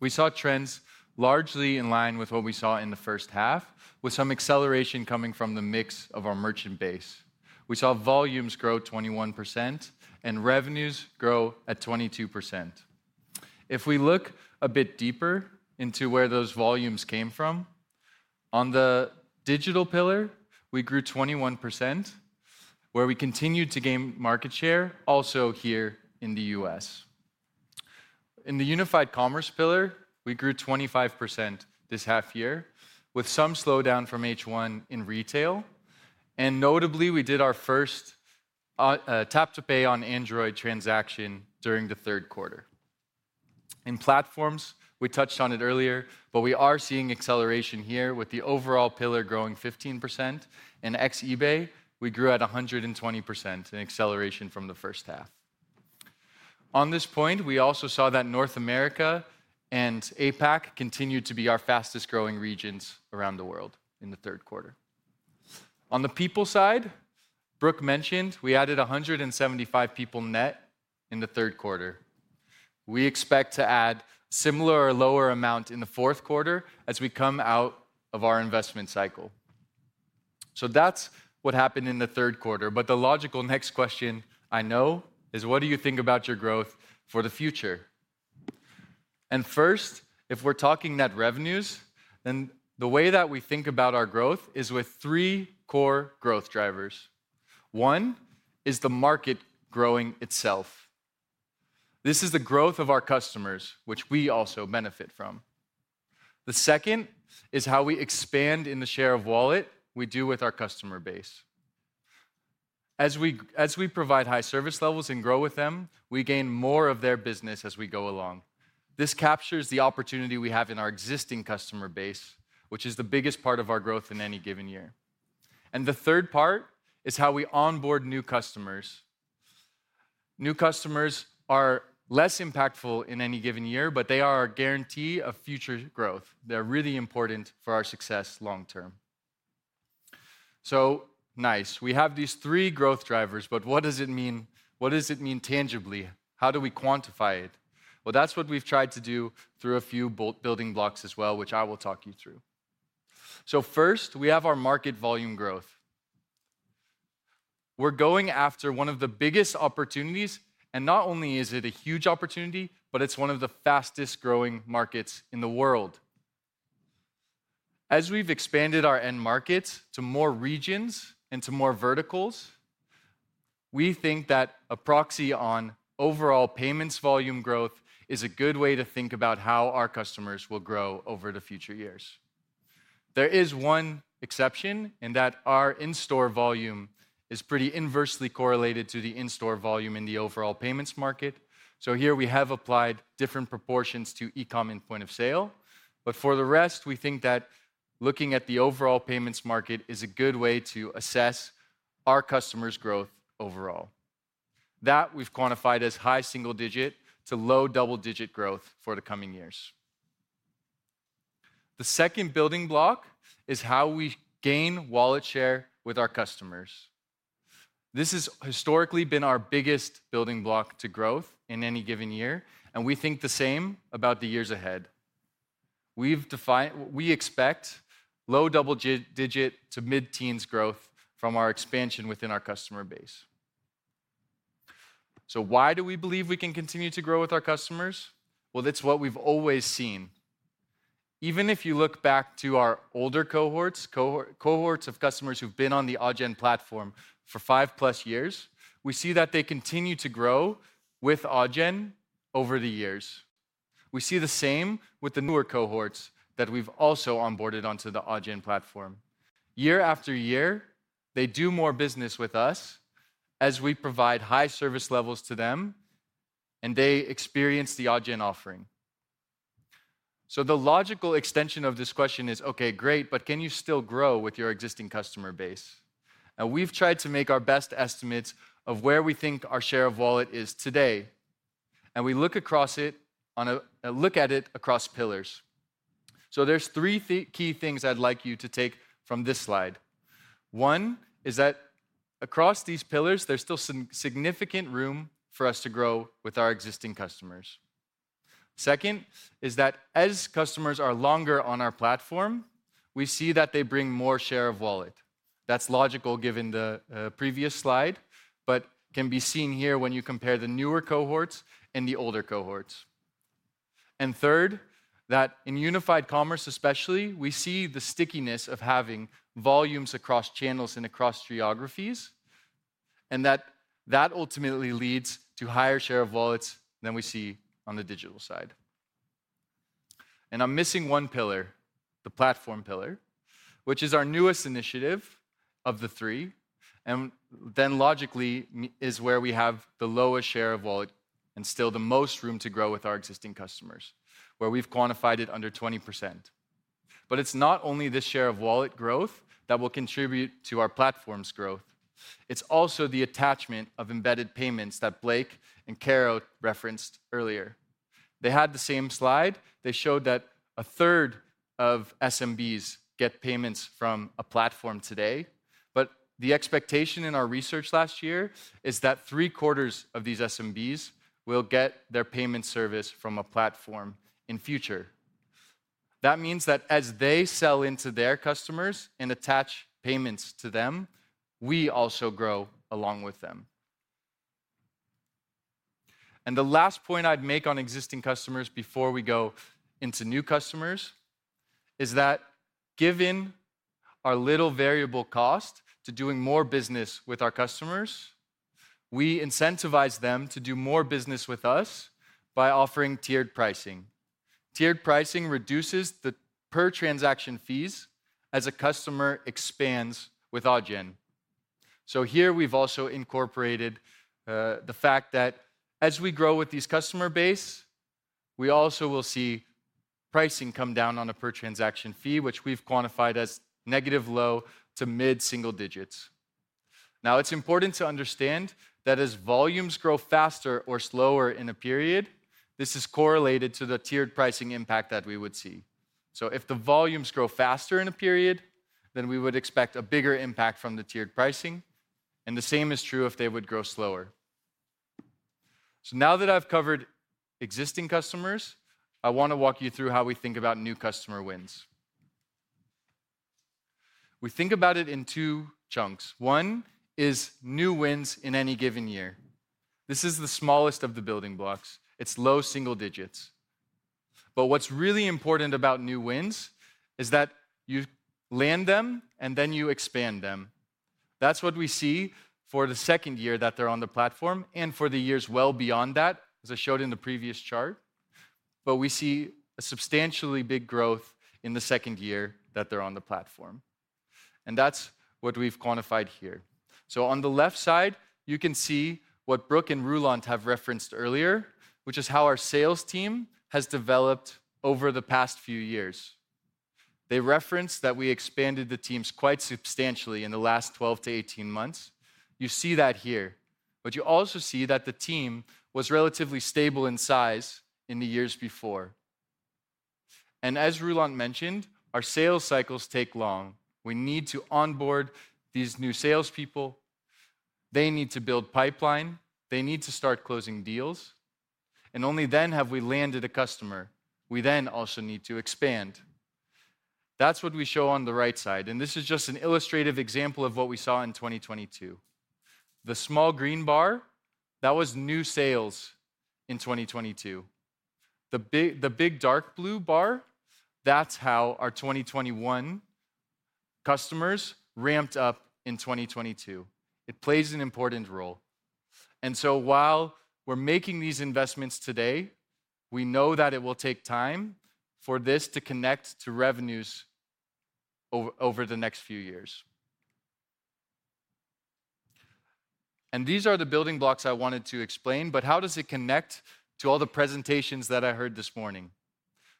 we saw trends largely in line with what we saw in the first half, with some acceleration coming from the mix of our merchant base. We saw volumes grow 21% and revenues grow at 22%. If we look a bit deeper into where those volumes came from, on the digital pillar, we grew 21%, where we continued to gain market share, also here in the U.S. In the unified commerce pillar, we grew 25% this half year, with some slowdown from H1 in retail, and notably, we did our first Tap to Pay on Android transaction during the third quarter. In platforms, we touched on it earlier, but we are seeing acceleration here with the overall pillar growing 15%. In ex-eBay, we grew at 120% in acceleration from the first half. On this point, we also saw that North America and APAC continued to be our fastest-growing regions around the world in the third quarter. On the people side, Brooke mentioned, we added 175 people net in the third quarter. We expect to add similar or lower amount in the fourth quarter as we come out of our investment cycle... So that's what happened in the third quarter, but the logical next question I know is: what do you think about your growth for the future? And first, if we're talking net revenues, then the way that we think about our growth is with three core growth drivers. One is the market growing itself. This is the growth of our customers, which we also benefit from. The second is how we expand in the share of wallet we do with our customer base. As we provide high service levels and grow with them, we gain more of their business as we go along. This captures the opportunity we have in our existing customer base, which is the biggest part of our growth in any given year. The third part is how we onboard new customers. New customers are less impactful in any given year, but they are a guarantee of future growth. They're really important for our success long term. So now, we have these three growth drivers, but what does it mean? What does it mean tangibly? How do we quantify it? Well, that's what we've tried to do through a few building blocks as well, which I will talk you through. First, we have our market volume growth. We're going after one of the biggest opportunities, and not only is it a huge opportunity, but it's one of the fastest-growing markets in the world. As we've expanded our end markets to more regions and to more verticals, we think that a proxy on overall payments volume growth is a good way to think about how our customers will grow over the future years. There is one exception, and that our in-store volume is pretty inversely correlated to the in-store volume in the overall payments market. So here we have applied different proportions to e-com and point-of-sale, but for the rest, we think that looking at the overall payments market is a good way to assess our customers' growth overall. That we've quantified as high single digit to low double-digit growth for the coming years. The second building block is how we gain wallet share with our customers. This has historically been our biggest building block to growth in any given year, and we think the same about the years ahead. We expect low double-digit to mid-teens growth from our expansion within our customer base. So why do we believe we can continue to grow with our customers? Well, it's what we've always seen. Even if you look back to our older cohorts of customers who've been on the Adyen platform for five plus years, we see that they continue to grow with Adyen over the years. We see the same with the newer cohorts that we've also onboarded onto the Adyen platform. Year after year, they do more business with us as we provide high service levels to them, and they experience the Adyen offering. So the logical extension of this question is, okay, great, but can you still grow with your existing customer base? And we've tried to make our best estimates of where we think our share of wallet is today, and we look across it, look at it across pillars. So there's three key things I'd like you to take from this slide. One is that across these pillars, there's still significant room for us to grow with our existing customers. Second is that as customers are longer on our platform, we see that they bring more share of wallet. That's logical, given the previous slide, but can be seen here when you compare the newer cohorts and the older cohorts. And third, that in unified commerce especially, we see the stickiness of having volumes across channels and across geographies, and that that ultimately leads to higher share of wallets than we see on the digital side. And I'm missing one pillar, the platform pillar, which is our newest initiative of the three, and then logically, is where we have the lowest share of wallet and still the most room to grow with our existing customers, where we've quantified it under 20%. But it's not only this share of wallet growth that will contribute to our platform's growth, it's also the attachment of embedded payments that Blake and Karo referenced earlier. They had the same slide. They showed that a 1/3 of SMBs get payments from a platform today, but the expectation in our research last year is that three-quarters of these SMBs will get their payment service from a platform in future. That means that as they sell into their customers and attach payments to them, we also grow along with them. The last point I'd make on existing customers before we go into new customers is that given our little variable cost to doing more business with our customers, we incentivize them to do more business with us by offering tiered pricing. Tiered pricing reduces the per-transaction fees as a customer expands with Adyen. Here we've also incorporated the fact that as we grow with these customer base, we also will see pricing come down on a per-transaction fee, which we've quantified as negative low- to mid-single digits. Now, it's important to understand that as volumes grow faster or slower in a period, this is correlated to the tiered pricing impact that we would see. So if the volumes grow faster in a period, then we would expect a bigger impact from the tiered pricing, and the same is true if they would grow slower. So now that I've covered existing customers, I want to walk you through how we think about new customer wins. We think about it in two chunks. One is new wins in any given year. This is the smallest of the building blocks. It's low single digits. But what's really important about new wins is that you land them, and then you expand them. That's what we see for the second year that they're on the platform, and for the years well beyond that, as I showed in the previous chart. But we see a substantially big growth in the second year that they're on the platform, and that's what we've quantified here. So on the left side, you can see what Brooke and Roelant have referenced earlier, which is how our sales team has developed over the past few years. They referenced that we expanded the teams quite substantially in the last 12-18 months. You see that here, but you also see that the team was relatively stable in size in the years before. And as Roelant mentioned, our sales cycles take long. We need to onboard these new salespeople, they need to build pipeline, they need to start closing deals, and only then have we landed a customer. We then also need to expand. That's what we show on the right side, and this is just an illustrative example of what we saw in 2022. The small green bar, that was new sales in 2022. The big dark blue bar, that's how our 2021 customers ramped up in 2022. It plays an important role. And so while we're making these investments today, we know that it will take time for this to connect to revenues over the next few years. And these are the building blocks I wanted to explain, but how does it connect to all the presentations that I heard this morning?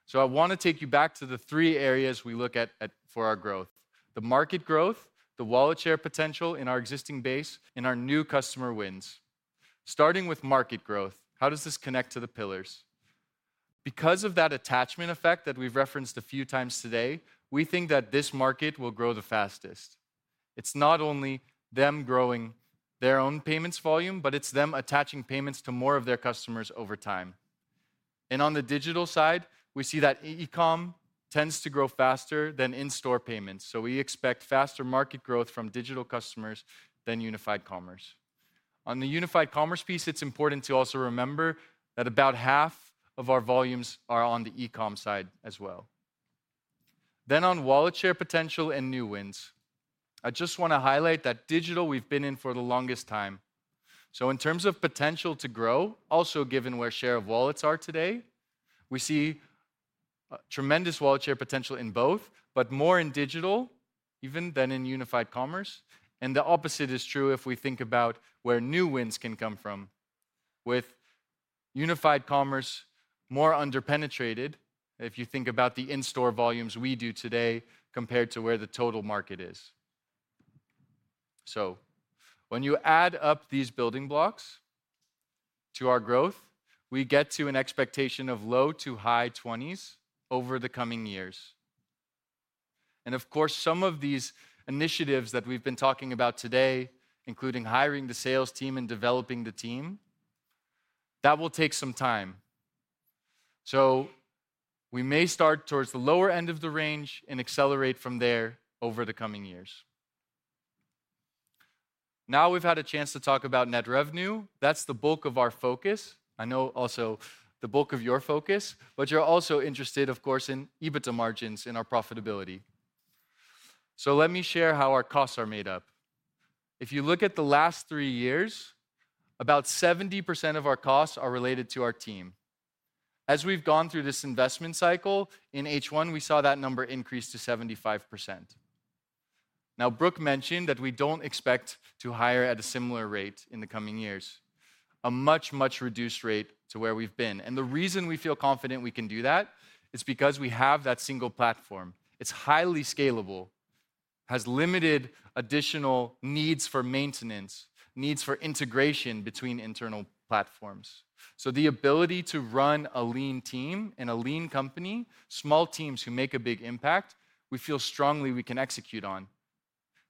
So I want to take you back to the three areas we look at for our growth: the market growth, the wallet share potential in our existing base, and our new customer wins. Starting with market growth, how does this connect to the pillars? Because of that attachment effect that we've referenced a few times today, we think that this market will grow the fastest. It's not only them growing their own payments volume, but it's them attaching payments to more of their customers over time. And on the digital side, we see that e-com tends to grow faster than in-store payments, so we expect faster market growth from digital customers than unified commerce. On the unified commerce piece, it's important to also remember that about half of our volumes are on the e-com side as well. Then on wallet share potential and new wins, I just want to highlight that digital we've been in for the longest time. So in terms of potential to grow, also given where share of wallets are today, we see tremendous wallet share potential in both, but more in digital even than in unified commerce. And the opposite is true if we think about where new wins can come from, with unified commerce more under-penetrated, if you think about the in-store volumes we do today compared to where the total market is. So when you add up these building blocks to our growth, we get to an expectation of low- to high-20s% over the coming years. And of course, some of these initiatives that we've been talking about today, including hiring the sales team and developing the team, that will take some time. So we may start towards the lower end of the range and accelerate from there over the coming years. Now, we've had a chance to talk about net revenue. That's the bulk of our focus. I know also the bulk of your focus, but you're also interested, of course, in EBITDA margins and our profitability. Let me share how our costs are made up. If you look at the last three years, about 70% of our costs are related to our team. As we've gone through this investment cycle, in H1, we saw that number increase to 75%. Now, Brooke mentioned that we don't expect to hire at a similar rate in the coming years, a much, much reduced rate to where we've been. And the reason we feel confident we can do that is because we have that single platform. It's highly scalable, has limited additional needs for maintenance, needs for integration between internal platforms. The ability to run a lean team and a lean company, small teams who make a big impact, we feel strongly we can execute on.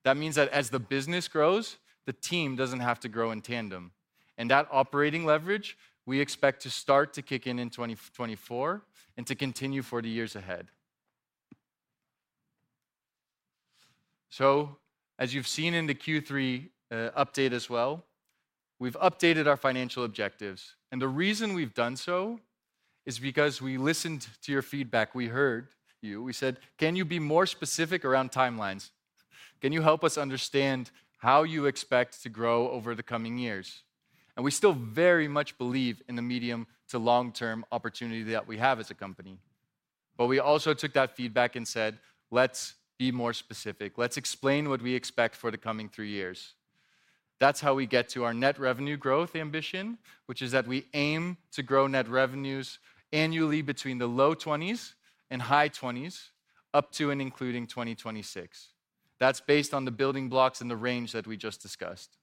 That means that as the business grows, the team doesn't have to grow in tandem, and that operating leverage, we expect to start to kick in in 2024 and to continue for the years ahead. So as you've seen in the Q3 update as well, we've updated our financial objectives, and the reason we've done so is because we listened to your feedback. We heard you. We said: "Can you be more specific around timelines? Can you help us understand how you expect to grow over the coming years?" And we still very much believe in the medium to long-term opportunity that we have as a company. But we also took that feedback and said, "Let's be more specific. Let's explain what we expect for the coming three years." That's how we get to our net revenue growth ambition, which is that we aim to grow net revenues annually between the low 20s and high 20s, up to and including 2026. That's based on the building blocks and the range that we just discussed.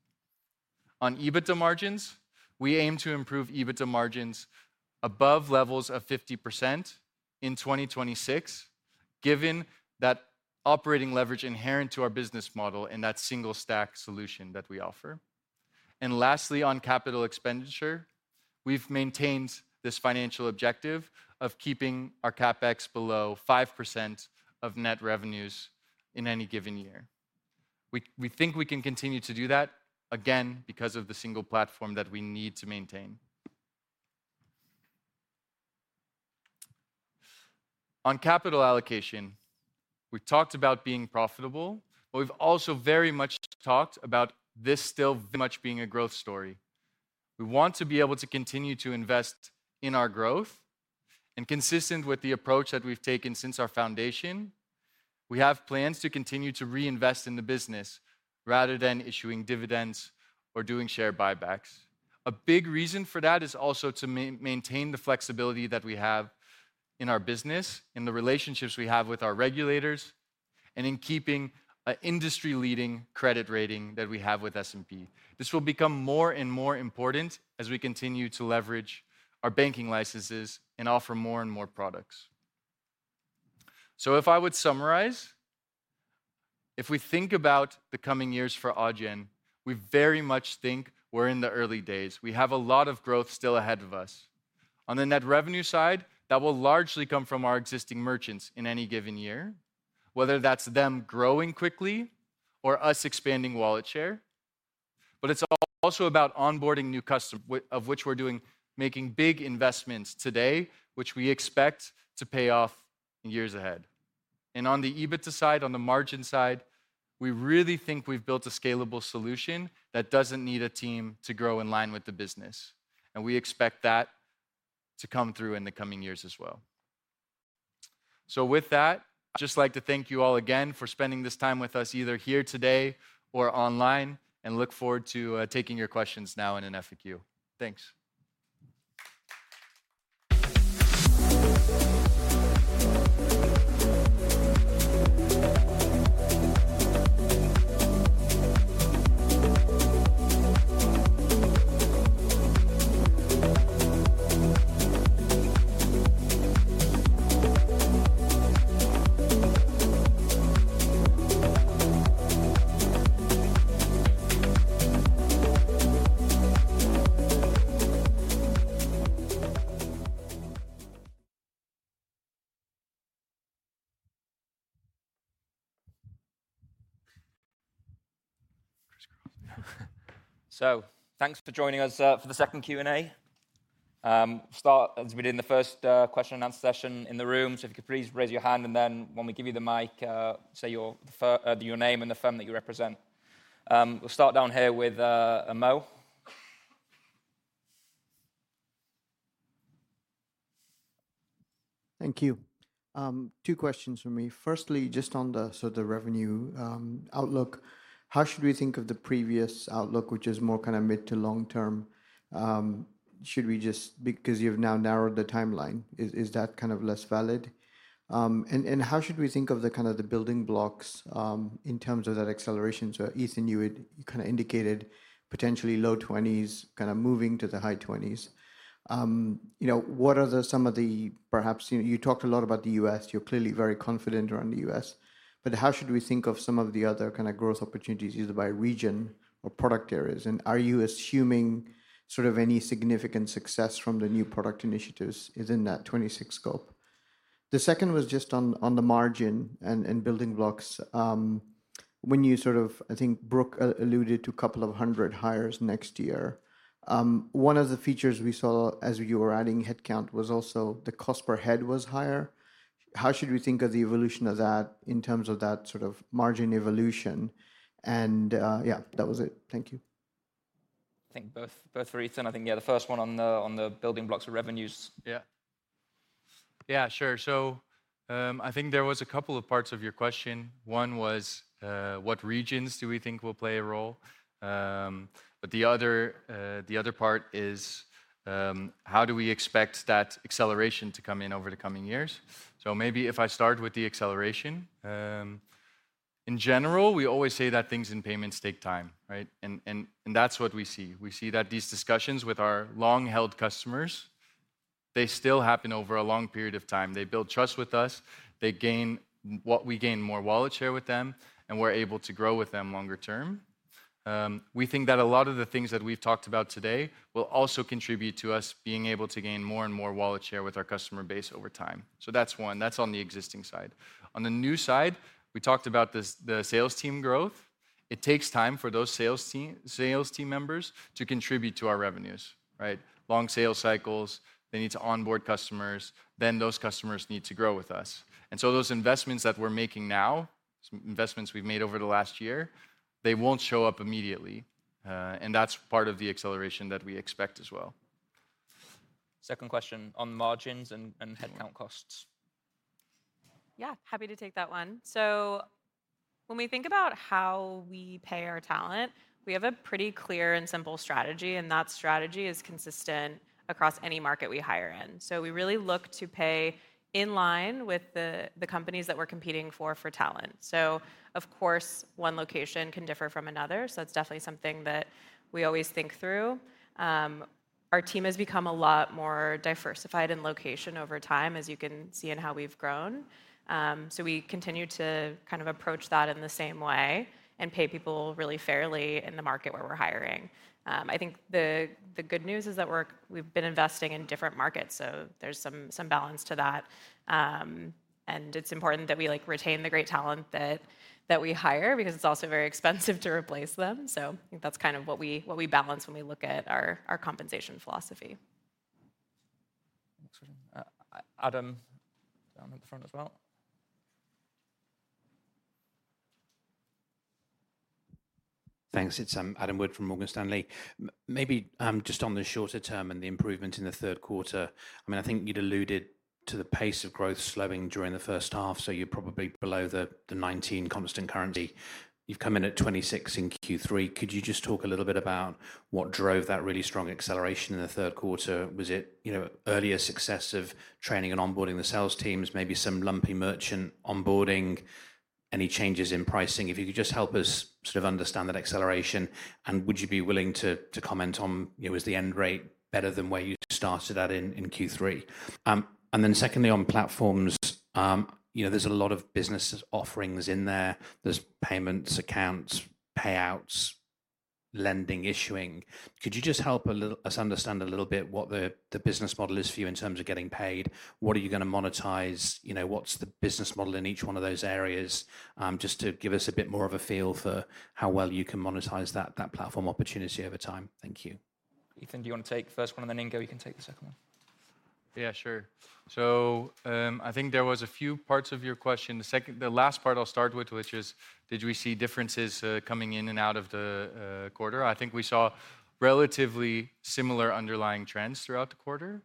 On EBITDA margins, we aim to improve EBITDA margins above levels of 50% in 2026... given that operating leverage inherent to our business model and that single stack solution that we offer. And lastly, on capital expenditure, we've maintained this financial objective of keeping our CapEx below 5% of net revenues in any given year. We think we can continue to do that, again, because of the single platform that we need to maintain. On capital allocation, we've talked about being profitable, but we've also very much talked about this still very much being a growth story. We want to be able to continue to invest in our growth, and consistent with the approach that we've taken since our foundation, we have plans to continue to reinvest in the business rather than issuing dividends or doing share buybacks. A big reason for that is also to maintain the flexibility that we have in our business, in the relationships we have with our regulators, and in keeping an industry-leading credit rating that we have with S&P. This will become more and more important as we continue to leverage our banking licenses and offer more and more products. So if I would summarize, if we think about the coming years for Adyen, we very much think we're in the early days. We have a lot of growth still ahead of us. On the net revenue side, that will largely come from our existing merchants in any given year, whether that's them growing quickly or us expanding wallet share. But it's also about onboarding new customer, of which we're doing, making big investments today, which we expect to pay off in years ahead. And on the EBITDA side, on the margin side, we really think we've built a scalable solution that doesn't need a team to grow in line with the business, and we expect that to come through in the coming years as well. So with that, I'd just like to thank you all again for spending this time with us, either here today or online, and look forward to taking your questions now in an FAQ. Thanks. So thanks for joining us for the second Q&A. Start as we did in the first question and answer session in the room. So if you could please raise your hand, and then when we give you the mic, say your first name and the firm that you represent. We'll start down here with Mo. Thank you. Two questions from me. Firstly, just on the, so the revenue outlook, how should we think of the previous outlook, which is more kind of mid- to long-term? Should we just... Because you've now narrowed the timeline, is that kind of less valid? And how should we think of the kind of building blocks in terms of that acceleration? So Ethan, you had kind of indicated potentially low 20s, kind of moving to the high 20s. You know, what are some of the perhaps, you know, you talked a lot about the U.S., you're clearly very confident around the U.S., but how should we think of some of the other kind of growth opportunities, either by region or product areas? Are you assuming sort of any significant success from the new product initiatives is in that 2026 scope? The second was just on the margin and building blocks. When you sort of... I think Brooke alluded to a couple of hundred hires next year. One of the features we saw as you were adding headcount was also the cost per head was higher. How should we think of the evolution of that in terms of that sort of margin evolution? Yeah, that was it. Thank you. I think both for Ethan. I think, yeah, the first one on the building blocks of revenues. Yeah. Yeah, sure. So, I think there was a couple of parts of your question. One was, what regions do we think will play a role? But the other, the other part is, how do we expect that acceleration to come in over the coming years? So maybe if I start with the acceleration, in general, we always say that things in payments take time, right? And, and, and that's what we see. We see that these discussions with our long-held customers, they still happen over a long period of time. They build trust with us, we gain more wallet share with them, and we're able to grow with them longer term. We think that a lot of the things that we've talked about today will also contribute to us being able to gain more and more wallet share with our customer base over time. So that's one, that's on the existing side. On the new side, we talked about this, the sales team growth. It takes time for those sales team, sales team members to contribute to our revenues, right? Long sales cycles, they need to onboard customers, then those customers need to grow with us. And so those investments that we're making now, some investments we've made over the last year, they won't show up immediately, and that's part of the acceleration that we expect as well. Second question on margins and headcount costs. Yeah, happy to take that one. So when we think about how we pay our talent, we have a pretty clear and simple strategy, and that strategy is consistent across any market we hire in. So we really look to pay in line with the, the companies that we're competing for, for talent. So of course, one location can differ from another, so that's definitely something that we always think through. So-... our team has become a lot more diversified in location over time, as you can see in how we've grown. So we continue to kind of approach that in the same way and pay people really fairly in the market where we're hiring. I think the good news is that we've been investing in different markets, so there's some balance to that. And it's important that we, like, retain the great talent that we hire because it's also very expensive to replace them. So I think that's kind of what we balance when we look at our compensation philosophy. Next question. Adam, down at the front as well. Thanks. It's Adam Wood from Morgan Stanley. Maybe just on the shorter term and the improvement in the third quarter, I mean, I think you'd alluded to the pace of growth slowing during the first half, so you're probably below the 19 constant currency. You've come in at 26 in Q3. Could you just talk a little bit about what drove that really strong acceleration in the third quarter? Was it, you know, earlier success of training and onboarding the sales teams, maybe some lumpy merchant onboarding, any changes in pricing? If you could just help us sort of understand that acceleration, and would you be willing to comment on, you know, is the end rate better than where you started at in Q3? And then secondly, on platforms, you know, there's a lot of businesses offerings in there. There's payments, accounts, payouts, lending, issuing. Could you just help a little us understand a little bit what the, the business model is for you in terms of getting paid? What are you gonna monetize? You know, what's the business model in each one of those areas? Just to give us a bit more of a feel for how well you can monetize that, that platform opportunity over time. Thank you. Ethan, do you want to take the first one, and then Ingo, you can take the second one. Yeah, sure. So, I think there was a few parts of your question. The last part I'll start with, which is, did we see differences coming in and out of the quarter? I think we saw relatively similar underlying trends throughout the quarter,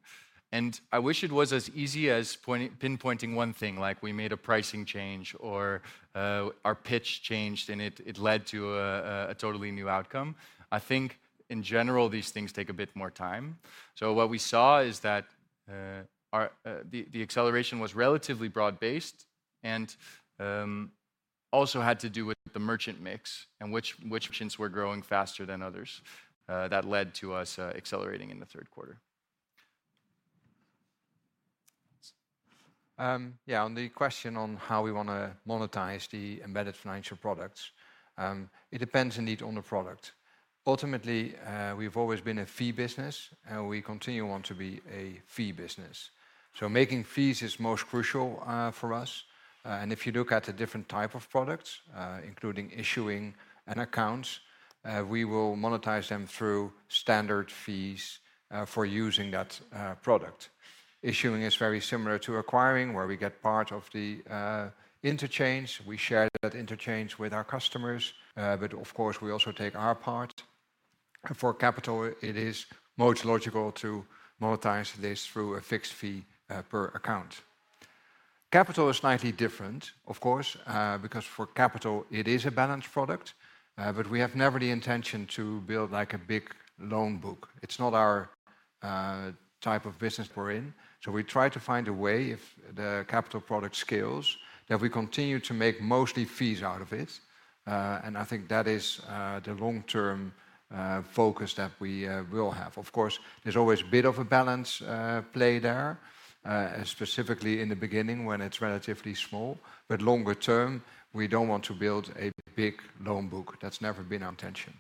and I wish it was as easy as pinpointing one thing, like we made a pricing change or our pitch changed, and it led to a totally new outcome. I think in general, these things take a bit more time. So what we saw is that our acceleration was relatively broad-based and also had to do with the merchant mix and which merchants were growing faster than others, that led to us accelerating in the third quarter. Thanks. Yeah, on the question on how we wanna monetize the embedded financial products, it depends indeed on the product. Ultimately, we've always been a fee business, and we continue on to be a fee business. So making fees is most crucial for us, and if you look at the different type of products, including issuing and accounts, we will monetize them through standard fees for using that product. Issuing is very similar to acquiring, where we get part of the interchange. We share that interchange with our customers, but of course, we also take our part. For capital, it is most logical to monetize this through a fixed fee per account. Capital is slightly different, of course, because for capital, it is a balanced product, but we have never the intention to build like a big loan book. It's not our type of business we're in. So we try to find a way, if the capital product scales, that we continue to make mostly fees out of it, and I think that is the long-term focus that we will have. Of course, there's always a bit of a balance play there, specifically in the beginning when it's relatively small, but longer term, we don't want to build a big loan book. That's never been our intention.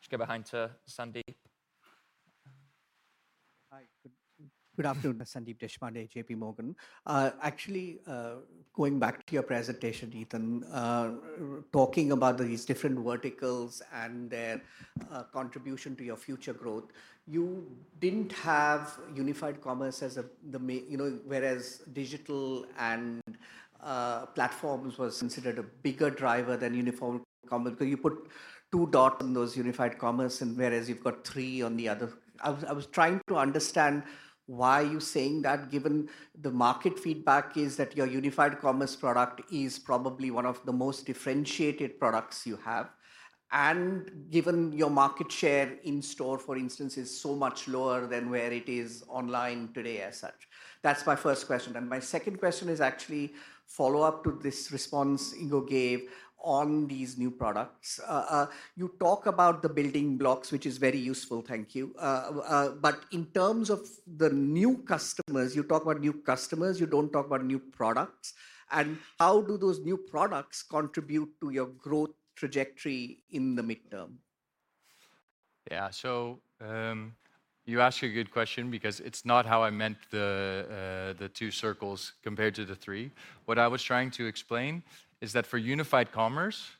Let's go back to Sandeep. Hi. Good afternoon. Sandeep Deshpande, JPMorgan. Actually, going back to your presentation, Ethan, talking about these different verticals and their contribution to your future growth, you didn't have Unified Commerce as the main, you know, whereas Digital and Platforms was considered a bigger driver than Unified Commerce. So you put two dots on those Unified Commerce, and whereas you've got three on the other. I was trying to understand why you're saying that, given the market feedback is that your Unified Commerce product is probably one of the most differentiated products you have, and given your market share in store, for instance, is so much lower than where it is online today as such. That's my first question, and my second question is actually a follow-up to this response Ingo gave on these new products. You talk about the building blocks, which is very useful, thank you. But in terms of the new customers, you talk about new customers, you don't talk about new products. And how do those new products contribute to your growth trajectory in the midterm? Yeah. You ask a good question because it's not how I meant the two circles compared to the three. What I was trying to explain is that for unified commerce,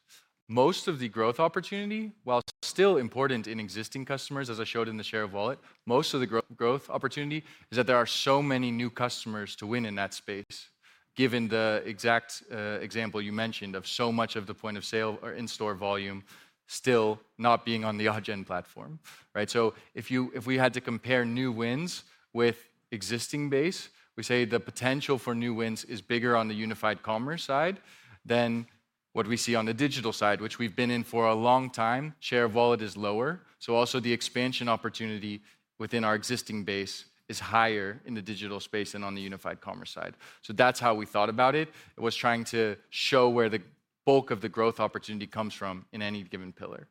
most of the growth opportunity, while still important in existing customers, as I showed in the share of wallet, most of the growth opportunity is that there are so many new customers to win in that space, given the exact example you mentioned of so much of the point of sale or in-store volume still not being on the Adyen platform, right? So if we had to compare new wins with existing base, we say the potential for new wins is bigger on the unified commerce side than what we see on the digital side, which we've been in for a long time. Share of Wallet is lower, so also the expansion opportunity within our existing base is higher in the digital space than on the Unified Commerce side. So that's how we thought about it. It was trying to show where the bulk of the growth opportunity comes from in any given Pillar.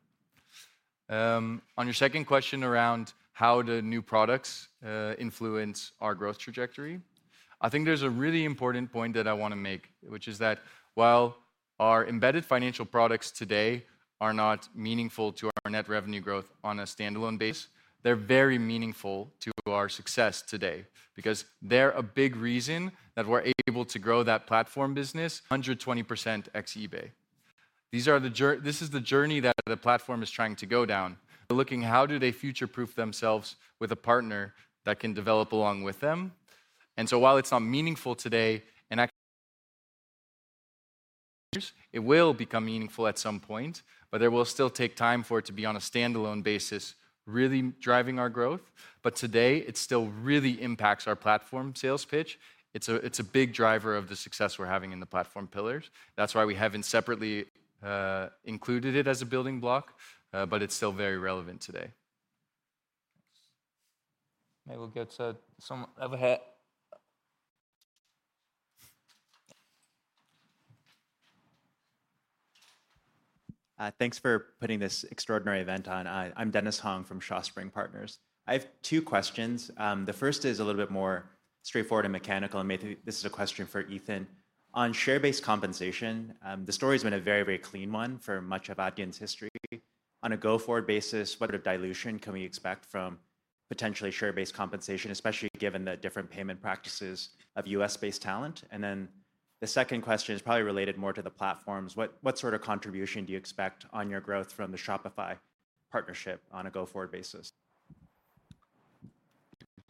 On your second question around how the new products influence our growth trajectory, I think there's a really important point that I wanna make, which is that while our Embedded Finance products today are not meaningful to our Net Revenue growth on a standalone basis, they're very meaningful to our success today, because they're a big reason that we're able to grow that Platforms business 120% ex-eBay. This is the journey that the Platforms is trying to go down. They're looking how do they future-proof themselves with a partner that can develop along with them? And so while it's not meaningful today, it will become meaningful at some point, but it will still take time for it to be on a standalone basis, really driving our growth. But today, it still really impacts our platform sales pitch. It's a big driver of the success we're having in the platform pillars. That's why we haven't separately included it as a building block, but it's still very relevant today. Maybe we'll get someone over here. Thanks for putting this extraordinary event on. I'm Dennis Hong from ShawSpring Partners. I have two questions. The first is a little bit more straightforward and mechanical, and maybe this is a question for Ethan. On share-based compensation, the story's been a very, very clean one for much of Adyen's history. On a go-forward basis, what sort of dilution can we expect from potentially share-based compensation, especially given the different payment practices of U.S.-based talent? And then the second question is probably related more to the platforms. What sort of contribution do you expect on your growth from the Shopify partnership on a go-forward basis?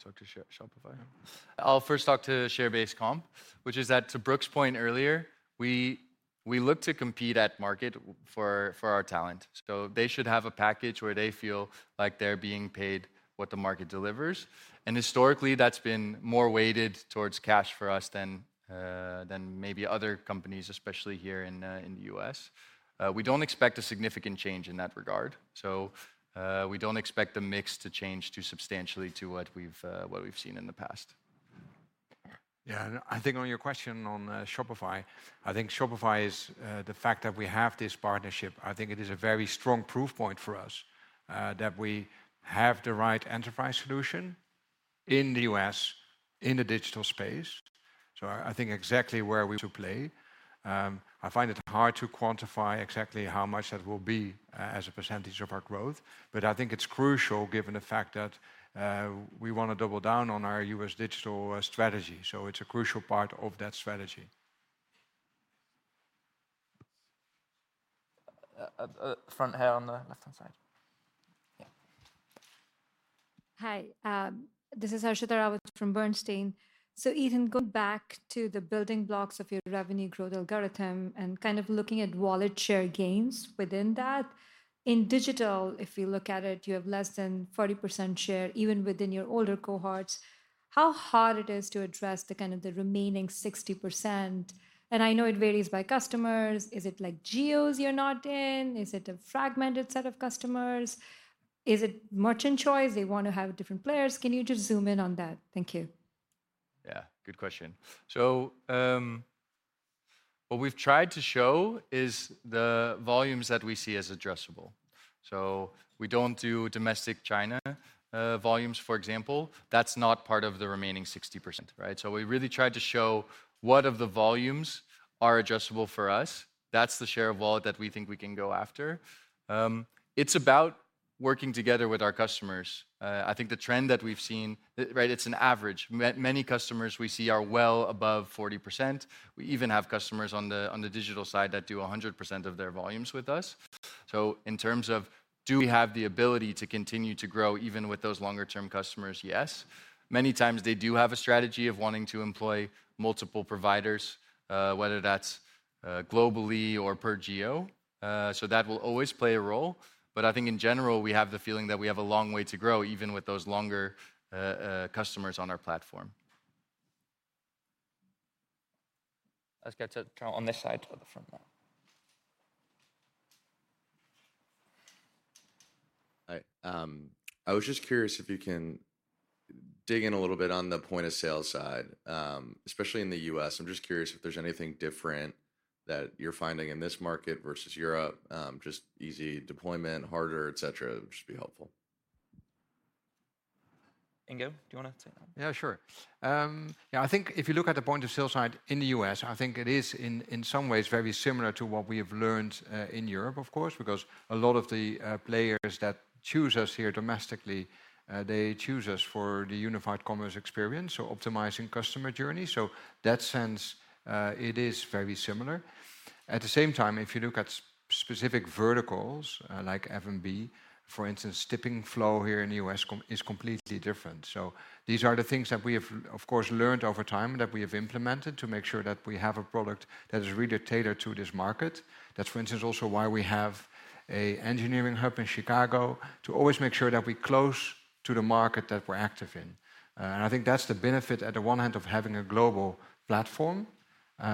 Talk to Shopify? I'll first talk to the share-based comp, which is that, to Brooke's point earlier, we look to compete at market for our talent. So they should have a package where they feel like they're being paid what the market delivers, and historically, that's been more weighted towards cash for us than maybe other companies, especially here in the U.S. We don't expect a significant change in that regard, so we don't expect the mix to change too substantially to what we've seen in the past. Yeah, and I think on your question on Shopify, I think Shopify is the fact that we have this partnership, I think it is a very strong proof point for us that we have the right enterprise solution in the U.S., in the digital space. So I think exactly where we should play. I find it hard to quantify exactly how much that will be as a percentage of our growth, but I think it's crucial given the fact that we wanna double down on our U.S. digital strategy, so it's a crucial part of that strategy. Front here on the left-hand side. Yeah. Hi, this is Harshita Rawat from Bernstein. So Ethan, going back to the building blocks of your revenue growth algorithm and kind of looking at wallet share gains within that, in digital, if you look at it, you have less than 40% share, even within your older cohorts. How hard it is to address the kind of the remaining 60%? And I know it varies by customers. Is it like geos you're not in? Is it a fragmented set of customers? Is it merchant choice, they want to have different players? Can you just zoom in on that? Thank you. Yeah, good question. So, what we've tried to show is the volumes that we see as addressable. So we don't do domestic China, volumes, for example. That's not part of the remaining 60%, right? So we really tried to show what of the volumes are addressable for us. That's the share of wallet that we think we can go after. It's about working together with our customers. I think the trend that we've seen... Right, it's an average. Many customers we see are well above 40%. We even have customers on the, on the digital side that do 100% of their volumes with us. So in terms of, do we have the ability to continue to grow even with those longer term customers? Yes. Many times they do have a strategy of wanting to employ multiple providers, whether that's globally or per geo. So that will always play a role, but I think in general, we have the feeling that we have a long way to grow, even with those longer customers on our platform. Let's get to... on this side at the front now. Hi. I was just curious if you can dig in a little bit on the point-of-sale side. Especially in the U.S., I'm just curious if there's anything different that you're finding in this market versus Europe, just easy deployment, harder, et cetera, would just be helpful. Ingo, do you wanna take that? Yeah, sure. Yeah, I think if you look at the point-of-sale side in the U.S., I think it is, in some ways, very similar to what we have learned in Europe, of course, because a lot of the players that choose us here domestically, they choose us for the unified commerce experience, so optimizing customer journey. In that sense, it is very similar. At the same time, if you look at specific verticals, like F&B, for instance, tipping flow here in the U.S. is completely different. So these are the things that we have, of course, learned over time, that we have implemented to make sure that we have a product that is really tailored to this market. That's, for instance, also why we have an engineering hub in Chicago, to always make sure that we're close to the market that we're active in. I think that's the benefit at the one end of having a global platform,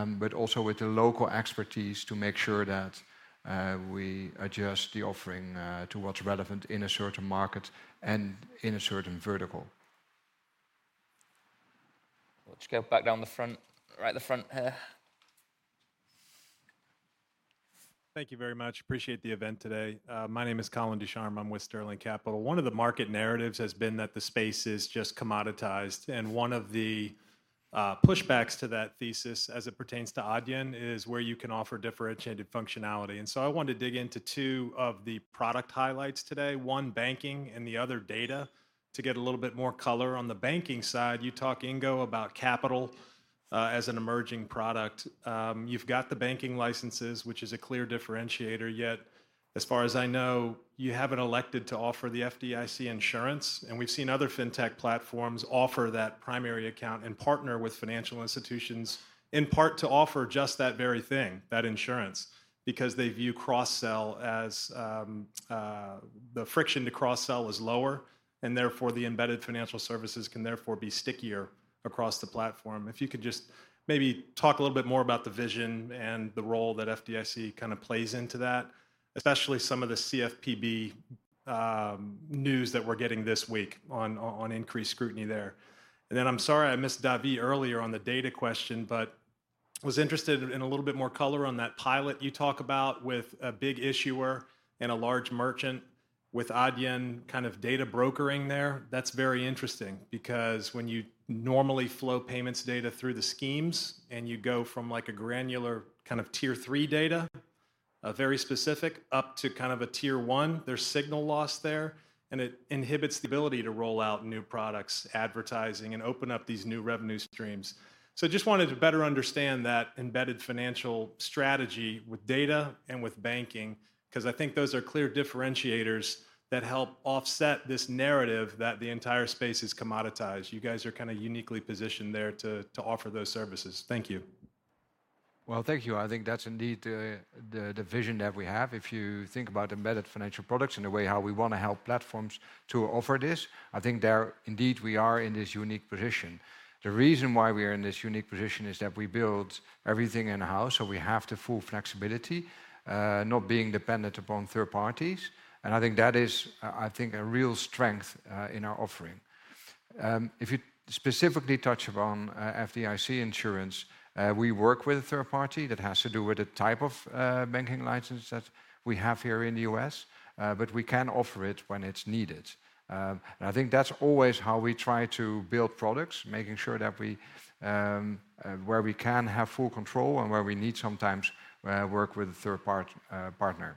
but also with the local expertise, to make sure that we adjust the offering to what's relevant in a certain market and in a certain vertical.... Just go back down in the front, right at the front here. Thank you very much. Appreciate the event today. My name is Colin Ducharme. I'm with Sterling Capital. One of the market narratives has been that the space is just commoditized, and one of the pushbacks to that thesis, as it pertains to Adyen, is where you can offer differentiated functionality. And so I wanted to dig into two of the product highlights today, one, banking, and the other, data, to get a little bit more color. On the banking side, you talk, Ingo, about capital as an emerging product. You've got the banking licenses, which is a clear differentiator, yet as far as I know, you haven't elected to offer the FDIC insurance. And we've seen other fintech platforms offer that primary account and partner with financial institutions, in part to offer just that very thing, that insurance, because they view cross-sell as The friction to cross-sell is lower, and therefore, the embedded financial services can therefore be stickier across the platform. If you could just maybe talk a little bit more about the vision and the role that FDIC kinda plays into that, especially some of the CFPB news that we're getting this week on increased scrutiny there. And then I'm sorry I missed, Davi, earlier on the data question, but was interested in a little bit more color on that pilot you talk about with a big issuer and a large merchant, with Adyen kind of data brokering there. That's very interesting because when you normally flow payments data through the schemes, and you go from, like, a granular kind of Tier 3 data, very specific, up to kind of a Tier 1, there's signal loss there, and it inhibits the ability to roll out new products, advertising, and open up these new revenue streams. So just wanted to better understand that embedded financial strategy with data and with banking, 'cause I think those are clear differentiators that help offset this narrative that the entire space is commoditized. You guys are kinda uniquely positioned there to, to offer those services. Thank you. Well, thank you. I think that's indeed the vision that we have. If you think about embedded financial products and the way how we wanna help platforms to offer this, I think they are... Indeed, we are in this unique position. The reason why we are in this unique position is that we build everything in-house, so we have the full flexibility, not being dependent upon third parties, and I think that is, I think, a real strength in our offering. If you specifically touch upon FDIC insurance, we work with a third party. That has to do with the type of banking license that we have here in the U.S., but we can offer it when it's needed. And I think that's always how we try to build products, making sure that we where we can have full control and where we need sometimes work with a third party partner.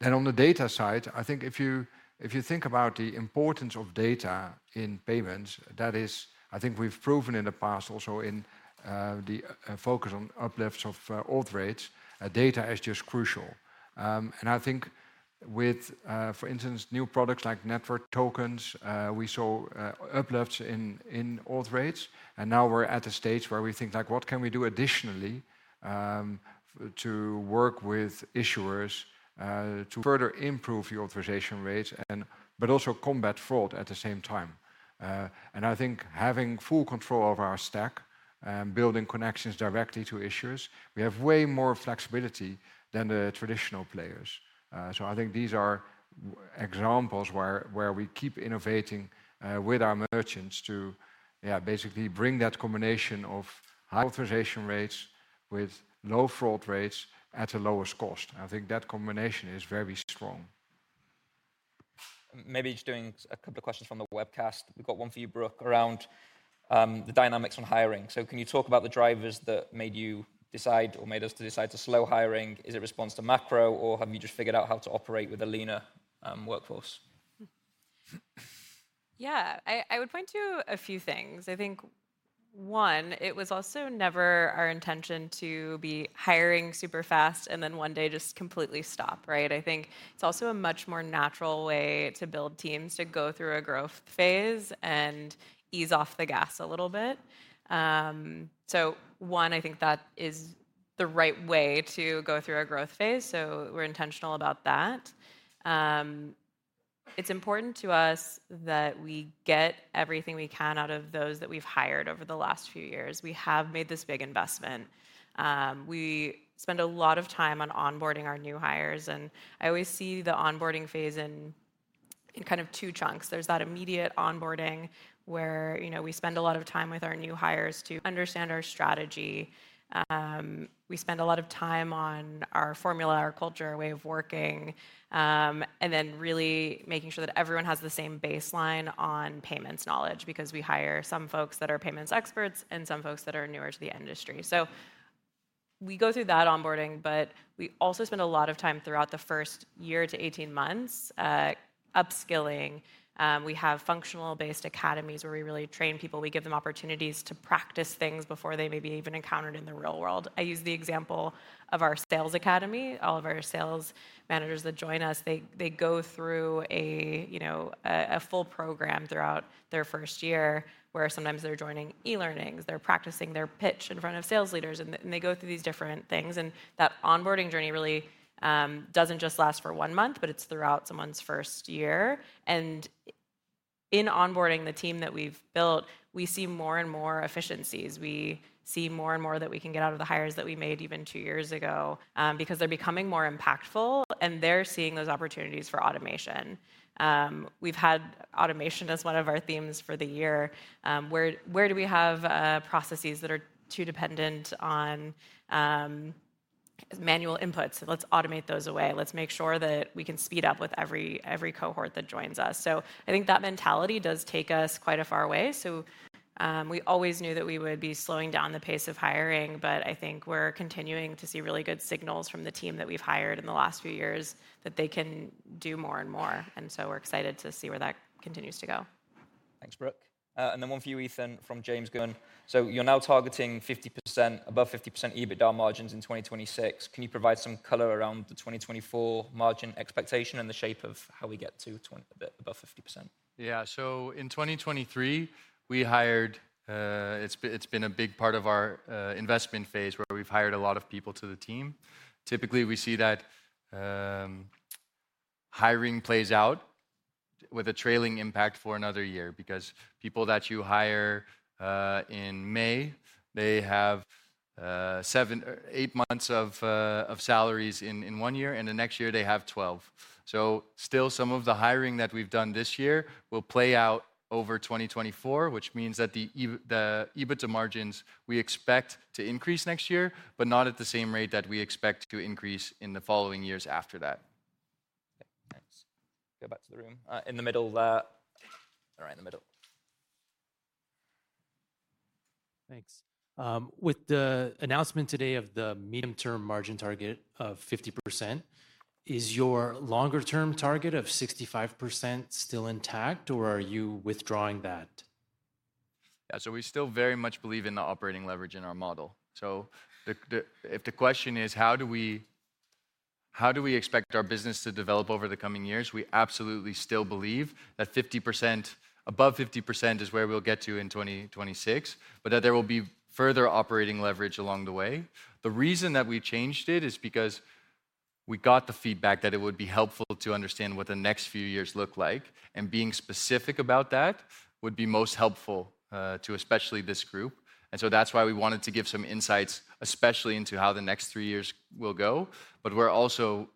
Then on the data side, I think if you, if you think about the importance of data in payments, that is... I think we've proven in the past also in the focus on uplifts of auth rates, data is just crucial. And I think with, for instance, new products like network tokens, we saw uplifts in auth rates, and now we're at a stage where we think, like, "What can we do additionally, to work with issuers, to further improve the authorization rates but also combat fraud at the same time?" And I think having full control over our stack, building connections directly to issuers, we have way more flexibility than the traditional players. So I think these are examples where we keep innovating with our merchants to, yeah, basically bring that combination of high authorization rates with low fraud rates at the lowest cost. I think that combination is very strong. Maybe just doing a couple of questions from the webcast. We've got one for you, Brooke, around the dynamics on hiring. So can you talk about the drivers that made you decide or made us to decide to slow hiring? Is it response to macro, or have you just figured out how to operate with a leaner workforce? Yeah, I would point to a few things. I think, one, it was also never our intention to be hiring super fast and then one day just completely stop, right? I think it's also a much more natural way to build teams to go through a growth phase and ease off the gas a little bit. I think that is the right way to go through a growth phase, so we're intentional about that. It's important to us that we get everything we can out of those that we've hired over the last few years. We have made this big investment. We spend a lot of time on onboarding our new hires, and I always see the onboarding phase in kind of two chunks. There's that immediate onboarding, where, you know, we spend a lot of time with our new hires to understand our strategy. We spend a lot of time on our formula, our culture, our way of working, and then really making sure that everyone has the same baseline on payments knowledge because we hire some folks that are payments experts and some folks that are newer to the industry. So we go through that onboarding, but we also spend a lot of time throughout the first year to 18 months, upskilling. We have functional-based academies where we really train people. We give them opportunities to practice things before they may be even encountered in the real world. I use the example of our sales academy. All of our sales managers that join us, they go through you know, a full program throughout their first year, where sometimes they're joining e-learnings, they're practicing their pitch in front of sales leaders, and they go through these different things. And that onboarding journey really doesn't just last for one month, but it's throughout someone's first year. And in onboarding the team that we've built, we see more and more efficiencies. We see more and more that we can get out of the hires that we made even two years ago, because they're becoming more impactful, and they're seeing those opportunities for automation. We've had automation as one of our themes for the year. Where do we have processes that are too dependent on, ... manual inputs, so let's automate those away. Let's make sure that we can speed up with every cohort that joins us. So I think that mentality does take us quite a far way. So, we always knew that we would be slowing down the pace of hiring, but I think we're continuing to see really good signals from the team that we've hired in the last few years, that they can do more and more. And so we're excited to see where that continues to go. Thanks, Brooke. And then one for you, Ethan, from James Goodman. So you're now targeting 50%, above 50% EBITDA margins in 2026. Can you provide some color around the 2024 margin expectation and the shape of how we get to above 50%? Yeah. So in 2023, we hired... It's, it's been a big part of our investment phase, where we've hired a lot of people to the team. Typically, we see that hiring plays out with a trailing impact for another year, because people that you hire in May, they have seven, eight months of salaries in one year, and the next year they have 12. So still some of the hiring that we've done this year will play out over 2024, which means that the EBITDA margins, we expect to increase next year, but not at the same rate that we expect to increase in the following years after that. Thanks. Go back to the room. In the middle, right in the middle. Thanks. With the announcement today of the medium-term margin target of 50%, is your longer-term target of 65% still intact, or are you withdrawing that? Yeah, so we still very much believe in the operating leverage in our model. So, if the question is: how do we, how do we expect our business to develop over the coming years? We absolutely still believe that 50%, above 50% is where we'll get to in 2026, but that there will be further operating leverage along the way. The reason that we changed it is because we got the feedback that it would be helpful to understand what the next few years look like, and being specific about that would be most helpful to especially this group. And so that's why we wanted to give some insights, especially into how the next three years will go. But we're also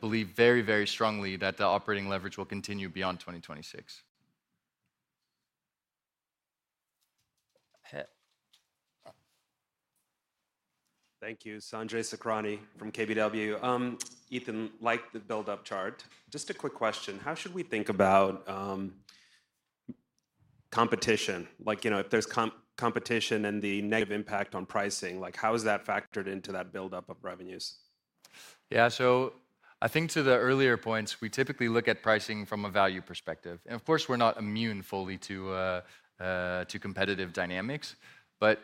believe very, very strongly that the operating leverage will continue beyond 2026. Uh. Thank you. Sanjay Sakhrani from KBW. Ethan, liked the buildup chart. Just a quick question: how should we think about competition? Like, you know, if there's competition and the negative impact on pricing, like, how is that factored into that buildup of revenues? Yeah. So I think to the earlier points, we typically look at pricing from a value perspective. And of course, we're not immune fully to, to competitive dynamics. But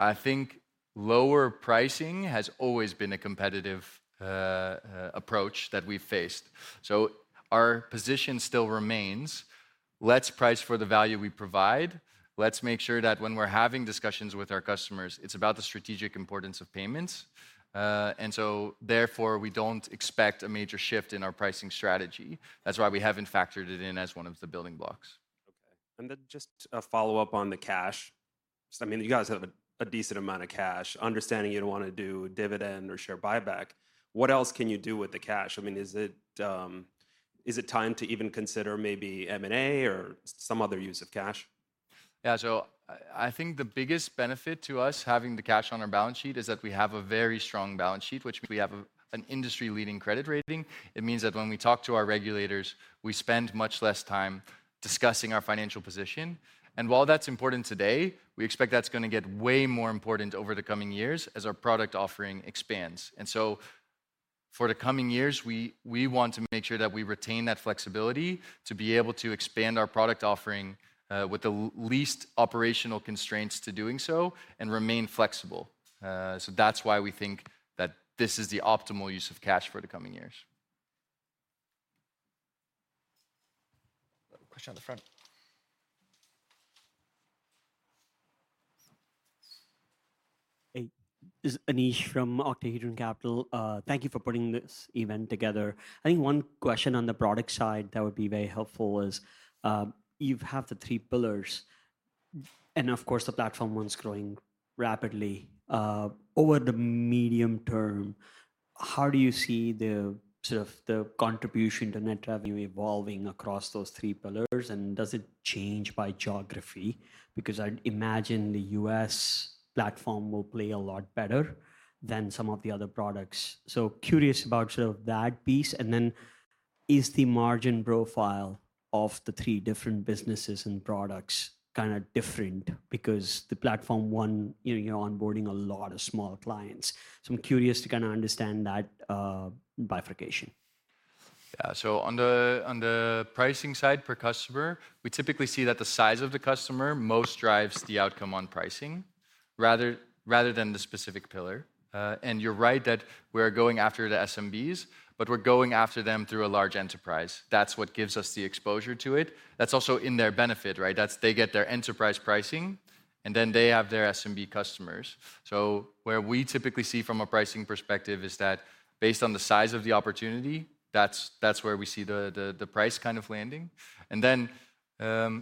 I think lower pricing has always been a competitive, approach that we've faced. So our position still remains: let's price for the value we provide. Let's make sure that when we're having discussions with our customers, it's about the strategic importance of payments. And so therefore, we don't expect a major shift in our pricing strategy. That's why we haven't factored it in as one of the building blocks. Okay. Then just a follow-up on the cash. I mean, you guys have a decent amount of cash. Understanding you'd want to do dividend or share buyback, what else can you do with the cash? I mean, is it time to even consider maybe M&A or some other use of cash? Yeah, so I think the biggest benefit to us having the cash on our balance sheet is that we have a very strong balance sheet, which means we have an industry-leading credit rating. It means that when we talk to our regulators, we spend much less time discussing our financial position. And while that's important today, we expect that's gonna get way more important over the coming years as our product offering expands. And so for the coming years, we want to make sure that we retain that flexibility to be able to expand our product offering with the least operational constraints to doing so and remain flexible. So that's why we think that this is the optimal use of cash for the coming years. Question at the front. Hey, this is Aneesh from Octagon Capital. Thank you for putting this event together. I think one question on the product side that would be very helpful is, you have the three pillars, and of course, the platform one's growing rapidly. Over the medium term, how do you see the sort of, the contribution to net revenue evolving across those three pillars, and does it change by geography? Because I'd imagine the U.S. platform will play a lot better than some of the other products. So curious about sort of that piece, and then is the margin profile of the three different businesses and products kinda different? Because the platform one, you know, you're onboarding a lot of small clients. So I'm curious to kinda understand that, bifurcation. Yeah. So on the, on the pricing side per customer, we typically see that the size of the customer most drives the outcome on pricing, rather than the specific pillar. And you're right that we're going after the SMBs, but we're going after them through a large enterprise. That's what gives us the exposure to it. That's also in their benefit, right? That's - they get their enterprise pricing, and then they have their SMB customers. So where we typically see from a pricing perspective is that based on the size of the opportunity, that's where we see the price kind of landing. And then,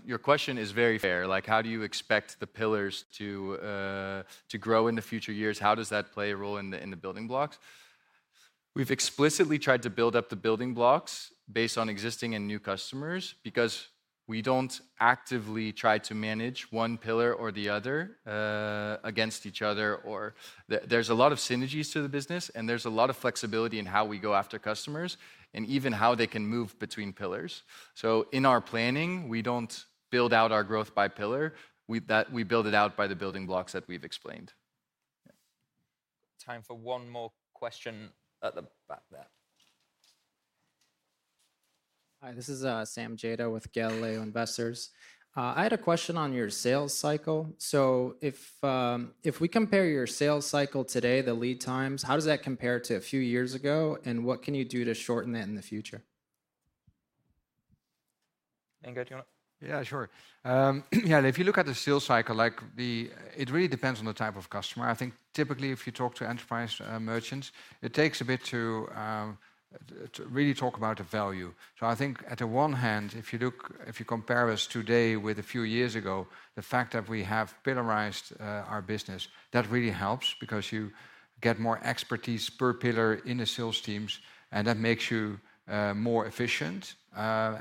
your question is very fair. Like, how do you expect the pillars to grow in the future years? How does that play a role in the building blocks?... We've explicitly tried to build up the building blocks based on existing and new customers, because we don't actively try to manage one pillar or the other against each other, or there, there's a lot of synergies to the business, and there's a lot of flexibility in how we go after customers, and even how they can move between pillars. So in our planning, we don't build out our growth by pillar, we build it out by the building blocks that we've explained. Time for one more question at the back there. Hi, this is Sam Jada with Galileo Investors. I had a question on your sales cycle. So if we compare your sales cycle today, the lead times, how does that compare to a few years ago, and what can you do to shorten that in the future? Ingo, do you wanna- Yeah, sure. Yeah, if you look at the sales cycle, like the... It really depends on the type of customer. I think typically, if you talk to enterprise merchants, it takes a bit to really talk about the value. So I think at the one hand, if you look- if you compare us today with a few years ago, the fact that we have pillarized our business, that really helps because you get more expertise per pillar in the sales teams, and that makes you more efficient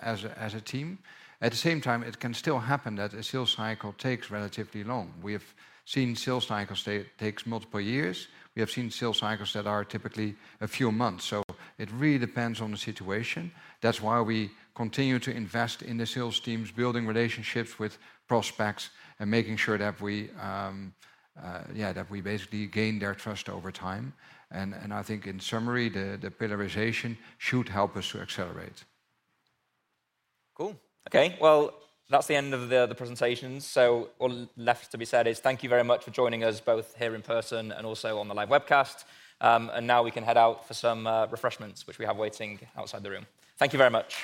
as a team. At the same time, it can still happen that a sales cycle takes relatively long. We have seen sales cycles take, takes multiple years. We have seen sales cycles that are typically a few months. So it really depends on the situation. That's why we continue to invest in the sales teams, building relationships with prospects, and making sure that we basically gain their trust over time. And I think in summary, the pillarization should help us to accelerate. Cool. Okay, well, that's the end of the presentation. So all left to be said is thank you very much for joining us, both here in person and also on the live webcast. And now we can head out for some refreshments, which we have waiting outside the room. Thank you very much.